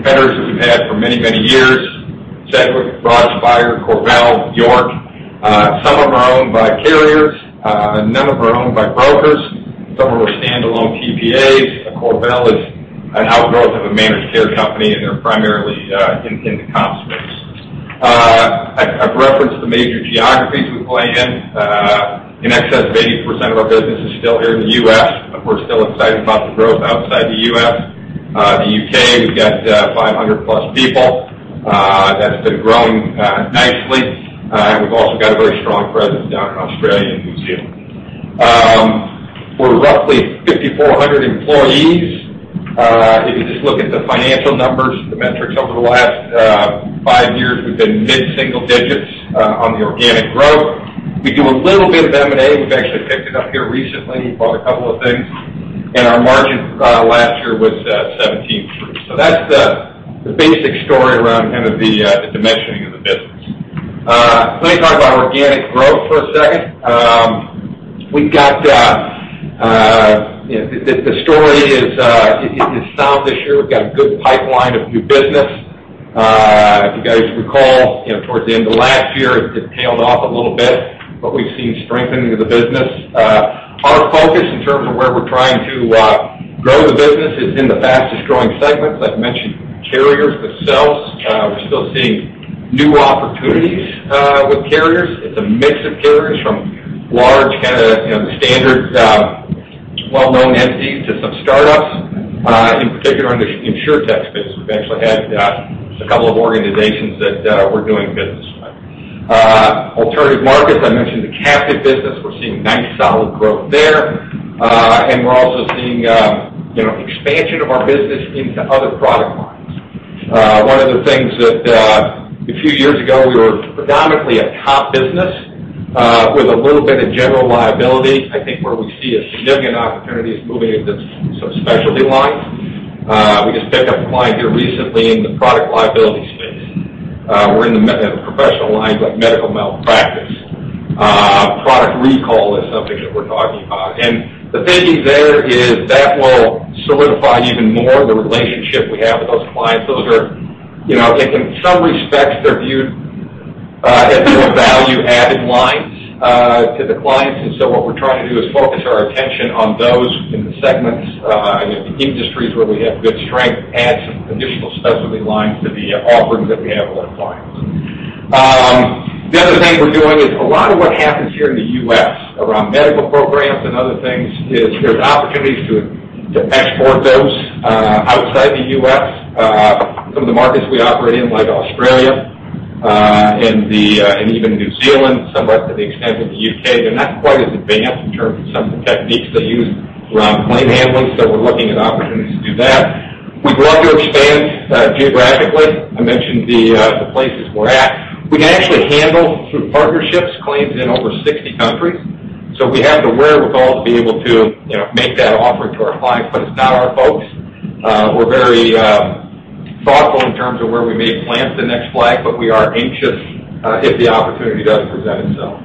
that we've had for many, many years. Sedgwick, Broadspire, CorVel, York. Some of them are owned by carriers. None of them are owned by brokers. Some of them are standalone TPAs. CorVel is an outgrowth of a managed care company, and they're primarily in the comp space. I've referenced the major geographies we play in. In excess of 80% of our business is still here in the U.S. We're still excited about the growth outside the U.S. The U.K., we've got 500 plus people. That's been growing nicely. We've also got a very strong presence down in Australia and New Zealand. We're roughly 5,400 employees. If you just look at the financial numbers, the metrics over the last 5 years, we've been mid-single digits on the organic growth. We do a little bit of M&A. We've actually picked it up here recently. Bought 2 things. Our margin last year was 17.3%. That's the basic story around kind of the dimensioning of the business. Let me talk about organic growth for a second. The story is sound this year. We've got a good pipeline of new business. If you guys recall, towards the end of last year, it tailed off a little bit, but we've seen strengthening of the business. Our focus in terms of where we're trying to grow the business is in the fastest-growing segments. I've mentioned carriers themselves. We're still seeing new opportunities with carriers. It's a mix of carriers from large, kind of the standard well-known entities to some startups. In particular, in the insurtech space, we've actually had a couple of organizations that we're doing business with. Alternative markets, I mentioned the captive business. We're seeing nice, solid growth there. We're also seeing expansion of our business into other product lines. One of the things that a few years ago, we were predominantly a BOP business with a little bit of general liability. I think where we see a significant opportunity is moving into some specialty lines. We just picked up a client here recently in the product liability space. We're in the professional lines like medical malpractice. Product recall is something that we're talking about. The thinking there is that will solidify even more the relationship we have with those clients. Those are in some respects, they're viewed as more value-added lines to the clients. What we're trying to do is focus our attention on those segments and the industries where we have good strength, add some additional specialty lines to the offerings that we have for our clients. The other thing we're doing is a lot of what happens here in the U.S. around medical programs and other things is there's opportunities to export those outside the U.S. Some of the markets we operate in, like Australia, and even New Zealand, somewhat to the extent of the U.K. They're not quite as advanced in terms of some of the techniques they use around claim handling. We're looking at opportunities to do that. We'd love to expand geographically. I mentioned the places we're at. We can actually handle, through partnerships, claims in over 60 countries. We have the wherewithal to be able to make that offering to our clients, but it's not our focus. We're very thoughtful in terms of where we may plant the next flag, but we are anxious if the opportunity does present itself.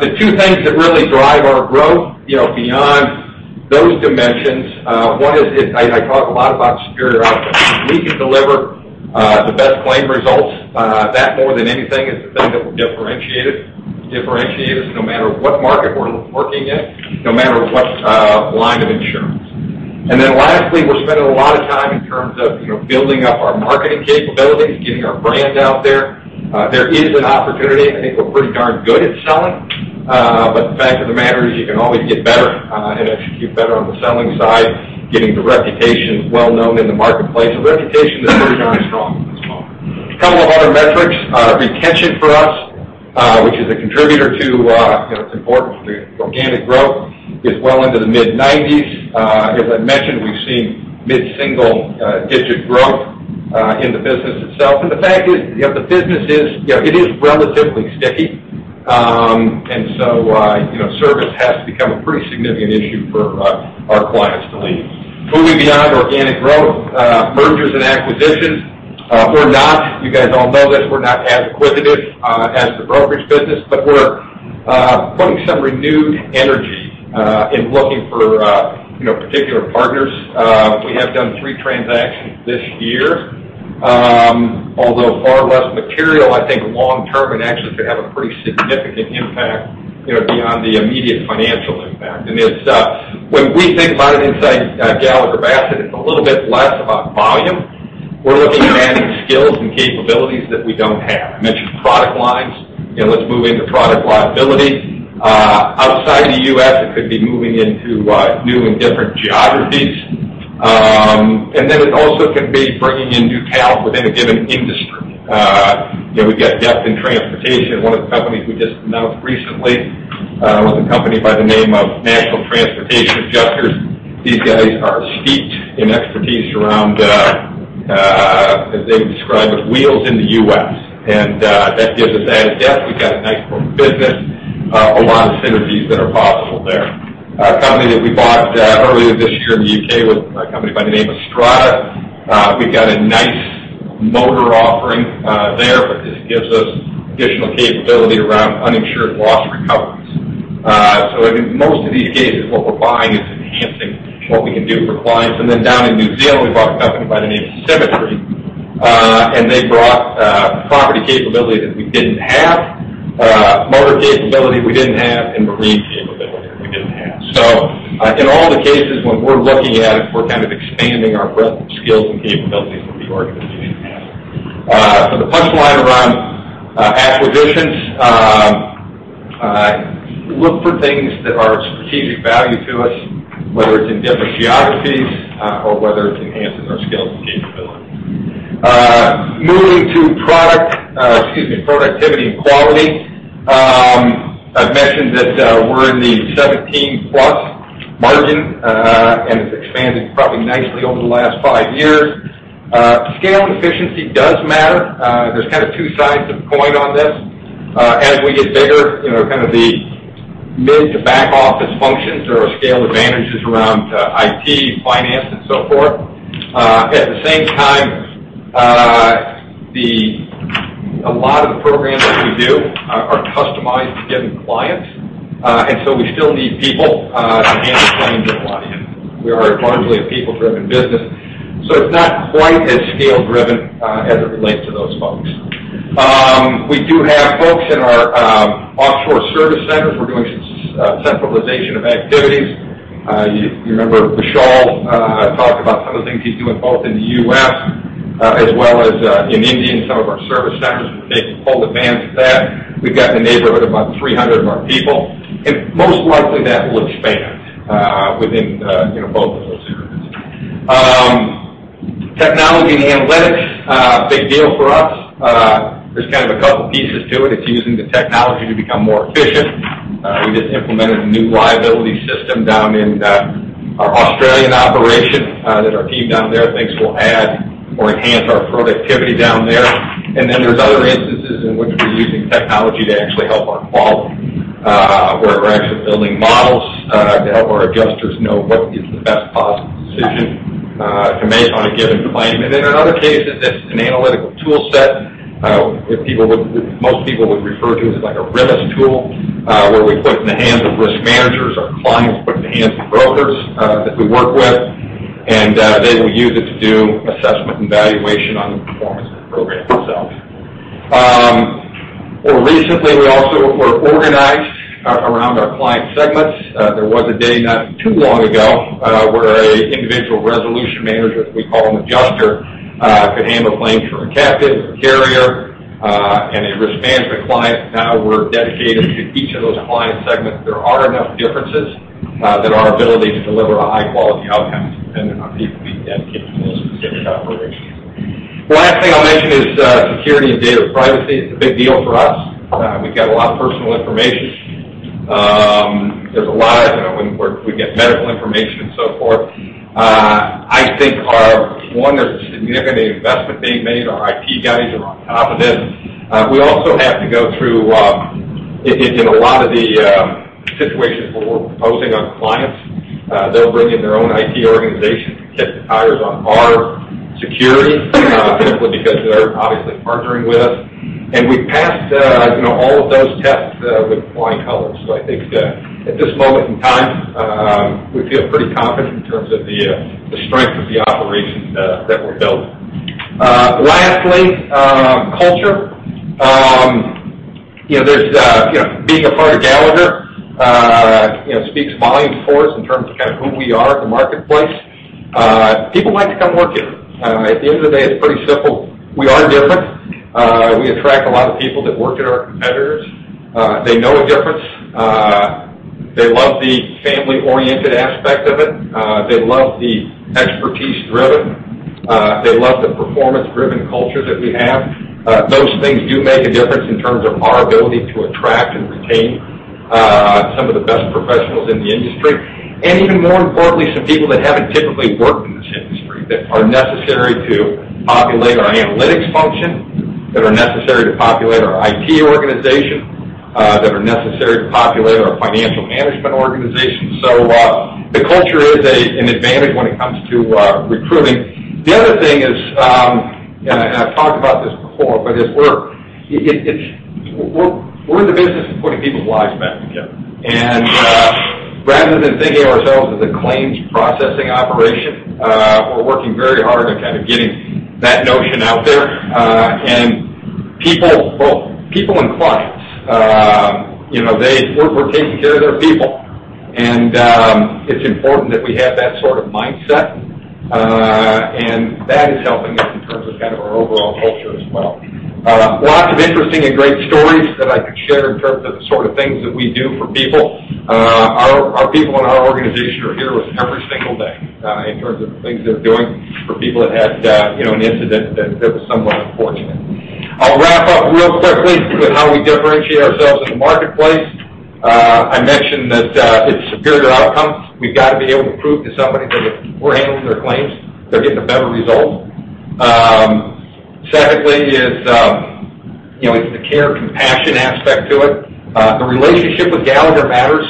The two things that really drive our growth beyond those dimensions. One is, I talk a lot about superior outcomes. If we can deliver the best claim results, that more than anything is the thing that will differentiate us no matter what market we're working in, no matter what line of insurance. Lastly, we're spending a lot of time in terms of building up our marketing capabilities, getting our brand out there. There is an opportunity. I think we're pretty darn good at selling. The fact of the matter is you can always get better and execute better on the selling side, getting the reputation well-known in the marketplace. Our reputation is pretty darn strong as well. A couple of other metrics. Retention for us, which is a contributor to organic growth, is well into the mid-90s. As I mentioned, we've seen mid-single digit growth in the business itself. The fact is, the business is relatively sticky. Service has to become a pretty significant issue for our clients to leave. Moving beyond organic growth. Mergers and acquisitions. You guys all know this, we're not as acquisitive as the brokerage business, but we're putting some renewed energy in looking for particular partners. We have done three transactions this year. Although far less material, I think long-term, it actually could have a pretty significant impact beyond the immediate financial impact. When we think about it inside Gallagher Bassett, it's a little bit less about volume. We're looking at adding skills and capabilities that we don't have. I mentioned product lines. Let's move into product liability. Outside the U.S., it could be moving into new and different geographies. Then it also can be bringing in new talent within a given industry. We've got depth in transportation. One of the companies we just announced recently, was a company by the name of National Transportation Adjusters. These guys are steeped in expertise around, as they would describe it, wheels in the U.S. That gives us added depth. We've got a nice core business, a lot of synergies that are possible there. A company that we bought earlier this year in the U.K. was a company by the name of Strada. This gives us additional capability around uninsured loss recoveries. In most of these cases, what we're buying is enhancing what we can do for clients. Then down in New Zealand, we bought a company by the name of Symmetry. They brought property capability that we didn't have, motor capability we didn't have, and marine capability we didn't have. In all the cases, when we're looking at it, we're expanding our breadth of skills and capabilities for the organization in half. The punchline around acquisitions. Look for things that are of strategic value to us, whether it's in different geographies or whether it's enhancing our skills and capabilities. Moving to productivity and quality. I've mentioned that we're in the 17%-plus margin, it's expanded probably nicely over the last five years. Scale and efficiency does matter. There's two sides of the coin on this. As we get bigger, the mid to back office functions, there are scale advantages around IT, finance, and so forth. At the same time, a lot of the programs that we do are customized to given clients, we still need people to handle claims with clients. We are largely a people-driven business. It's not quite as scale-driven as it relates to those folks. We do have folks in our offshore service centers. We're doing some centralization of activities. You remember Vishal talked about some of the things he's doing both in the U.S. as well as in India, in some of our service centers. We're making full advantage of that. We've got in the neighborhood of about 300 of our people. Most likely, that will expand within both of those areas. Technology and analytics, big deal for us. There's a couple pieces to it. It's using the technology to become more efficient. We just implemented a new liability system down in our Australian operation that our team down there thinks will add or enhance our productivity down there. Then there's other instances in which we're using technology to actually help our quality. Where we're actually building models to help our adjusters know what is the best possible decision to make on a given claim. Then in other cases, it's an analytical tool set, most people would refer to as like a risk tool, where we put it in the hands of risk managers or clients put it in the hands of brokers that we work with. They will use it to do assessment and valuation on the performance of the program itself. More recently, we also were organized around our client segments. There was a day not too long ago where an individual resolution manager, as we call them, adjuster, could handle claims from a captive, a carrier, and a risk management client. Now we're dedicated to each of those client segments. There are enough differences that our ability to deliver a high-quality outcome is dependent on people being dedicated to those specific operations. The last thing I'll mention is security and data privacy. It's a big deal for us. We've got a lot of personal information. We get medical information and so forth. I think there's a significant investment being made. Our IT guys are on top of this. We also have to go through, in a lot of the situations where we're proposing on clients, they'll bring in their own IT organization to test the tires on our security simply because they're obviously partnering with us. We've passed all of those tests with flying colors. I think that at this moment in time, we feel pretty confident in terms of the strength of the operation that we're building. Lastly, culture. Being a part of Gallagher speaks volumes for us in terms of who we are at the marketplace. People like to come work here. At the end of the day, it's pretty simple. We are different. We attract a lot of people that work at our competitors. They know a difference. They love the family-oriented aspect of it. They love the expertise-driven. They love the performance-driven culture that we have. Those things do make a difference in terms of our ability to attract and retain some of the best professionals in the industry. Even more importantly, some people that haven't typically worked in this industry that are necessary to populate our analytics function, that are necessary to populate our IT organization, that are necessary to populate our financial management organization. The culture is an advantage when it comes to recruiting. The other thing is, and I've talked about this before, but we're in the business of putting people's lives back together. Rather than thinking of ourselves as a claims processing operation, we're working very hard at getting that notion out there. People and clients, we're taking care of their people. It's important that we have that sort of mindset. That is helping us in terms of our overall culture as well. Lots of interesting and great stories that I could share in terms of the sort of things that we do for people. Our people in our organization are heroes every single day in terms of the things they're doing for people that had an incident that was somewhat unfortunate. I'll wrap up real quickly with how we differentiate ourselves in the marketplace. I mentioned that it's superior outcomes. We've got to be able to prove to somebody that if we're handling their claims, they're getting a better result. Secondly is the care, compassion aspect to it. The relationship with Gallagher matters.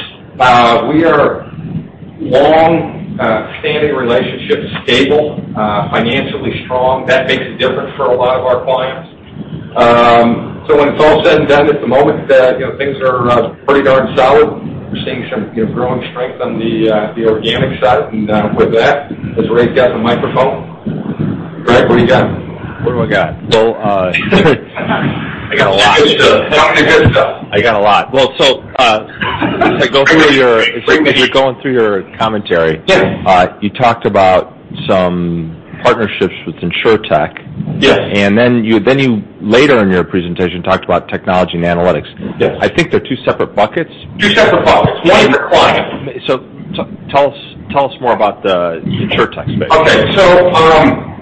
We are long-standing relationships, stable, financially strong. That makes a difference for a lot of our clients. When it's all said and done at the moment, things are pretty darn solid. We're seeing some growing strength on the organic side. With that, has Ray got the microphone? Greg, what do you got? What do I got? Well, I got a lot. Tell me the good stuff. I got a lot. Well, as you're going through your commentary. Yeah. You talked about some partnerships with insurtech. Yes. You later in your presentation talked about technology and analytics. Yes. I think they're two separate buckets. Two separate buckets. One is the client. Tell us more about the InsurTech space. Okay.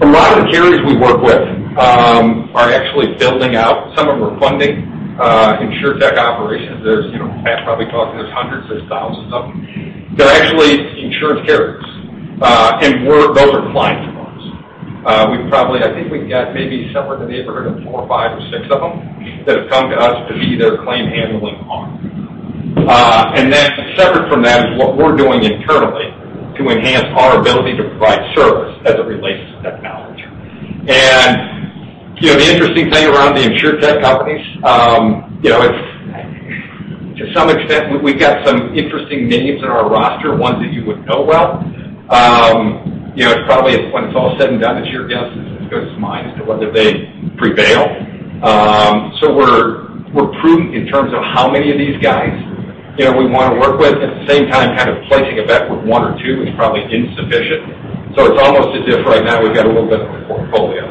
A lot of the carriers we work with are actually building out. Some of them are funding InsurTech operations. Pat's probably talking, there's hundreds, there's thousands of them. They're actually insurance carriers. Those are clients of ours. I think we've got maybe somewhere in the neighborhood of four, five, or six of them that have come to us to be their claim handling arm. Then separate from that is what we're doing internally to enhance our ability to provide service as it relates to technology. The interesting thing around the InsurTech companies, to some extent, we've got some interesting names in our roster, ones that you would know well. When it's all said and done, it's your guess as good as mine as to whether they prevail. We're prudent in terms of how many of these guys we want to work with. At the same time, placing a bet with one or two is probably insufficient. It's almost as if right now we've got a little bit of a portfolio.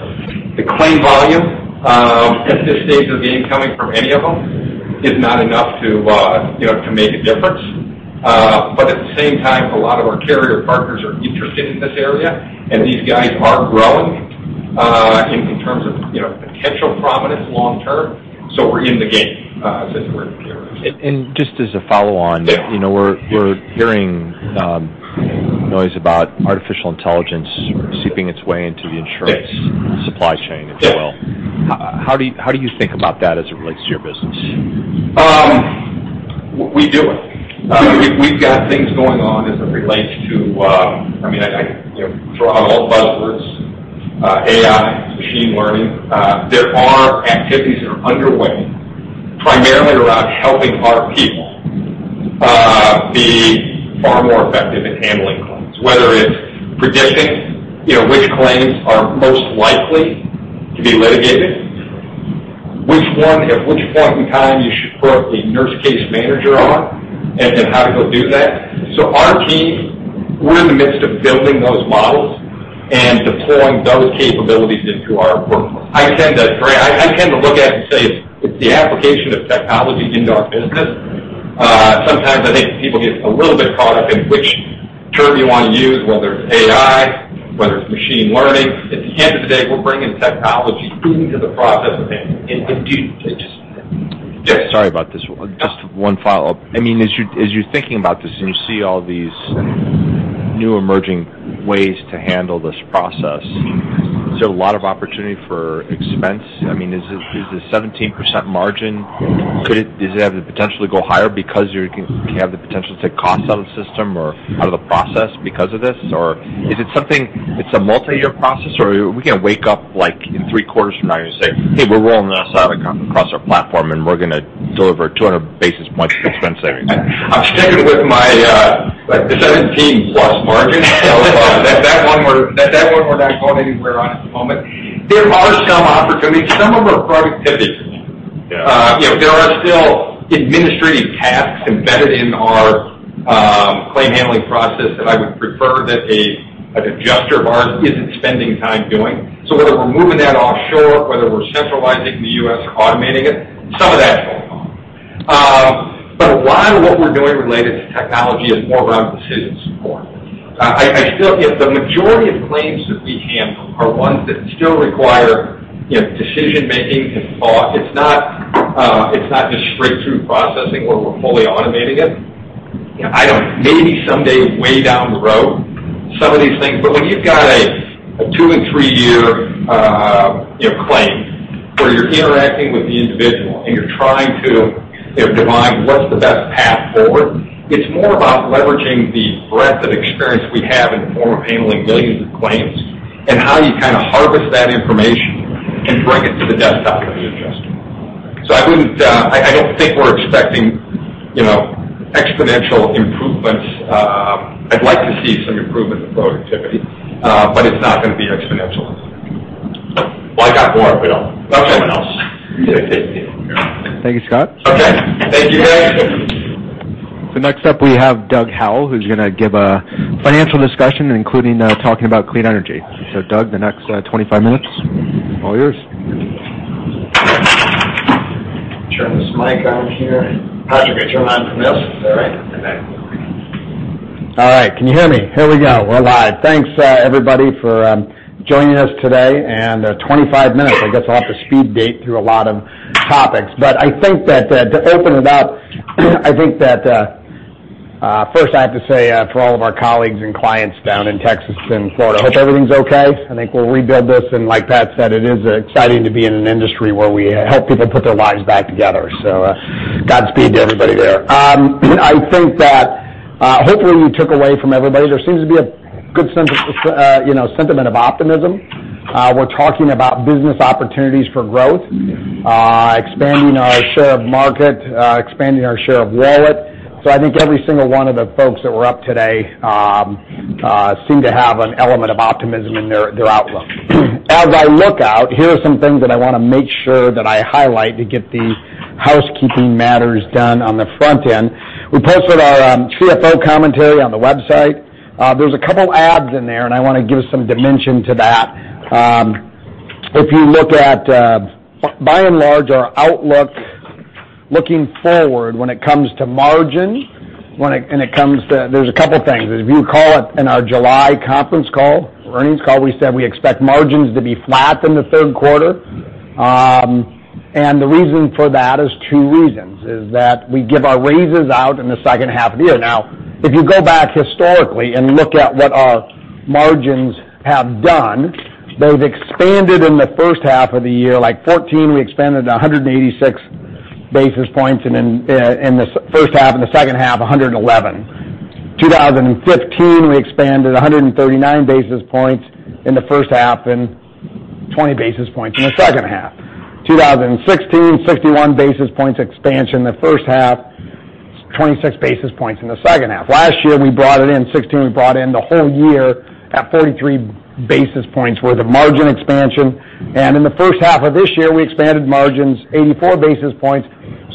The claim volume at this stage of the game coming from any of them is not enough to make a difference. At the same time, a lot of our carrier partners are interested in this area, these guys are growing in terms of potential prominence long term. We're in the game, so to speak. Just as a follow-on. Yeah. We're hearing noise about artificial intelligence seeping its way into the insurance supply chain as well. Yes. How do you think about that as it relates to your business? We do it. We've got things going on as it relates to I throw out all the buzzwords, AI, machine learning. There are activities that are underway primarily around helping our people be far more effective at handling claims, whether it's predicting which claims are most likely to be litigated, which one, at which point in time you should put a nurse case manager on, and how to go do that. Our team, we're in the midst of building those models and deploying those capabilities into our workflow. I tend to look at it and say it's the application of technology into our business. Sometimes I think people get a little bit caught up in which term you want to use, whether it's AI, whether it's machine learning. At the end of the day, we're bringing technology into the process of handling claims. Sorry about this. Yeah. Just one follow-up. As you're thinking about this and you see all these new emerging ways to handle this process, is there a lot of opportunity for expense? Is the 17% margin, does it have the potential to go higher because you can have the potential to take costs out of the system or out of the process because of this? Is it something, it's a multi-year process, or are we going to wake up like in 3 quarters from now, you're going to say, "Hey, we're rolling this out across our platform, and we're going to deliver 200 basis point expense savings. I'm sticking with my 17 plus margin. That one we're not going anywhere on at the moment. There are some opportunities. Some of them are productivity. Yeah. There are still administrative tasks embedded in our claim handling process that I would prefer that an adjuster of ours isn't spending time doing. Whether we're moving that offshore, whether we're centralizing in the U.S. or automating it, some of that is going on. A lot of what we're doing related to technology is more around decision support. The majority of claims that we handle are ones that still require decision-making and thought. It's not just straight-through processing where we're fully automating it. Maybe someday way down the road, some of these things. When you've got a 2 and 3-year claim where you're interacting with the individual and you're trying to divine what's the best path forward, it's more about leveraging the breadth of experience we have in the form of handling millions of claims and how you kind of harvest that information and bring it to the desktop of the adjuster. I don't think we're expecting exponential improvements. I'd like to see some improvement in productivity, but it's not going to be exponential. I got more, I'll let someone else get a taste here. Thank you, Scott. Okay. Thank you, guys. Next up, we have Doug Howell, who's going to give a financial discussion, including talking about clean energy. Doug, the next 25 minutes, all yours. Turn this mic on here. Patrick, I turn on for this? Is that right? Okay. All right. Can you hear me? Here we go. We're live. Thanks, everybody, for joining us today. 25 minutes, I guess I'll have to speed date through a lot of topics. I think that to open it up, I think that first I have to say for all of our colleagues and clients down in Texas and Florida, I hope everything's okay. I think we'll rebuild this, and like Pat said, it is exciting to be in an industry where we help people put their lives back together. Godspeed to everybody there. I think that hopefully you took away from everybody, there seems to be a good sentiment of optimism. We're talking about business opportunities for growth, expanding our share of market, expanding our share of wallet. I think every single one of the folks that were up today seem to have an element of optimism in their outlook. As I look out, here are some things that I want to make sure that I highlight to get the housekeeping matters done on the front end. We posted our CFO commentary on the website. There's a couple ads in there. I want to give some dimension to that. If you look at, by and large, our outlook looking forward when it comes to margin, there's a couple things. As you recall in our July conference call, earnings call, we said we expect margins to be flat in the third quarter. The reason for that is two reasons, is that we give our raises out in the second half of the year. Now, if you go back historically and look at what our margins have done, they've expanded in the first half of the year. Like 2014, we expanded 186 basis points in the first half, and the second half, 111. 2015, we expanded 139 basis points in the first half and 20 basis points in the second half. 2016, 61 basis points expansion in the first half, 26 basis points in the second half. Last year we brought it in, 2016 we brought in the whole year at 43 basis points worth of margin expansion. In the first half of this year, we expanded margins 84 basis points.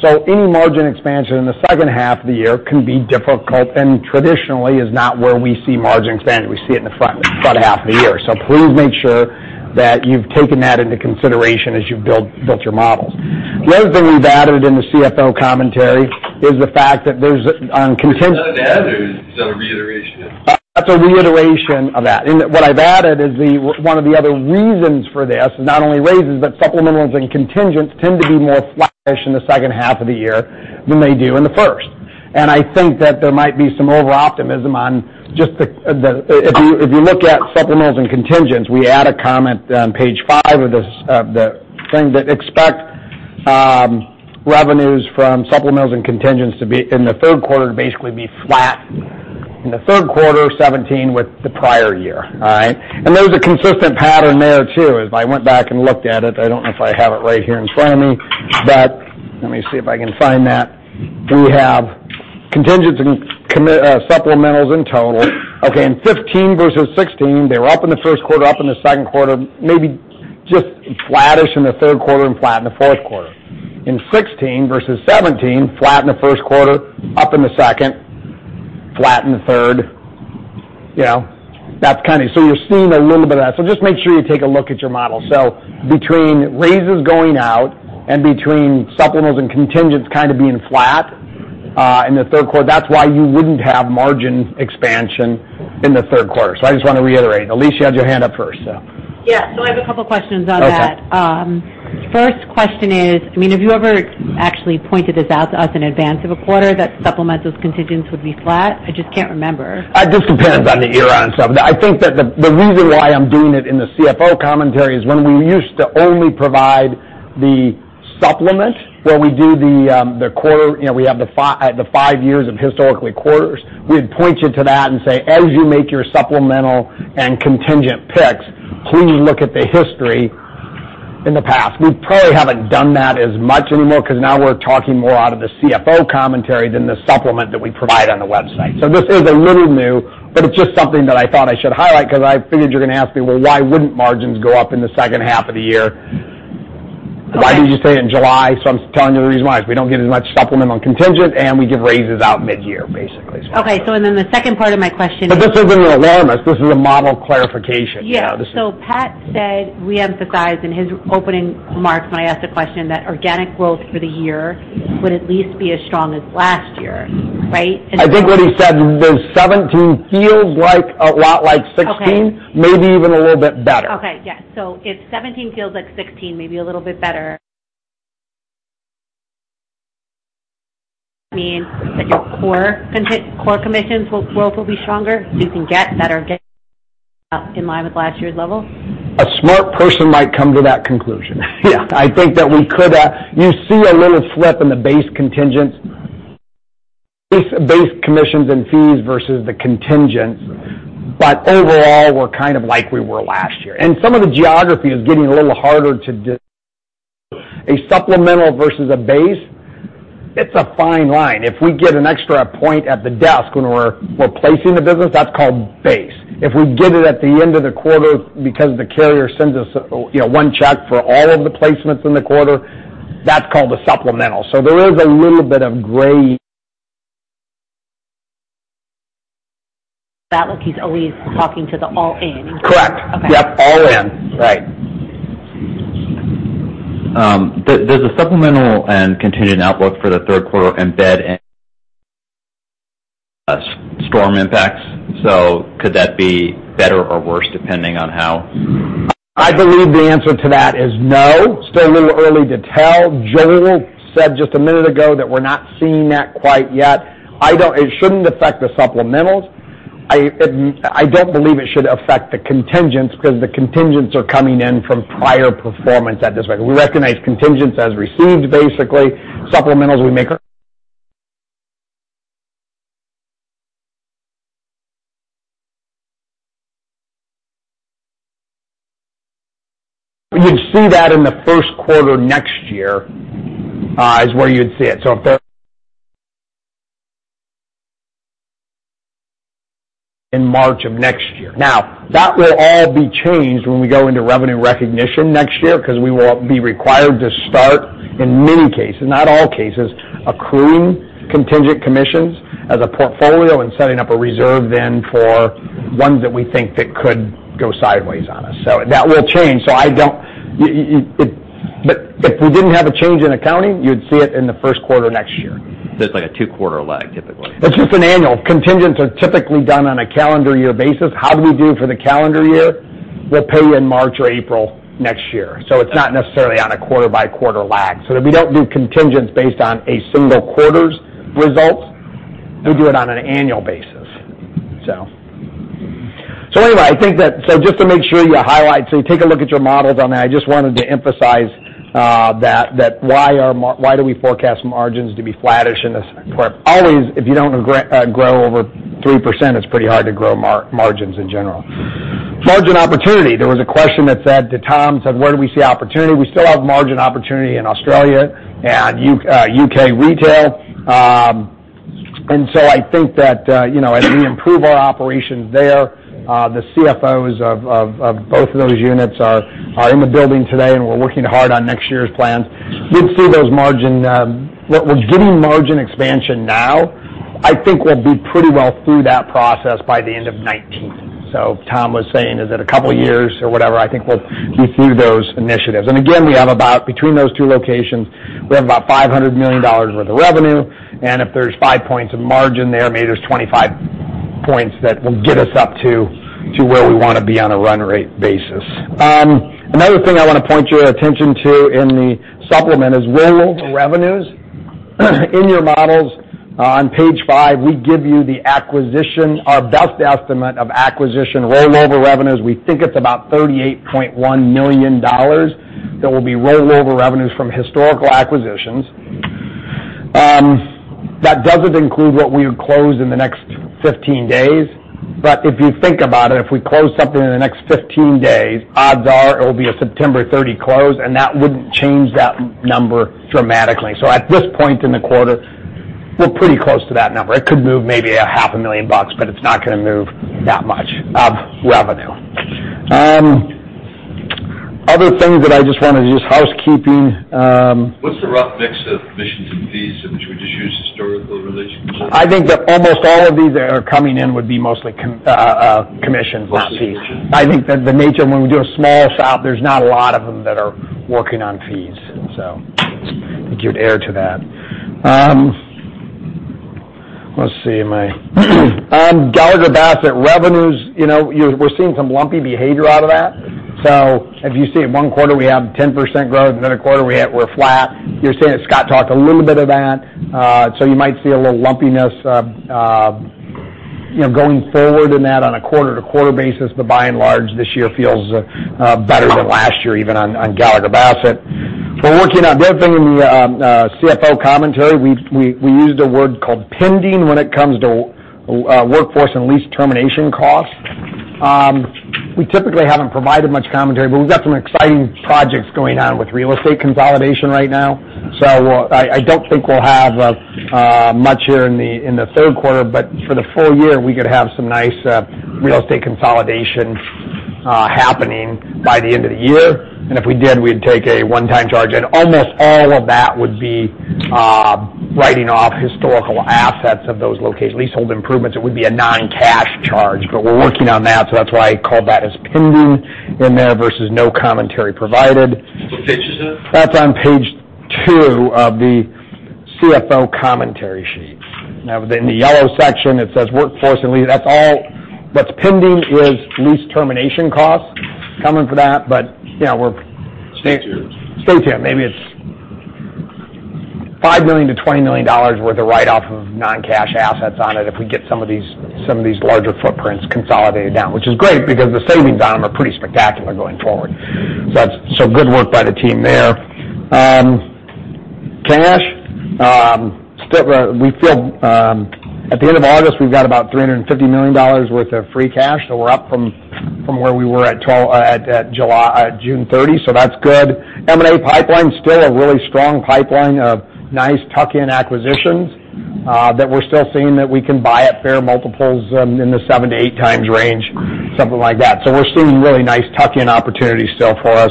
Any margin expansion in the second half of the year can be difficult and traditionally is not where we see margin expansion. We see it in the front half of the year. Please make sure that you've taken that into consideration as you've built your models. The other thing we've added in the CFO commentary is the fact that there's on contingent-. Is that added or is that a reiteration? That's a reiteration of that. What I've added is one of the other reasons for this is not only raises, but supplementals and contingents tend to be more flush in the second half of the year than they do in the first. I think that there might be some over-optimism on If you look at supplementals and contingents, we add a comment on page five of the thing that expect revenues from supplementals and contingents in the third quarter to basically be flat in the third quarter 2017 with the prior year. All right? There's a consistent pattern there too. As I went back and looked at it, I don't know if I have it right here in front of me, but let me see if I can find that. We have contingents and supplementals in total. Okay, in 2015 versus 2016, they were up in the first quarter, up in the second quarter, maybe just flattish in the third quarter and flat in the fourth quarter. In 2016 versus 2017, flat in the first quarter, up in the second, flat in the third. You're seeing a little bit of that. Just make sure you take a look at your model. Between raises going out and between supplementals and contingents kind of being flat in the third quarter, that's why you wouldn't have margin expansion in the third quarter. I just want to reiterate. Elyse, you had your hand up first. Yeah. I have a couple questions on that. Okay. First question is, have you ever actually pointed this out to us in advance of a quarter, that supplementals contingents would be flat? I just can't remember. It just depends on the era on some of it. I think the reason why I'm doing it in the CFO commentary is when we used to only provide the supplement, where we do the quarter, we have the five years of historical quarters. We'd point you to that and say, "As you make your supplemental and contingent picks, please look at the history in the past." We probably haven't done that as much anymore because now we're talking more out of the CFO commentary than the supplement that we provide on the website. This is a little new, but it's just something that I thought I should highlight because I figured you're going to ask me, "Well, why wouldn't margins go up in the second half of the year? Okay. Why did you say in July? I'm telling you the reason why, is we don't get as much supplement on contingent, and we give raises out mid-year, basically, is why. Okay. The second part of my question is- this isn't an alarmist, this is a model clarification. Yeah. This is. Pat said, re-emphasized in his opening remarks when I asked the question, that organic growth for the year would at least be as strong as last year, right? I think what he said, the 2017 feels like a lot like 2016. Okay. Maybe even a little bit better. Okay. Yeah. If 2017 feels like 2016, maybe a little bit better, means that your core commissions growth will be stronger, you can get better, get in line with last year's levels? A smart person might come to that conclusion. Yeah. I think that we could. You see a little slip in the base contingents. Base commissions and fees versus the contingents. Overall, we're kind of like we were last year. Some of the geography is getting a little harder to do. A supplemental versus a base, it's a fine line. If we get an extra point at the desk when we're placing the business, that's called base. If we get it at the end of the quarter because the carrier sends us one check for all of the placements in the quarter, that's called a supplemental. There is a little bit of gray. That look, he's always talking to the all-in. Correct. Okay. Yep, all in. Right. Does the supplemental and contingent outlook for the third quarter embed storm impacts? Could that be better or worse? I believe the answer to that is no. Still a little early to tell. Joel said just a minute ago that we're not seeing that quite yet. It shouldn't affect the supplementals. I don't believe it should affect the contingents, because the contingents are coming in from prior performance at this point. We recognize contingents as received, basically. Supplementals, You'd see that in the first quarter next year, is where you'd see it. In March of next year. That will all be changed when we go into Revenue Recognition next year, because we will be required to start in many cases, not all cases, accruing contingent commissions as a portfolio and setting up a reserve then for ones that we think that could go sideways on us. That will change. If we didn't have a change in accounting, you'd see it in the first quarter next year. It's like a two-quarter lag, typically. It's just an annual. Contingents are typically done on a calendar year basis. How do we do for the calendar year? We'll pay you in March or April next year. It's not necessarily on a quarter-by-quarter lag. We don't do contingents based on a single quarter's results. We do it on an annual basis. Anyway, I think that, just to make sure you highlight, take a look at your models on that. I just wanted to emphasize that why do we forecast margins to be flattish in the. Always, if you don't grow over 3%, it's pretty hard to grow margins in general. Margin opportunity. There was a question that said to Tom, said, where do we see opportunity? We still have margin opportunity in Australia and U.K. retail. I think that as we improve our operations there, the CFOs of both of those units are in the building today, and we're working hard on next year's plans. We'd see those margin. We're getting margin expansion now. I think we'll be pretty well through that process by the end of 2019. Tom was saying, is it a couple of years or whatever? I think we'll be through those initiatives. Again, between those two locations, we have about $500 million worth of revenue. If there's five points of margin there, maybe there's 25 points that will get us up to where we want to be on a run rate basis. Another thing I want to point your attention to in the supplement is rollover revenues. In your models on page five, we give you the acquisition, our best estimate of acquisition rollover revenues. We think it's about $38.1 million that will be rollover revenues from historical acquisitions. That doesn't include what we would close in the next 15 days. If you think about it, if we close something in the next 15 days, odds are it will be a September 30 close, and that wouldn't change that number dramatically. At this point in the quarter, we're pretty close to that number. It could move maybe a half a million dollars, but it's not going to move that much of revenue. Other things that I just wanted to housekeeping. What's the rough mix of commissions and fees? Should we just use historical relations? I think that almost all of these that are coming in would be mostly commissions or fees. Mostly commissions? I think that the nature when we do a small shop, there's not a lot of them that are working on fees. I think you'd err to that. Let's see. Gallagher Bassett revenues, we're seeing some lumpy behavior out of that. If you see it one quarter, we have 10% growth, another quarter we're flat. You're seeing it, Scott talked a little bit of that. You might see a little lumpiness going forward in that on a quarter-to-quarter basis. By and large, this year feels better than last year, even on Gallagher Bassett. The other thing in the CFO commentary, we used a word called pending when it comes to workforce and lease termination costs. We typically haven't provided much commentary, but we've got some exciting projects going on with real estate consolidation right now. I don't think we'll have much here in the third quarter, for the full year, we could have some nice real estate consolidation happening by the end of the year. If we did, we'd take a one-time charge and almost all of that would be writing off historical assets of those locations, leasehold improvements. It would be a non-cash charge, we're working on that. That's why I called that as pending in there versus no commentary provided. What page is it? That's on page two of the CFO commentary sheet. In the yellow section, it says workforce and lease. That's all. What's pending is lease termination costs coming for that. Stay tuned. Stay tuned. Maybe it's $5 million-$20 million worth of write-off of non-cash assets on it if we get some of these larger footprints consolidated down. Which is great because the savings on them are pretty spectacular going forward. Good work by the team there. Cash. At the end of August, we've got about $350 million worth of free cash. We're up from where we were at June 30, so that's good. M&A pipeline, still a really strong pipeline of nice tuck-in acquisitions that we're still seeing that we can buy at fair multiples in the 7-8 times range, something like that. We're seeing really nice tuck-in opportunities still for us.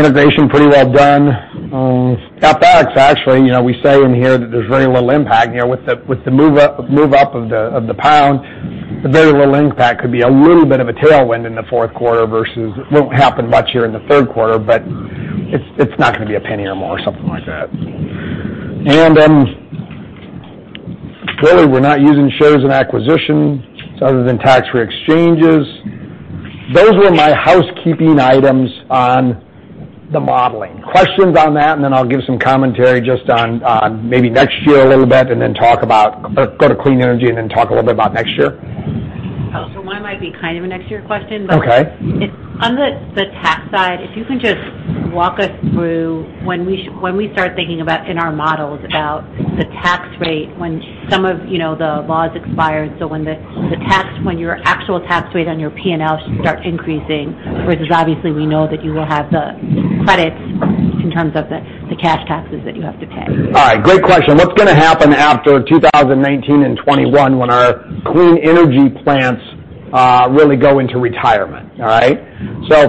Integration, pretty well done. CapEx, actually, we say in here that there's very little impact. With the move up of the pound, very little impact. Could be a little bit of a tailwind in the fourth quarter versus it won't happen much here in the third quarter, but it's not going to be $0.01 or more or something like that. Really, we're not using shares in acquisition other than tax-free exchanges. Those were my housekeeping items on the modeling. Questions on that, I'll give some commentary just on maybe next year a little bit, go to clean energy, talk a little bit about next year. Mine might be kind of a next year question. Okay on the tax side, if you can just walk us through when we start thinking in our models about the tax rate, when some of the laws expire. When your actual tax rate on your P&L should start increasing, versus obviously we know that you will have the credits in terms of the cash taxes that you have to pay. All right. Great question. What's going to happen after 2019 and 2021 when our clean energy plants really go into retirement? All right.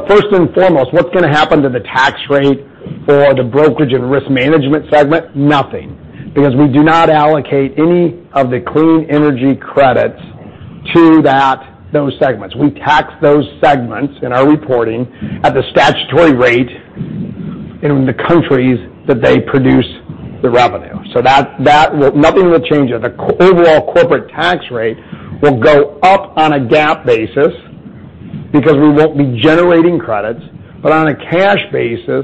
First and foremost, what's going to happen to the tax rate for the brokerage and risk management segment? Nothing, because we do not allocate any of the clean energy credits to those segments. We tax those segments in our reporting at the statutory rate in the countries that they produce the revenue. Nothing will change there. The overall corporate tax rate will go up on a GAAP basis because we won't be generating credits. On a cash basis,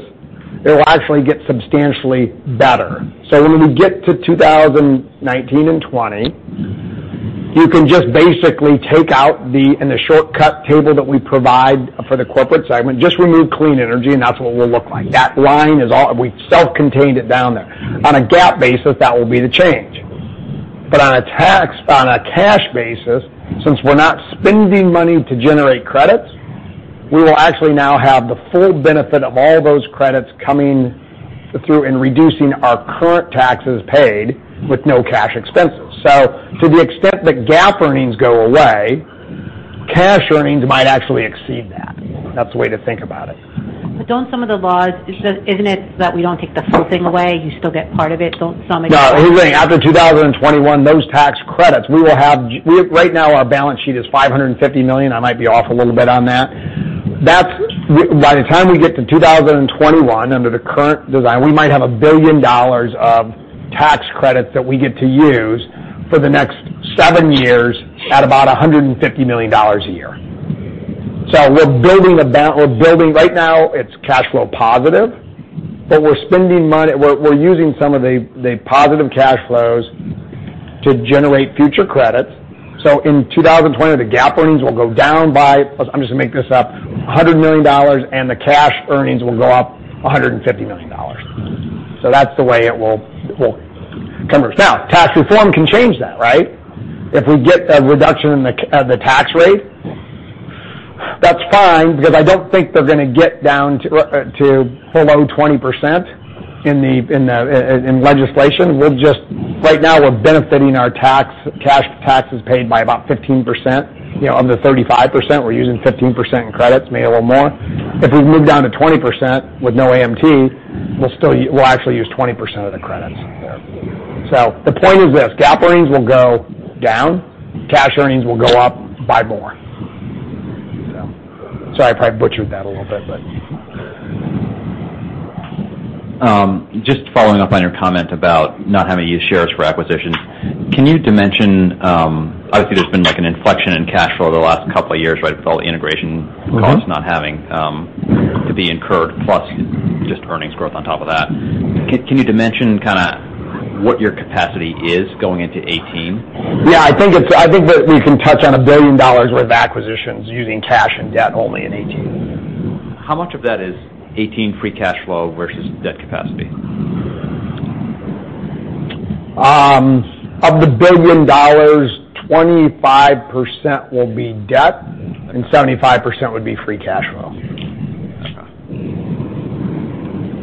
it will actually get substantially better. When we get to 2019 and 2020, you can just basically take out, in the shortcut table that we provide for the corporate segment, just remove clean energy, and that's what we'll look like. That line, we've self-contained it down there. On a GAAP basis, that will be the change. On a cash basis, since we're not spending money to generate credits, we will actually now have the full benefit of all those credits coming through and reducing our current taxes paid with no cash expenses. To the extent that GAAP earnings go away, cash earnings might actually exceed that. That's the way to think about it. Don't some of the laws-- Isn't it that we don't take the whole thing away? You still get part of it, don't some of these laws- No. Here's the thing. After 2021, those tax credits, right now, our balance sheet is $550 million. I might be off a little bit on that. By the time we get to 2021, under the current design, we might have $1 billion of tax credits that we get to use for the next seven years at about $150 million a year. We're building a balance. Right now, it's cash flow positive, but we're using some of the positive cash flows to generate future credits. In 2020, the GAAP earnings will go down by, I'm just going to make this up, $100 million, and the cash earnings will go up $150 million. That's the way it will convert. Now, tax reform can change that, right? If we get a reduction in the tax rate, that's fine, because I don't think they're going to get down to below 20% in legislation. Right now, we're benefiting our cash taxes paid by about 15%, of the 35%, we're using 15% in credits, maybe a little more. If we move down to 20% with no AMT, we'll actually use 20% of the credits. Yeah. The point is this, GAAP earnings will go down, cash earnings will go up by more. Sorry, I probably butchered that a little bit. Just following up on your comment about not having to use shares for acquisitions. Can you dimension, obviously, there's been an inflection in cash flow the last couple of years with all the integration costs not having to be incurred, plus just earnings growth on top of that. Can you dimension kind of what your capacity is going into 2018? Yeah, I think that we can touch on $1 billion worth of acquisitions using cash and debt only in 2018. How much of that is 2018 free cash flow versus debt capacity? Of the $1 billion, 25% will be debt and 75% would be free cash flow.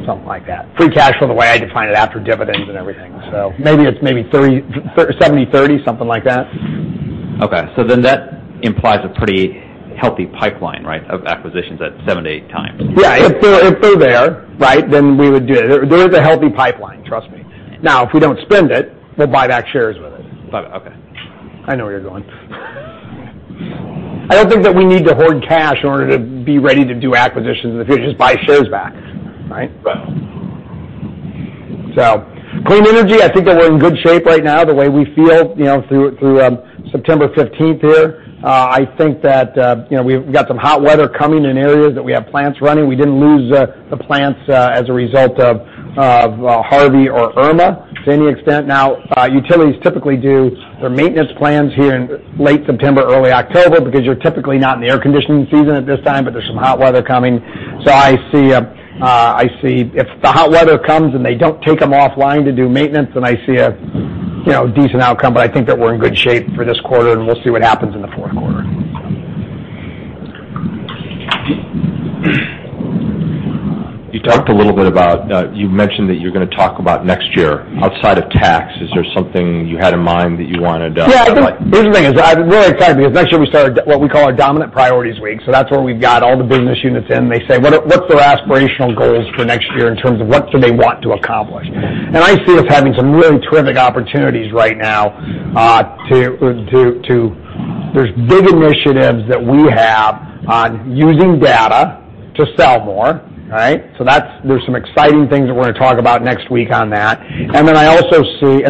Okay. Something like that. Free cash flow, the way I define it, after dividends and everything. Maybe it's 70/30, something like that. Okay. That implies a pretty healthy pipeline of acquisitions at 7 to 8 times. Yeah. If they're there, we would do it. There is a healthy pipeline, trust me. If we don't spend it, we'll buy back shares with it. Okay. I know where you're going. I don't think that we need to hoard cash in order to be ready to do acquisitions in the future. Just buy shares back. Right. Clean energy, I think that we're in good shape right now, the way we feel, through September 15th here. I think that we've got some hot weather coming in areas that we have plants running. We didn't lose the plants as a result of Harvey or Irma to any extent. Utilities typically do their maintenance plans here in late September, early October, because you're typically not in the air conditioning season at this time, there's some hot weather coming. I see if the hot weather comes, they don't take them offline to do maintenance, I see a decent outcome. I think that we're in good shape for this quarter, we'll see what happens in the fourth quarter. You mentioned that you're going to talk about next year. Outside of tax, is there something you had in mind that you wanted to highlight? Here's the thing, I'm really excited because next year we start what we call our Dominant Priorities Week. That's where we've got all the business units in, and they say what's their aspirational goals for next year in terms of what do they want to accomplish. There's big initiatives that we have on using data to sell more. There's some exciting things that we're going to talk about next week on that.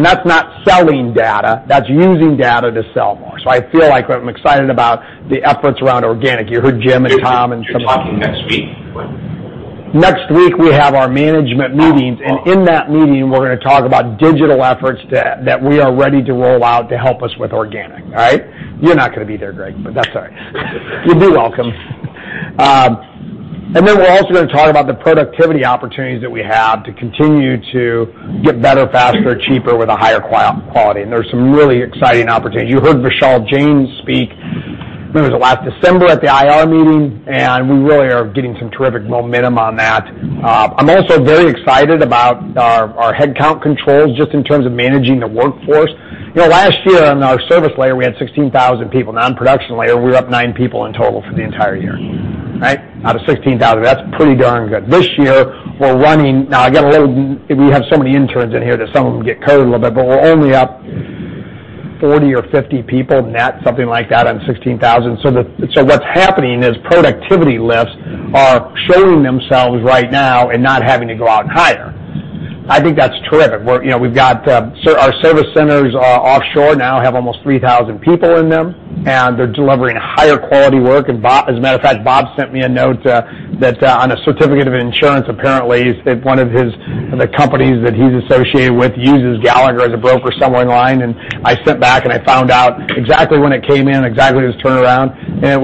That's not selling data, that's using data to sell more. I feel like I'm excited about the efforts around organic. You heard Jim and Tom and some of the You're talking next week? Next week, we have our management meetings, and in that meeting, we're going to talk about digital efforts that we are ready to roll out to help us with organic. You're not going to be there, Greg, but that's all right. You'd be welcome. We're also going to talk about the productivity opportunities that we have to continue to get better, faster, cheaper with a higher quality. There's some really exciting opportunities. You heard Vishal Jain speak, I think it was last December at the IR meeting, and we really are getting some terrific momentum on that. I'm also very excited about our headcount controls, just in terms of managing the workforce. Last year in our service layer, we had 16,000 people. In production layer, we're up nine people in total for the entire year. Out of 16,000, that's pretty darn good. This year, we're running We have so many interns in here that some of them get counted a little bit, but we're only up 40 or 50 people net, something like that on 16,000. What's happening is productivity lifts are showing themselves right now and not having to go out and hire. I think that's terrific. Our service centers offshore now have almost 3,000 people in them, and they're delivering higher quality work. As a matter of fact, Bob sent me a note that on a certificate of insurance, apparently, one of the companies that he's associated with uses Gallagher as a broker somewhere in line, and I sent back, and I found out exactly when it came in, exactly his turnaround, and it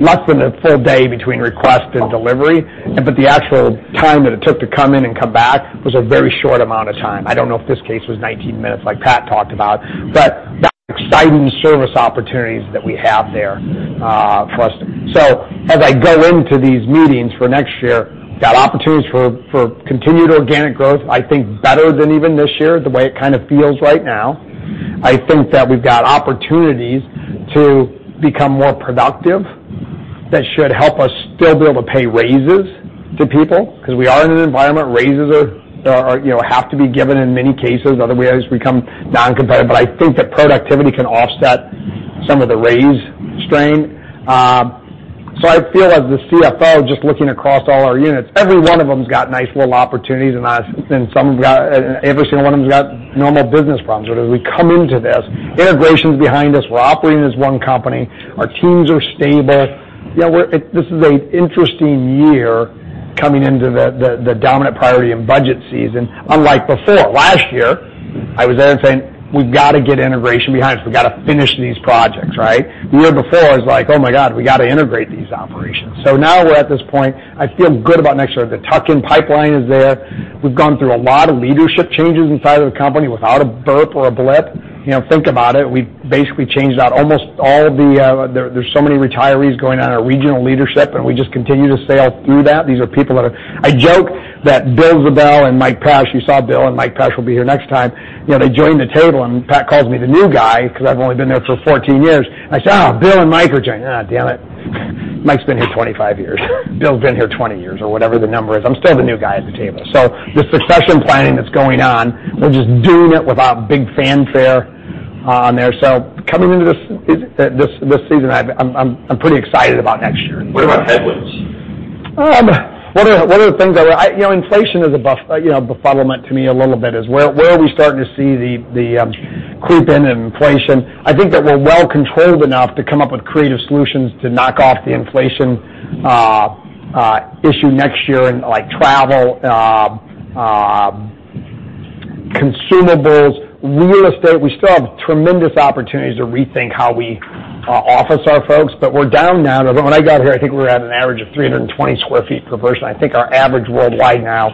was less than a full day between request and delivery. The actual time that it took to come in and come back was a very short amount of time. I don't know if this case was 19 minutes like Pat talked about, that exciting service opportunities that we have there for us. As I go into these meetings for next year, got opportunities for continued organic growth, I think better than even this year, the way it kind of feels right now. I think that we've got opportunities to become more productive. That should help us still be able to pay raises to people, because we are in an environment, raises have to be given in many cases, otherwise we become non-competitive. I think that productivity can offset some of the raise strain. I feel as the CFO, just looking across all our units, every one of them's got nice little opportunities, and every single one of them's got normal business problems. As we come into this, integration's behind us. We're operating as one company. Our teams are stable. Yeah. This is an interesting year coming into the dominant priority and budget season, unlike before. Last year, I was there saying, "We've got to get integration behind us. We've got to finish these projects," right. The year before, it was like, "Oh my God, we got to integrate these operations." Now we're at this point, I feel good about next year. The tuck-in pipeline is there. We've gone through a lot of leadership changes inside of the company without a burp or a blip. Think about it. We basically changed out almost all of the. There's so many retirees going on our regional leadership, we just continue to sail through that. These are people that are. I joke that Bill Ziebell and Mike Pesch, you saw Bill, Mike Pesch will be here next time. They joined the table, Pat calls me the new guy because I've only been there for 14 years. I said, "Oh, Bill and Mike are joining." Damn it. Mike's been here 25 years. Bill's been here 20 years, or whatever the number is. I'm still the new guy at the table. The succession planning that's going on, we're just doing it without big fanfare on there. Coming into this season, I'm pretty excited about next year. What about headwinds? One of the things Inflation is a befuddlement to me a little bit, is where are we starting to see the creep in of inflation? I think that we're well-controlled enough to come up with creative solutions to knock off the inflation issue next year in travel, consumables, real estate. We still have tremendous opportunities to rethink how we office our folks. We're down now When I got here, I think we were at an average of 320 sq ft per person. I think our average worldwide now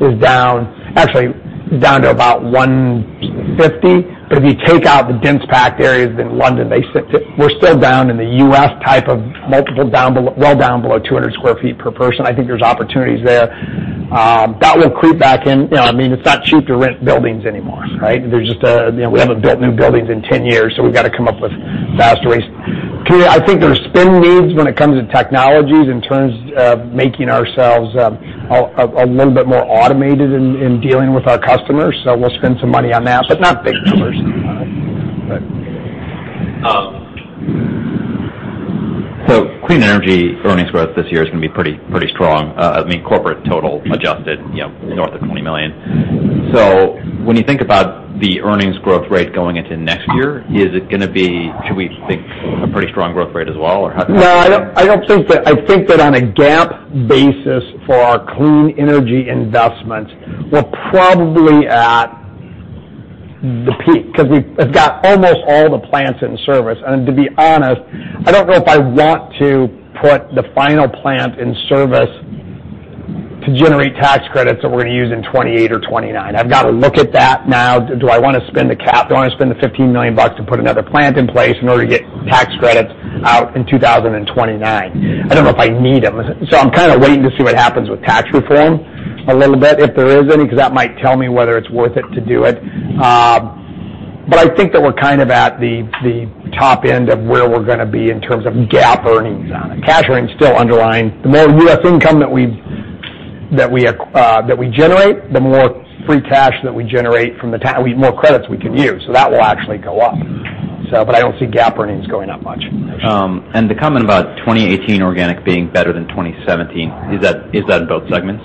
is down to about 150. If you take out the dense-packed areas in London, we're still down in the U.S. type of multiple, well down below 200 sq ft per person. I think there's opportunities there. That will creep back in. It's not cheap to rent buildings anymore, right? We haven't built new buildings in 10 years, we've got to come up with faster ways. Two, I think there's spend needs when it comes to technologies in terms of making ourselves a little bit more automated in dealing with our customers. We'll spend some money on that, not big numbers. Clean energy earnings growth this year is going to be pretty strong. Corporate total adjusted north of $20 million. When you think about the earnings growth rate going into next year, should we think a pretty strong growth rate as well? How do you? No. I think that on a GAAP basis for our clean energy investments, we're probably at the peak because we have got almost all the plants in service. To be honest, I don't know if I want to put the final plant in service to generate tax credits that we're going to use in 2028 or 2029. I've got to look at that now. Do I want to spend the CapEx? Do I want to spend the $15 million to put another plant in place in order to get tax credits out in 2029? I don't know if I need them. I'm kind of waiting to see what happens with tax reform a little bit, if there is any, because that might tell me whether it's worth it to do it. I think that we're at the top end of where we're going to be in terms of GAAP earnings on it. Cash earnings still underlying. The more U.S. income that we generate, the more free cash that we generate. The more credits we can use. That will actually go up. I don't see GAAP earnings going up much. The comment about 2018 organic being better than 2017, is that in both segments?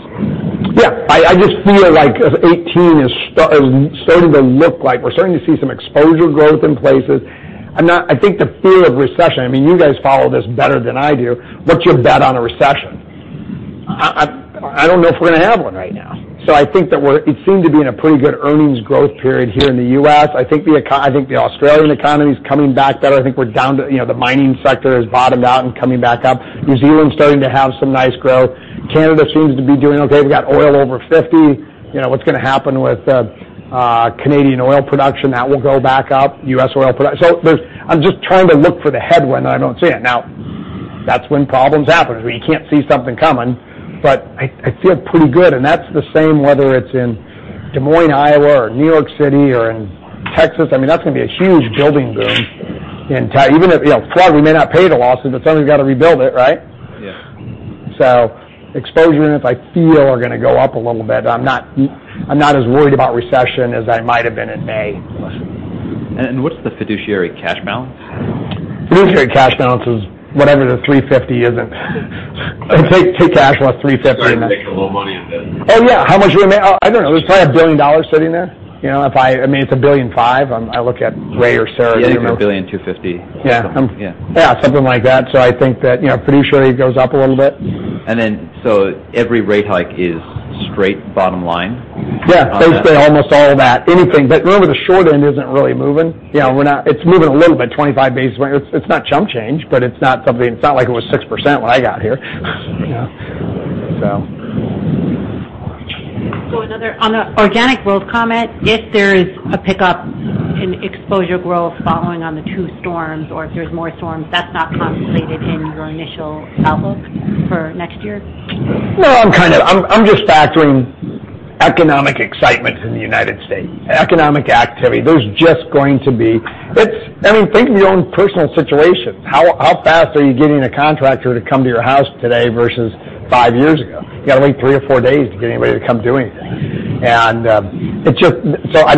I just feel like 2018 is starting to look like we're starting to see some exposure growth in places. I think the fear of recession, you guys follow this better than I do. What's your bet on a recession? I don't know if we're going to have one right now. I think that we seem to be in a pretty good earnings growth period here in the U.S. I think the Australian economy is coming back better. I think the mining sector has bottomed out and coming back up. New Zealand's starting to have some nice growth. Canada seems to be doing okay. We've got oil over 50. What's going to happen with Canadian oil production? That will go back up. U.S. oil production. I'm just trying to look for the headwind, and I don't see it. That's when problems happen, is when you can't see something coming. I feel pretty good, and that's the same whether it's in Des Moines, Iowa or New York City or in Texas. That's going to be a huge building boom. Even if flood, we may not pay the losses, but somebody's got to rebuild it, right? Yeah. Exposure units I feel are going to go up a little bit. I'm not as worried about recession as I might have been in May. What's the fiduciary cash balance? Fiduciary cash balance is whatever the 350 isn't. Take cash, what, 350. Sorry, you're making a little money on this. Oh, yeah. How much are we I don't know. There's probably $1 billion sitting there. It's $1.5 billion. I look at Ray or Sara to. Yeah. I think $1.25 billion. Yeah. Yeah. Yeah, something like that. I think that fiduciary goes up a little bit. Every rate hike is straight bottom line? Yeah. Basically, almost all of that. Anything. Remember, the short end isn't really moving. It's moving a little bit, 25 basis points. It's not chump change, but it's not like it was 6% when I got here. Yeah. So. Another on the organic growth comment, if there is a pickup in exposure growth following on the two storms, or if there's more storms, that's not contemplated in your initial outlook for next year? No. I'm just factoring economic excitement in the United States. Economic activity. There's just going to be. Think of your own personal situation. How fast are you getting a contractor to come to your house today versus five years ago? You've got to wait three or four days to get anybody to come do anything. I'm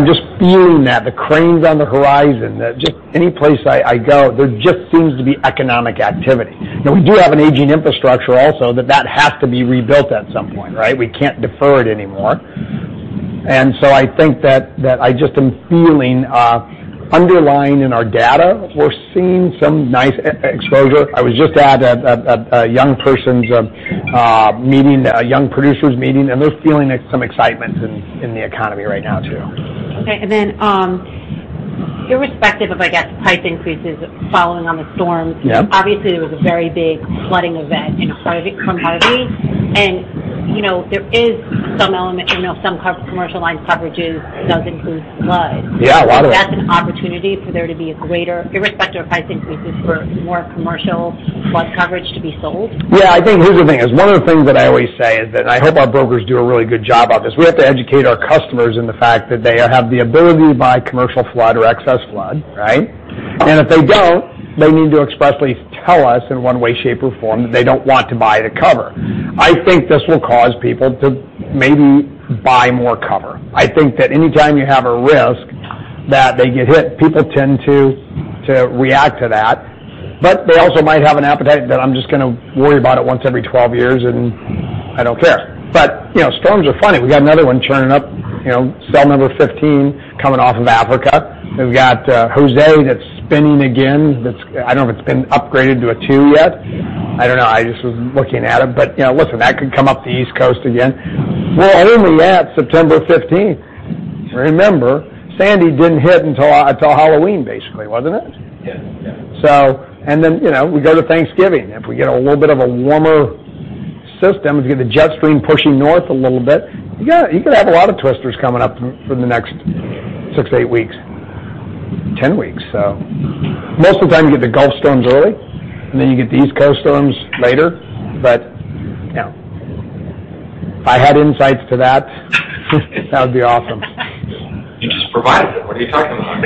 just feeling that. The cranes on the horizon. Just any place I go, there just seems to be economic activity. Now, we do have an aging infrastructure also that has to be rebuilt at some point, right? We can't defer it anymore. I think that I just am feeling underlying in our data, we're seeing some nice exposure. I was just at a young person's meeting, a young producer's meeting, and they're feeling some excitement in the economy right now, too. Okay, irrespective of, I guess, price increases following on the storms- Yep there was a very big flooding event in a part of the country. there is some element, some commercial line coverages does include flood. Yeah, a lot of them. That's an opportunity for there to be a greater, irrespective of price increases, for more commercial flood coverage to be sold? Yeah, I think here's the thing, is one of the things that I always say is that I hope our brokers do a really good job of this. We have to educate our customers in the fact that they have the ability to buy commercial flood or excess flood, right? If they don't, they need to expressly tell us in one way, shape, or form that they don't want to buy the cover. I think this will cause people to maybe buy more cover. I think that any time you have a risk that they get hit, people tend to react to that. they also might have an appetite that I'm just going to worry about it once every 12 years, and I don't care. storms are funny. We got another one churning up, cell number 15 coming off of Africa. We've got Hurricane Jose that's spinning again. I don't know if it's been upgraded to a 2 yet. I don't know. I just was looking at them. Listen, that could come up the East Coast again. We're only at September 15th. Remember, Sandy didn't hit until Halloween, basically, wasn't it? Yeah. Then we go to Thanksgiving. If we get a little bit of a warmer system, if we get the jet stream pushing north a little bit, you could have a lot of twisters coming up for the next six to eight weeks, 10 weeks. Most of the time, you get the Gulf storms early, and then you get the East Coast storms later. If I had insights to that would be awesome. You just provided it. What are you talking about?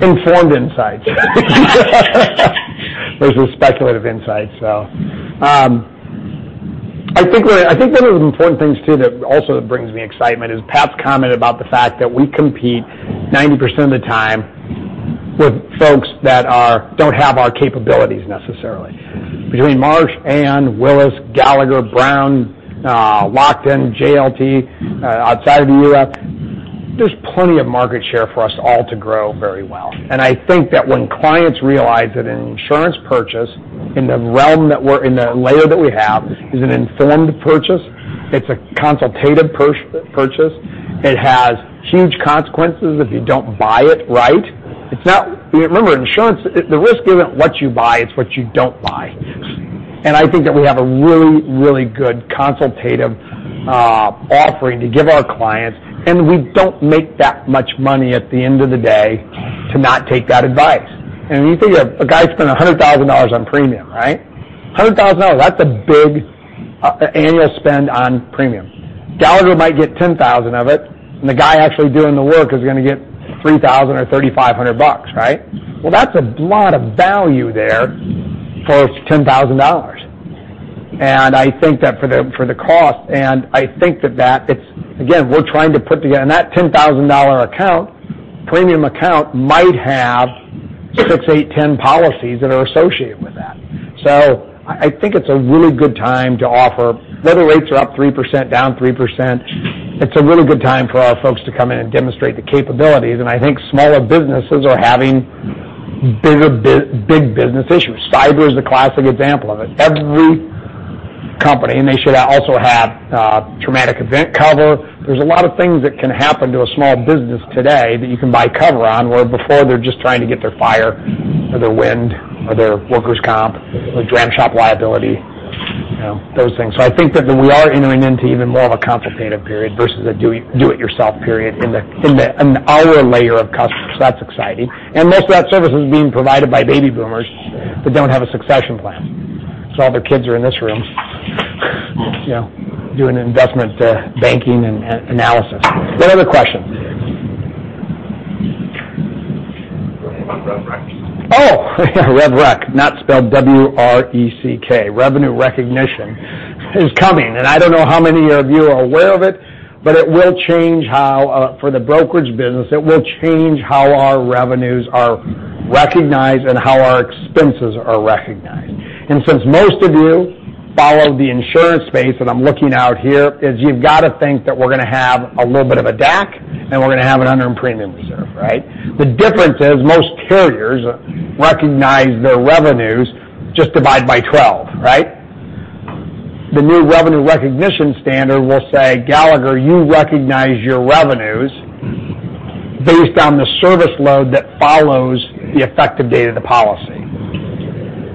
Informed insights. Those are speculative insights. I think one of the important things, too, that also brings me excitement is Pat's comment about the fact that we compete 90% of the time with folks that don't have our capabilities necessarily. Between Marsh and Willis, Gallagher, Brown, Lockton, JLT outside of the U.S., there's plenty of market share for us all to grow very well. I think that when clients realize that an insurance purchase in the realm, in the layer that we have is an informed purchase, it's a consultative purchase, it has huge consequences if you don't buy it right. Remember, insurance, the risk isn't what you buy, it's what you don't buy. I think that we have a really, really good consultative offering to give our clients, and we don't make that much money at the end of the day to not take that advice. When you think of a guy spending $100,000 on premium, right? $100,000, that's a big annual spend on premium. Gallagher might get $10,000 of it, and the guy actually doing the work is going to get $3,000 or $3,500, right? Well, that's a lot of value there for $10,000. I think that for the cost, I think that it's. Again, we're trying to put together. That $10,000 account, premium account might have six, eight, 10 policies that are associated with that. I think it's a really good time to offer. Liberty rates are up 3%, down 3%. It's a really good time for our folks to come in and demonstrate the capabilities, I think smaller businesses are having big business issues. Cyber is a classic example of it. Every company, they should also have traumatic event cover. There's a lot of things that can happen to a small business today that you can buy cover on, where before they're just trying to get their fire or their wind or their workers' comp, or dram shop liability, those things. I think that we are entering into even more of a consultative period versus a do it yourself period in our layer of customers. That's exciting. Most of that service is being provided by baby boomers that don't have a succession plan. All their kids are in this room, doing investment banking and analysis. What other questions? What about Revenue Recognition? Yeah. Rev rec, not spelled W-R-E-C-K. Revenue Recognition is coming, I don't know how many of you are aware of it will change how, for the brokerage business, it will change how our revenues are recognized and how our expenses are recognized. Since most of you follow the insurance space, I'm looking out here, is you've got to think that we're going to have a little bit of a DAC, we're going to have an unearned premium reserve, right? The difference is most carriers recognize their revenues, just divide by 12, right? The new Revenue Recognition standard will say, "Gallagher, you recognize your revenues based on the service load that follows the effective date of the policy."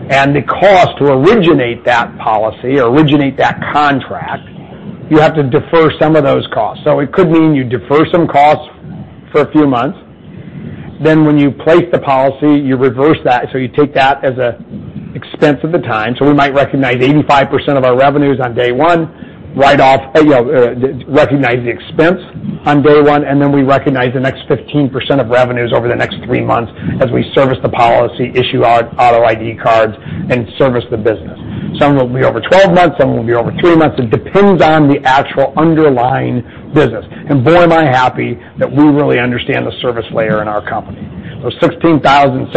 The cost to originate that policy or originate that contract, you have to defer some of those costs. It could mean you defer some costs for a few months. When you place the policy, you reverse that. You take that as an expense at the time. We might recognize 85% of our revenues on day one, recognize the expense on day one, and then we recognize the next 15% of revenues over the next three months as we service the policy, issue auto ID cards, and service the business. Some will be over 12 months, some will be over two months. It depends on the actual underlying business. Boy, am I happy that we really understand the service layer in our company. Those 16,779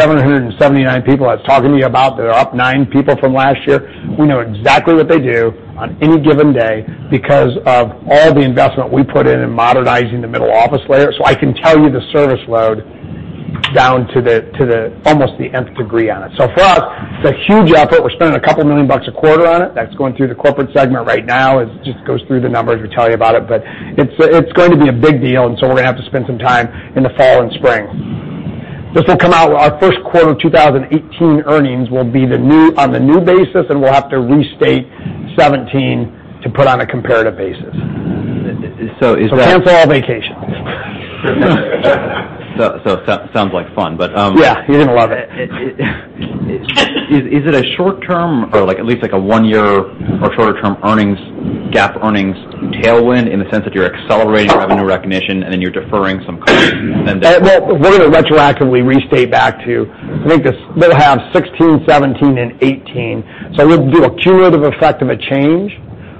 people I was talking to you about, they're up nine people from last year. We know exactly what they do on any given day because of all the investment we put in modernizing the middle office layer. I can tell you the service load Down to almost the nth degree on it. For us, it's a huge effort. We're spending a couple million dollars a quarter on it. That's going through the corporate segment right now. It just goes through the numbers, we tell you about it's going to be a big deal, we're going to have to spend some time in the fall and spring. This will come out, our first quarter of 2018 earnings will be on the new basis, and we'll have to restate 2017 to put on a comparative basis. Is that. Cancel all vacations. Sounds like fun, but. Yeah. You're going to love it. Is it a short term, or at least a one-year or shorter-term GAAP earnings tailwind in the sense that you're accelerating Revenue Recognition and then you're deferring some costs? Well, we're going to retroactively restate back to, I think, they'll have 2016, 2017, and 2018. It'll do a cumulative effect of a change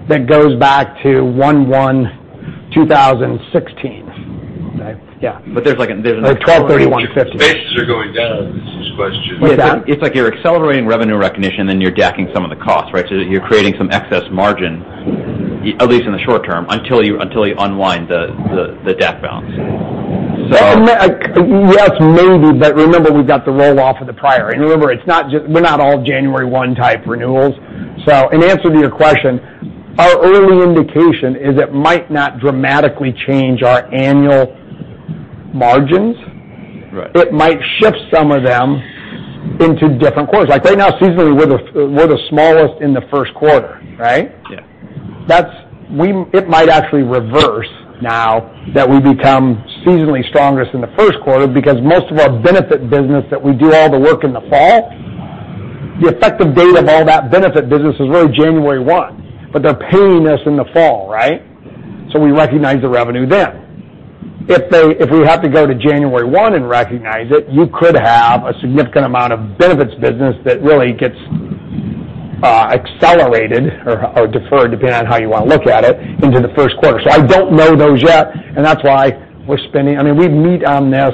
that goes back to 01/01/2016. Okay. Yeah. there's like an It's 12/31/2015. Bases are going down is his question. What's that? It's like you're accelerating Revenue Recognition, then you're DACing some of the cost, right? You're creating some excess margin, at least in the short term, until you unwind the DAC balance. Yes, maybe, remember, we've got the roll-off of the prior. Remember, we're not all January 1-type renewals. In answer to your question, our early indication is it might not dramatically change our annual margins. Right. It might shift some of them into different quarters. Like right now, seasonally, we're the smallest in the first quarter, right? Yeah. It might actually reverse now that we become seasonally strongest in the first quarter because most of our benefit business that we do all the work in the fall, the effective date of all that benefit business is really January 1, they're paying us in the fall, right? We recognize the revenue then. If we have to go to January 1 and recognize it, you could have a significant amount of benefits business that really gets accelerated or deferred, depending on how you want to look at it, into the first quarter. I don't know those yet. We meet on this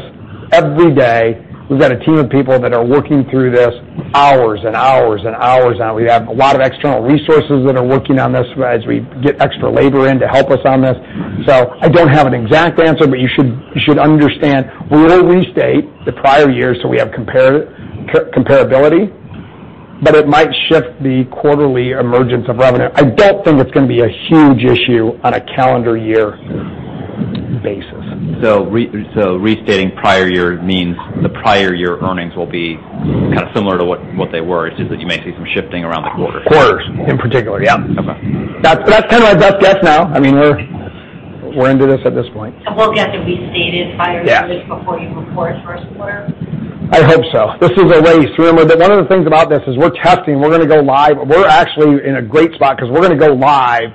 every day. We've got a team of people that are working through this hours and hours. We have a lot of external resources that are working on this as we get extra labor in to help us on this. I don't have an exact answer, but you should understand we will restate the prior year so we have comparability, but it might shift the quarterly emergence of revenue. I don't think it's going to be a huge issue on a calendar year basis. Restating prior year means the prior year earnings will be kind of similar to what they were. It's just that you may see some shifting around the quarters. Quarters, in particular. Yeah. Okay. That's kind of our best guess now. We're into this at this point. we'll get the restated prior year- Yeah. -before you report first quarter? I hope so. This is a race. Remember that one of the things about this is we're testing. We're actually in a great spot because we're going to go live,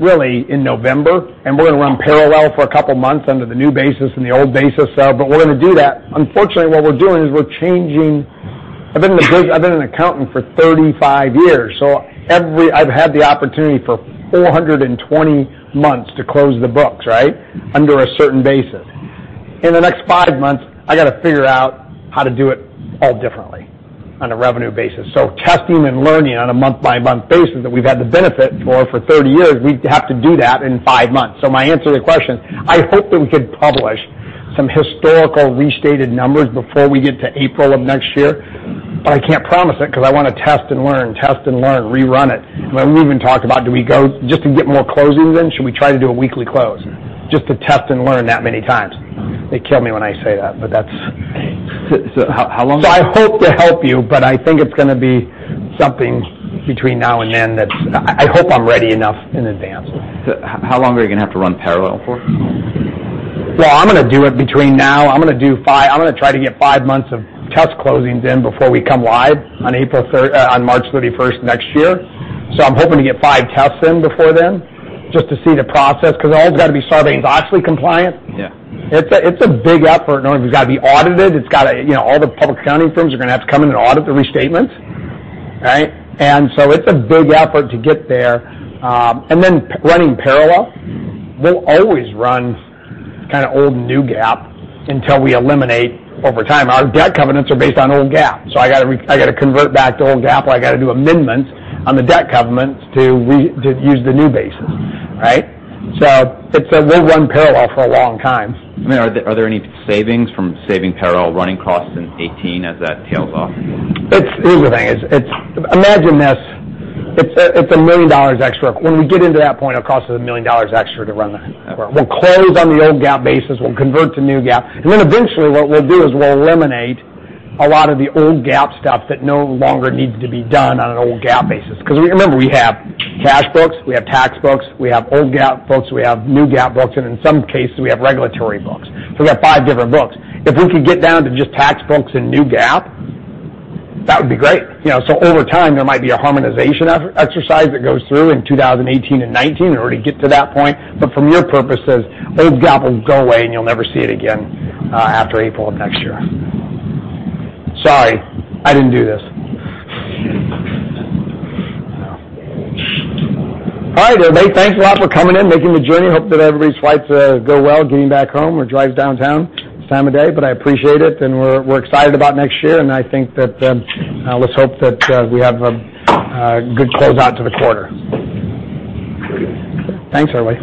really, in November, and we're going to run parallel for a couple of months under the new basis and the old basis. We're going to do that. Unfortunately, what we're doing is I've been an accountant for 35 years, so I've had the opportunity for 420 months to close the books, right? Under a certain basis. In the next five months, I got to figure out how to do it all differently on a revenue basis. Testing and learning on a month-by-month basis that we've had the benefit for 30 years, we have to do that in five months. My answer to your question, I hope that we could publish some historical restated numbers before we get to April of next year. I can't promise it because I want to test and learn, test and learn, rerun it. We even talked about just to get more closings in, should we try to do a weekly close? Just to test and learn that many times. They kill me when I say that, but that's how long is it? I hope to help you, but I think it's going to be something between now and then that I hope I'm ready enough in advance. how long are you going to have to run parallel for? I'm going to do it between now, I'm going to try to get five months of test closings in before we come live on March 31st next year. I'm hoping to get five tests in before then, just to see the process, because it all has got to be Sarbanes-Oxley compliant. Yeah. It's a big effort. It's got to be audited. All the public accounting firms are going to have to come in and audit the restatements. Right? It's a big effort to get there. Running parallel, we'll always run old/new GAAP until we eliminate over time. Our debt covenants are based on old GAAP, so I got to convert back to old GAAP, or I got to do amendments on the debt covenants to use the new basis. Right? We'll run parallel for a long time. Are ther`e any savings from saving parallel running costs in 2018 as that tails off? Here's the thing. Imagine this. It's $1 million extra. When we get into that point, it'll cost us $1 million extra to run that. We'll close on the old GAAP basis, we'll convert to new GAAP, and then eventually what we'll do is we'll eliminate a lot of the old GAAP stuff that no longer needs to be done on an old GAAP basis. Remember, we have cash books, we have tax books, we have old GAAP books, we have new GAAP books, and in some cases, we have regulatory books. We got five different books. If we could get down to just tax books and new GAAP, that would be great. Over time, there might be a harmonization exercise that goes through in 2018 and 2019 in order to get to that point. From your purposes, old GAAP will go away, and you'll never see it again after April of next year. Sorry, I didn't do this. All right, everybody. Thanks a lot for coming in, making the journey. Hope that everybody's flights go well getting back home or drives downtown this time of day. I appreciate it, and we're excited about next year. Let's hope that we have a good closeout to the quarter. Thanks, everybody.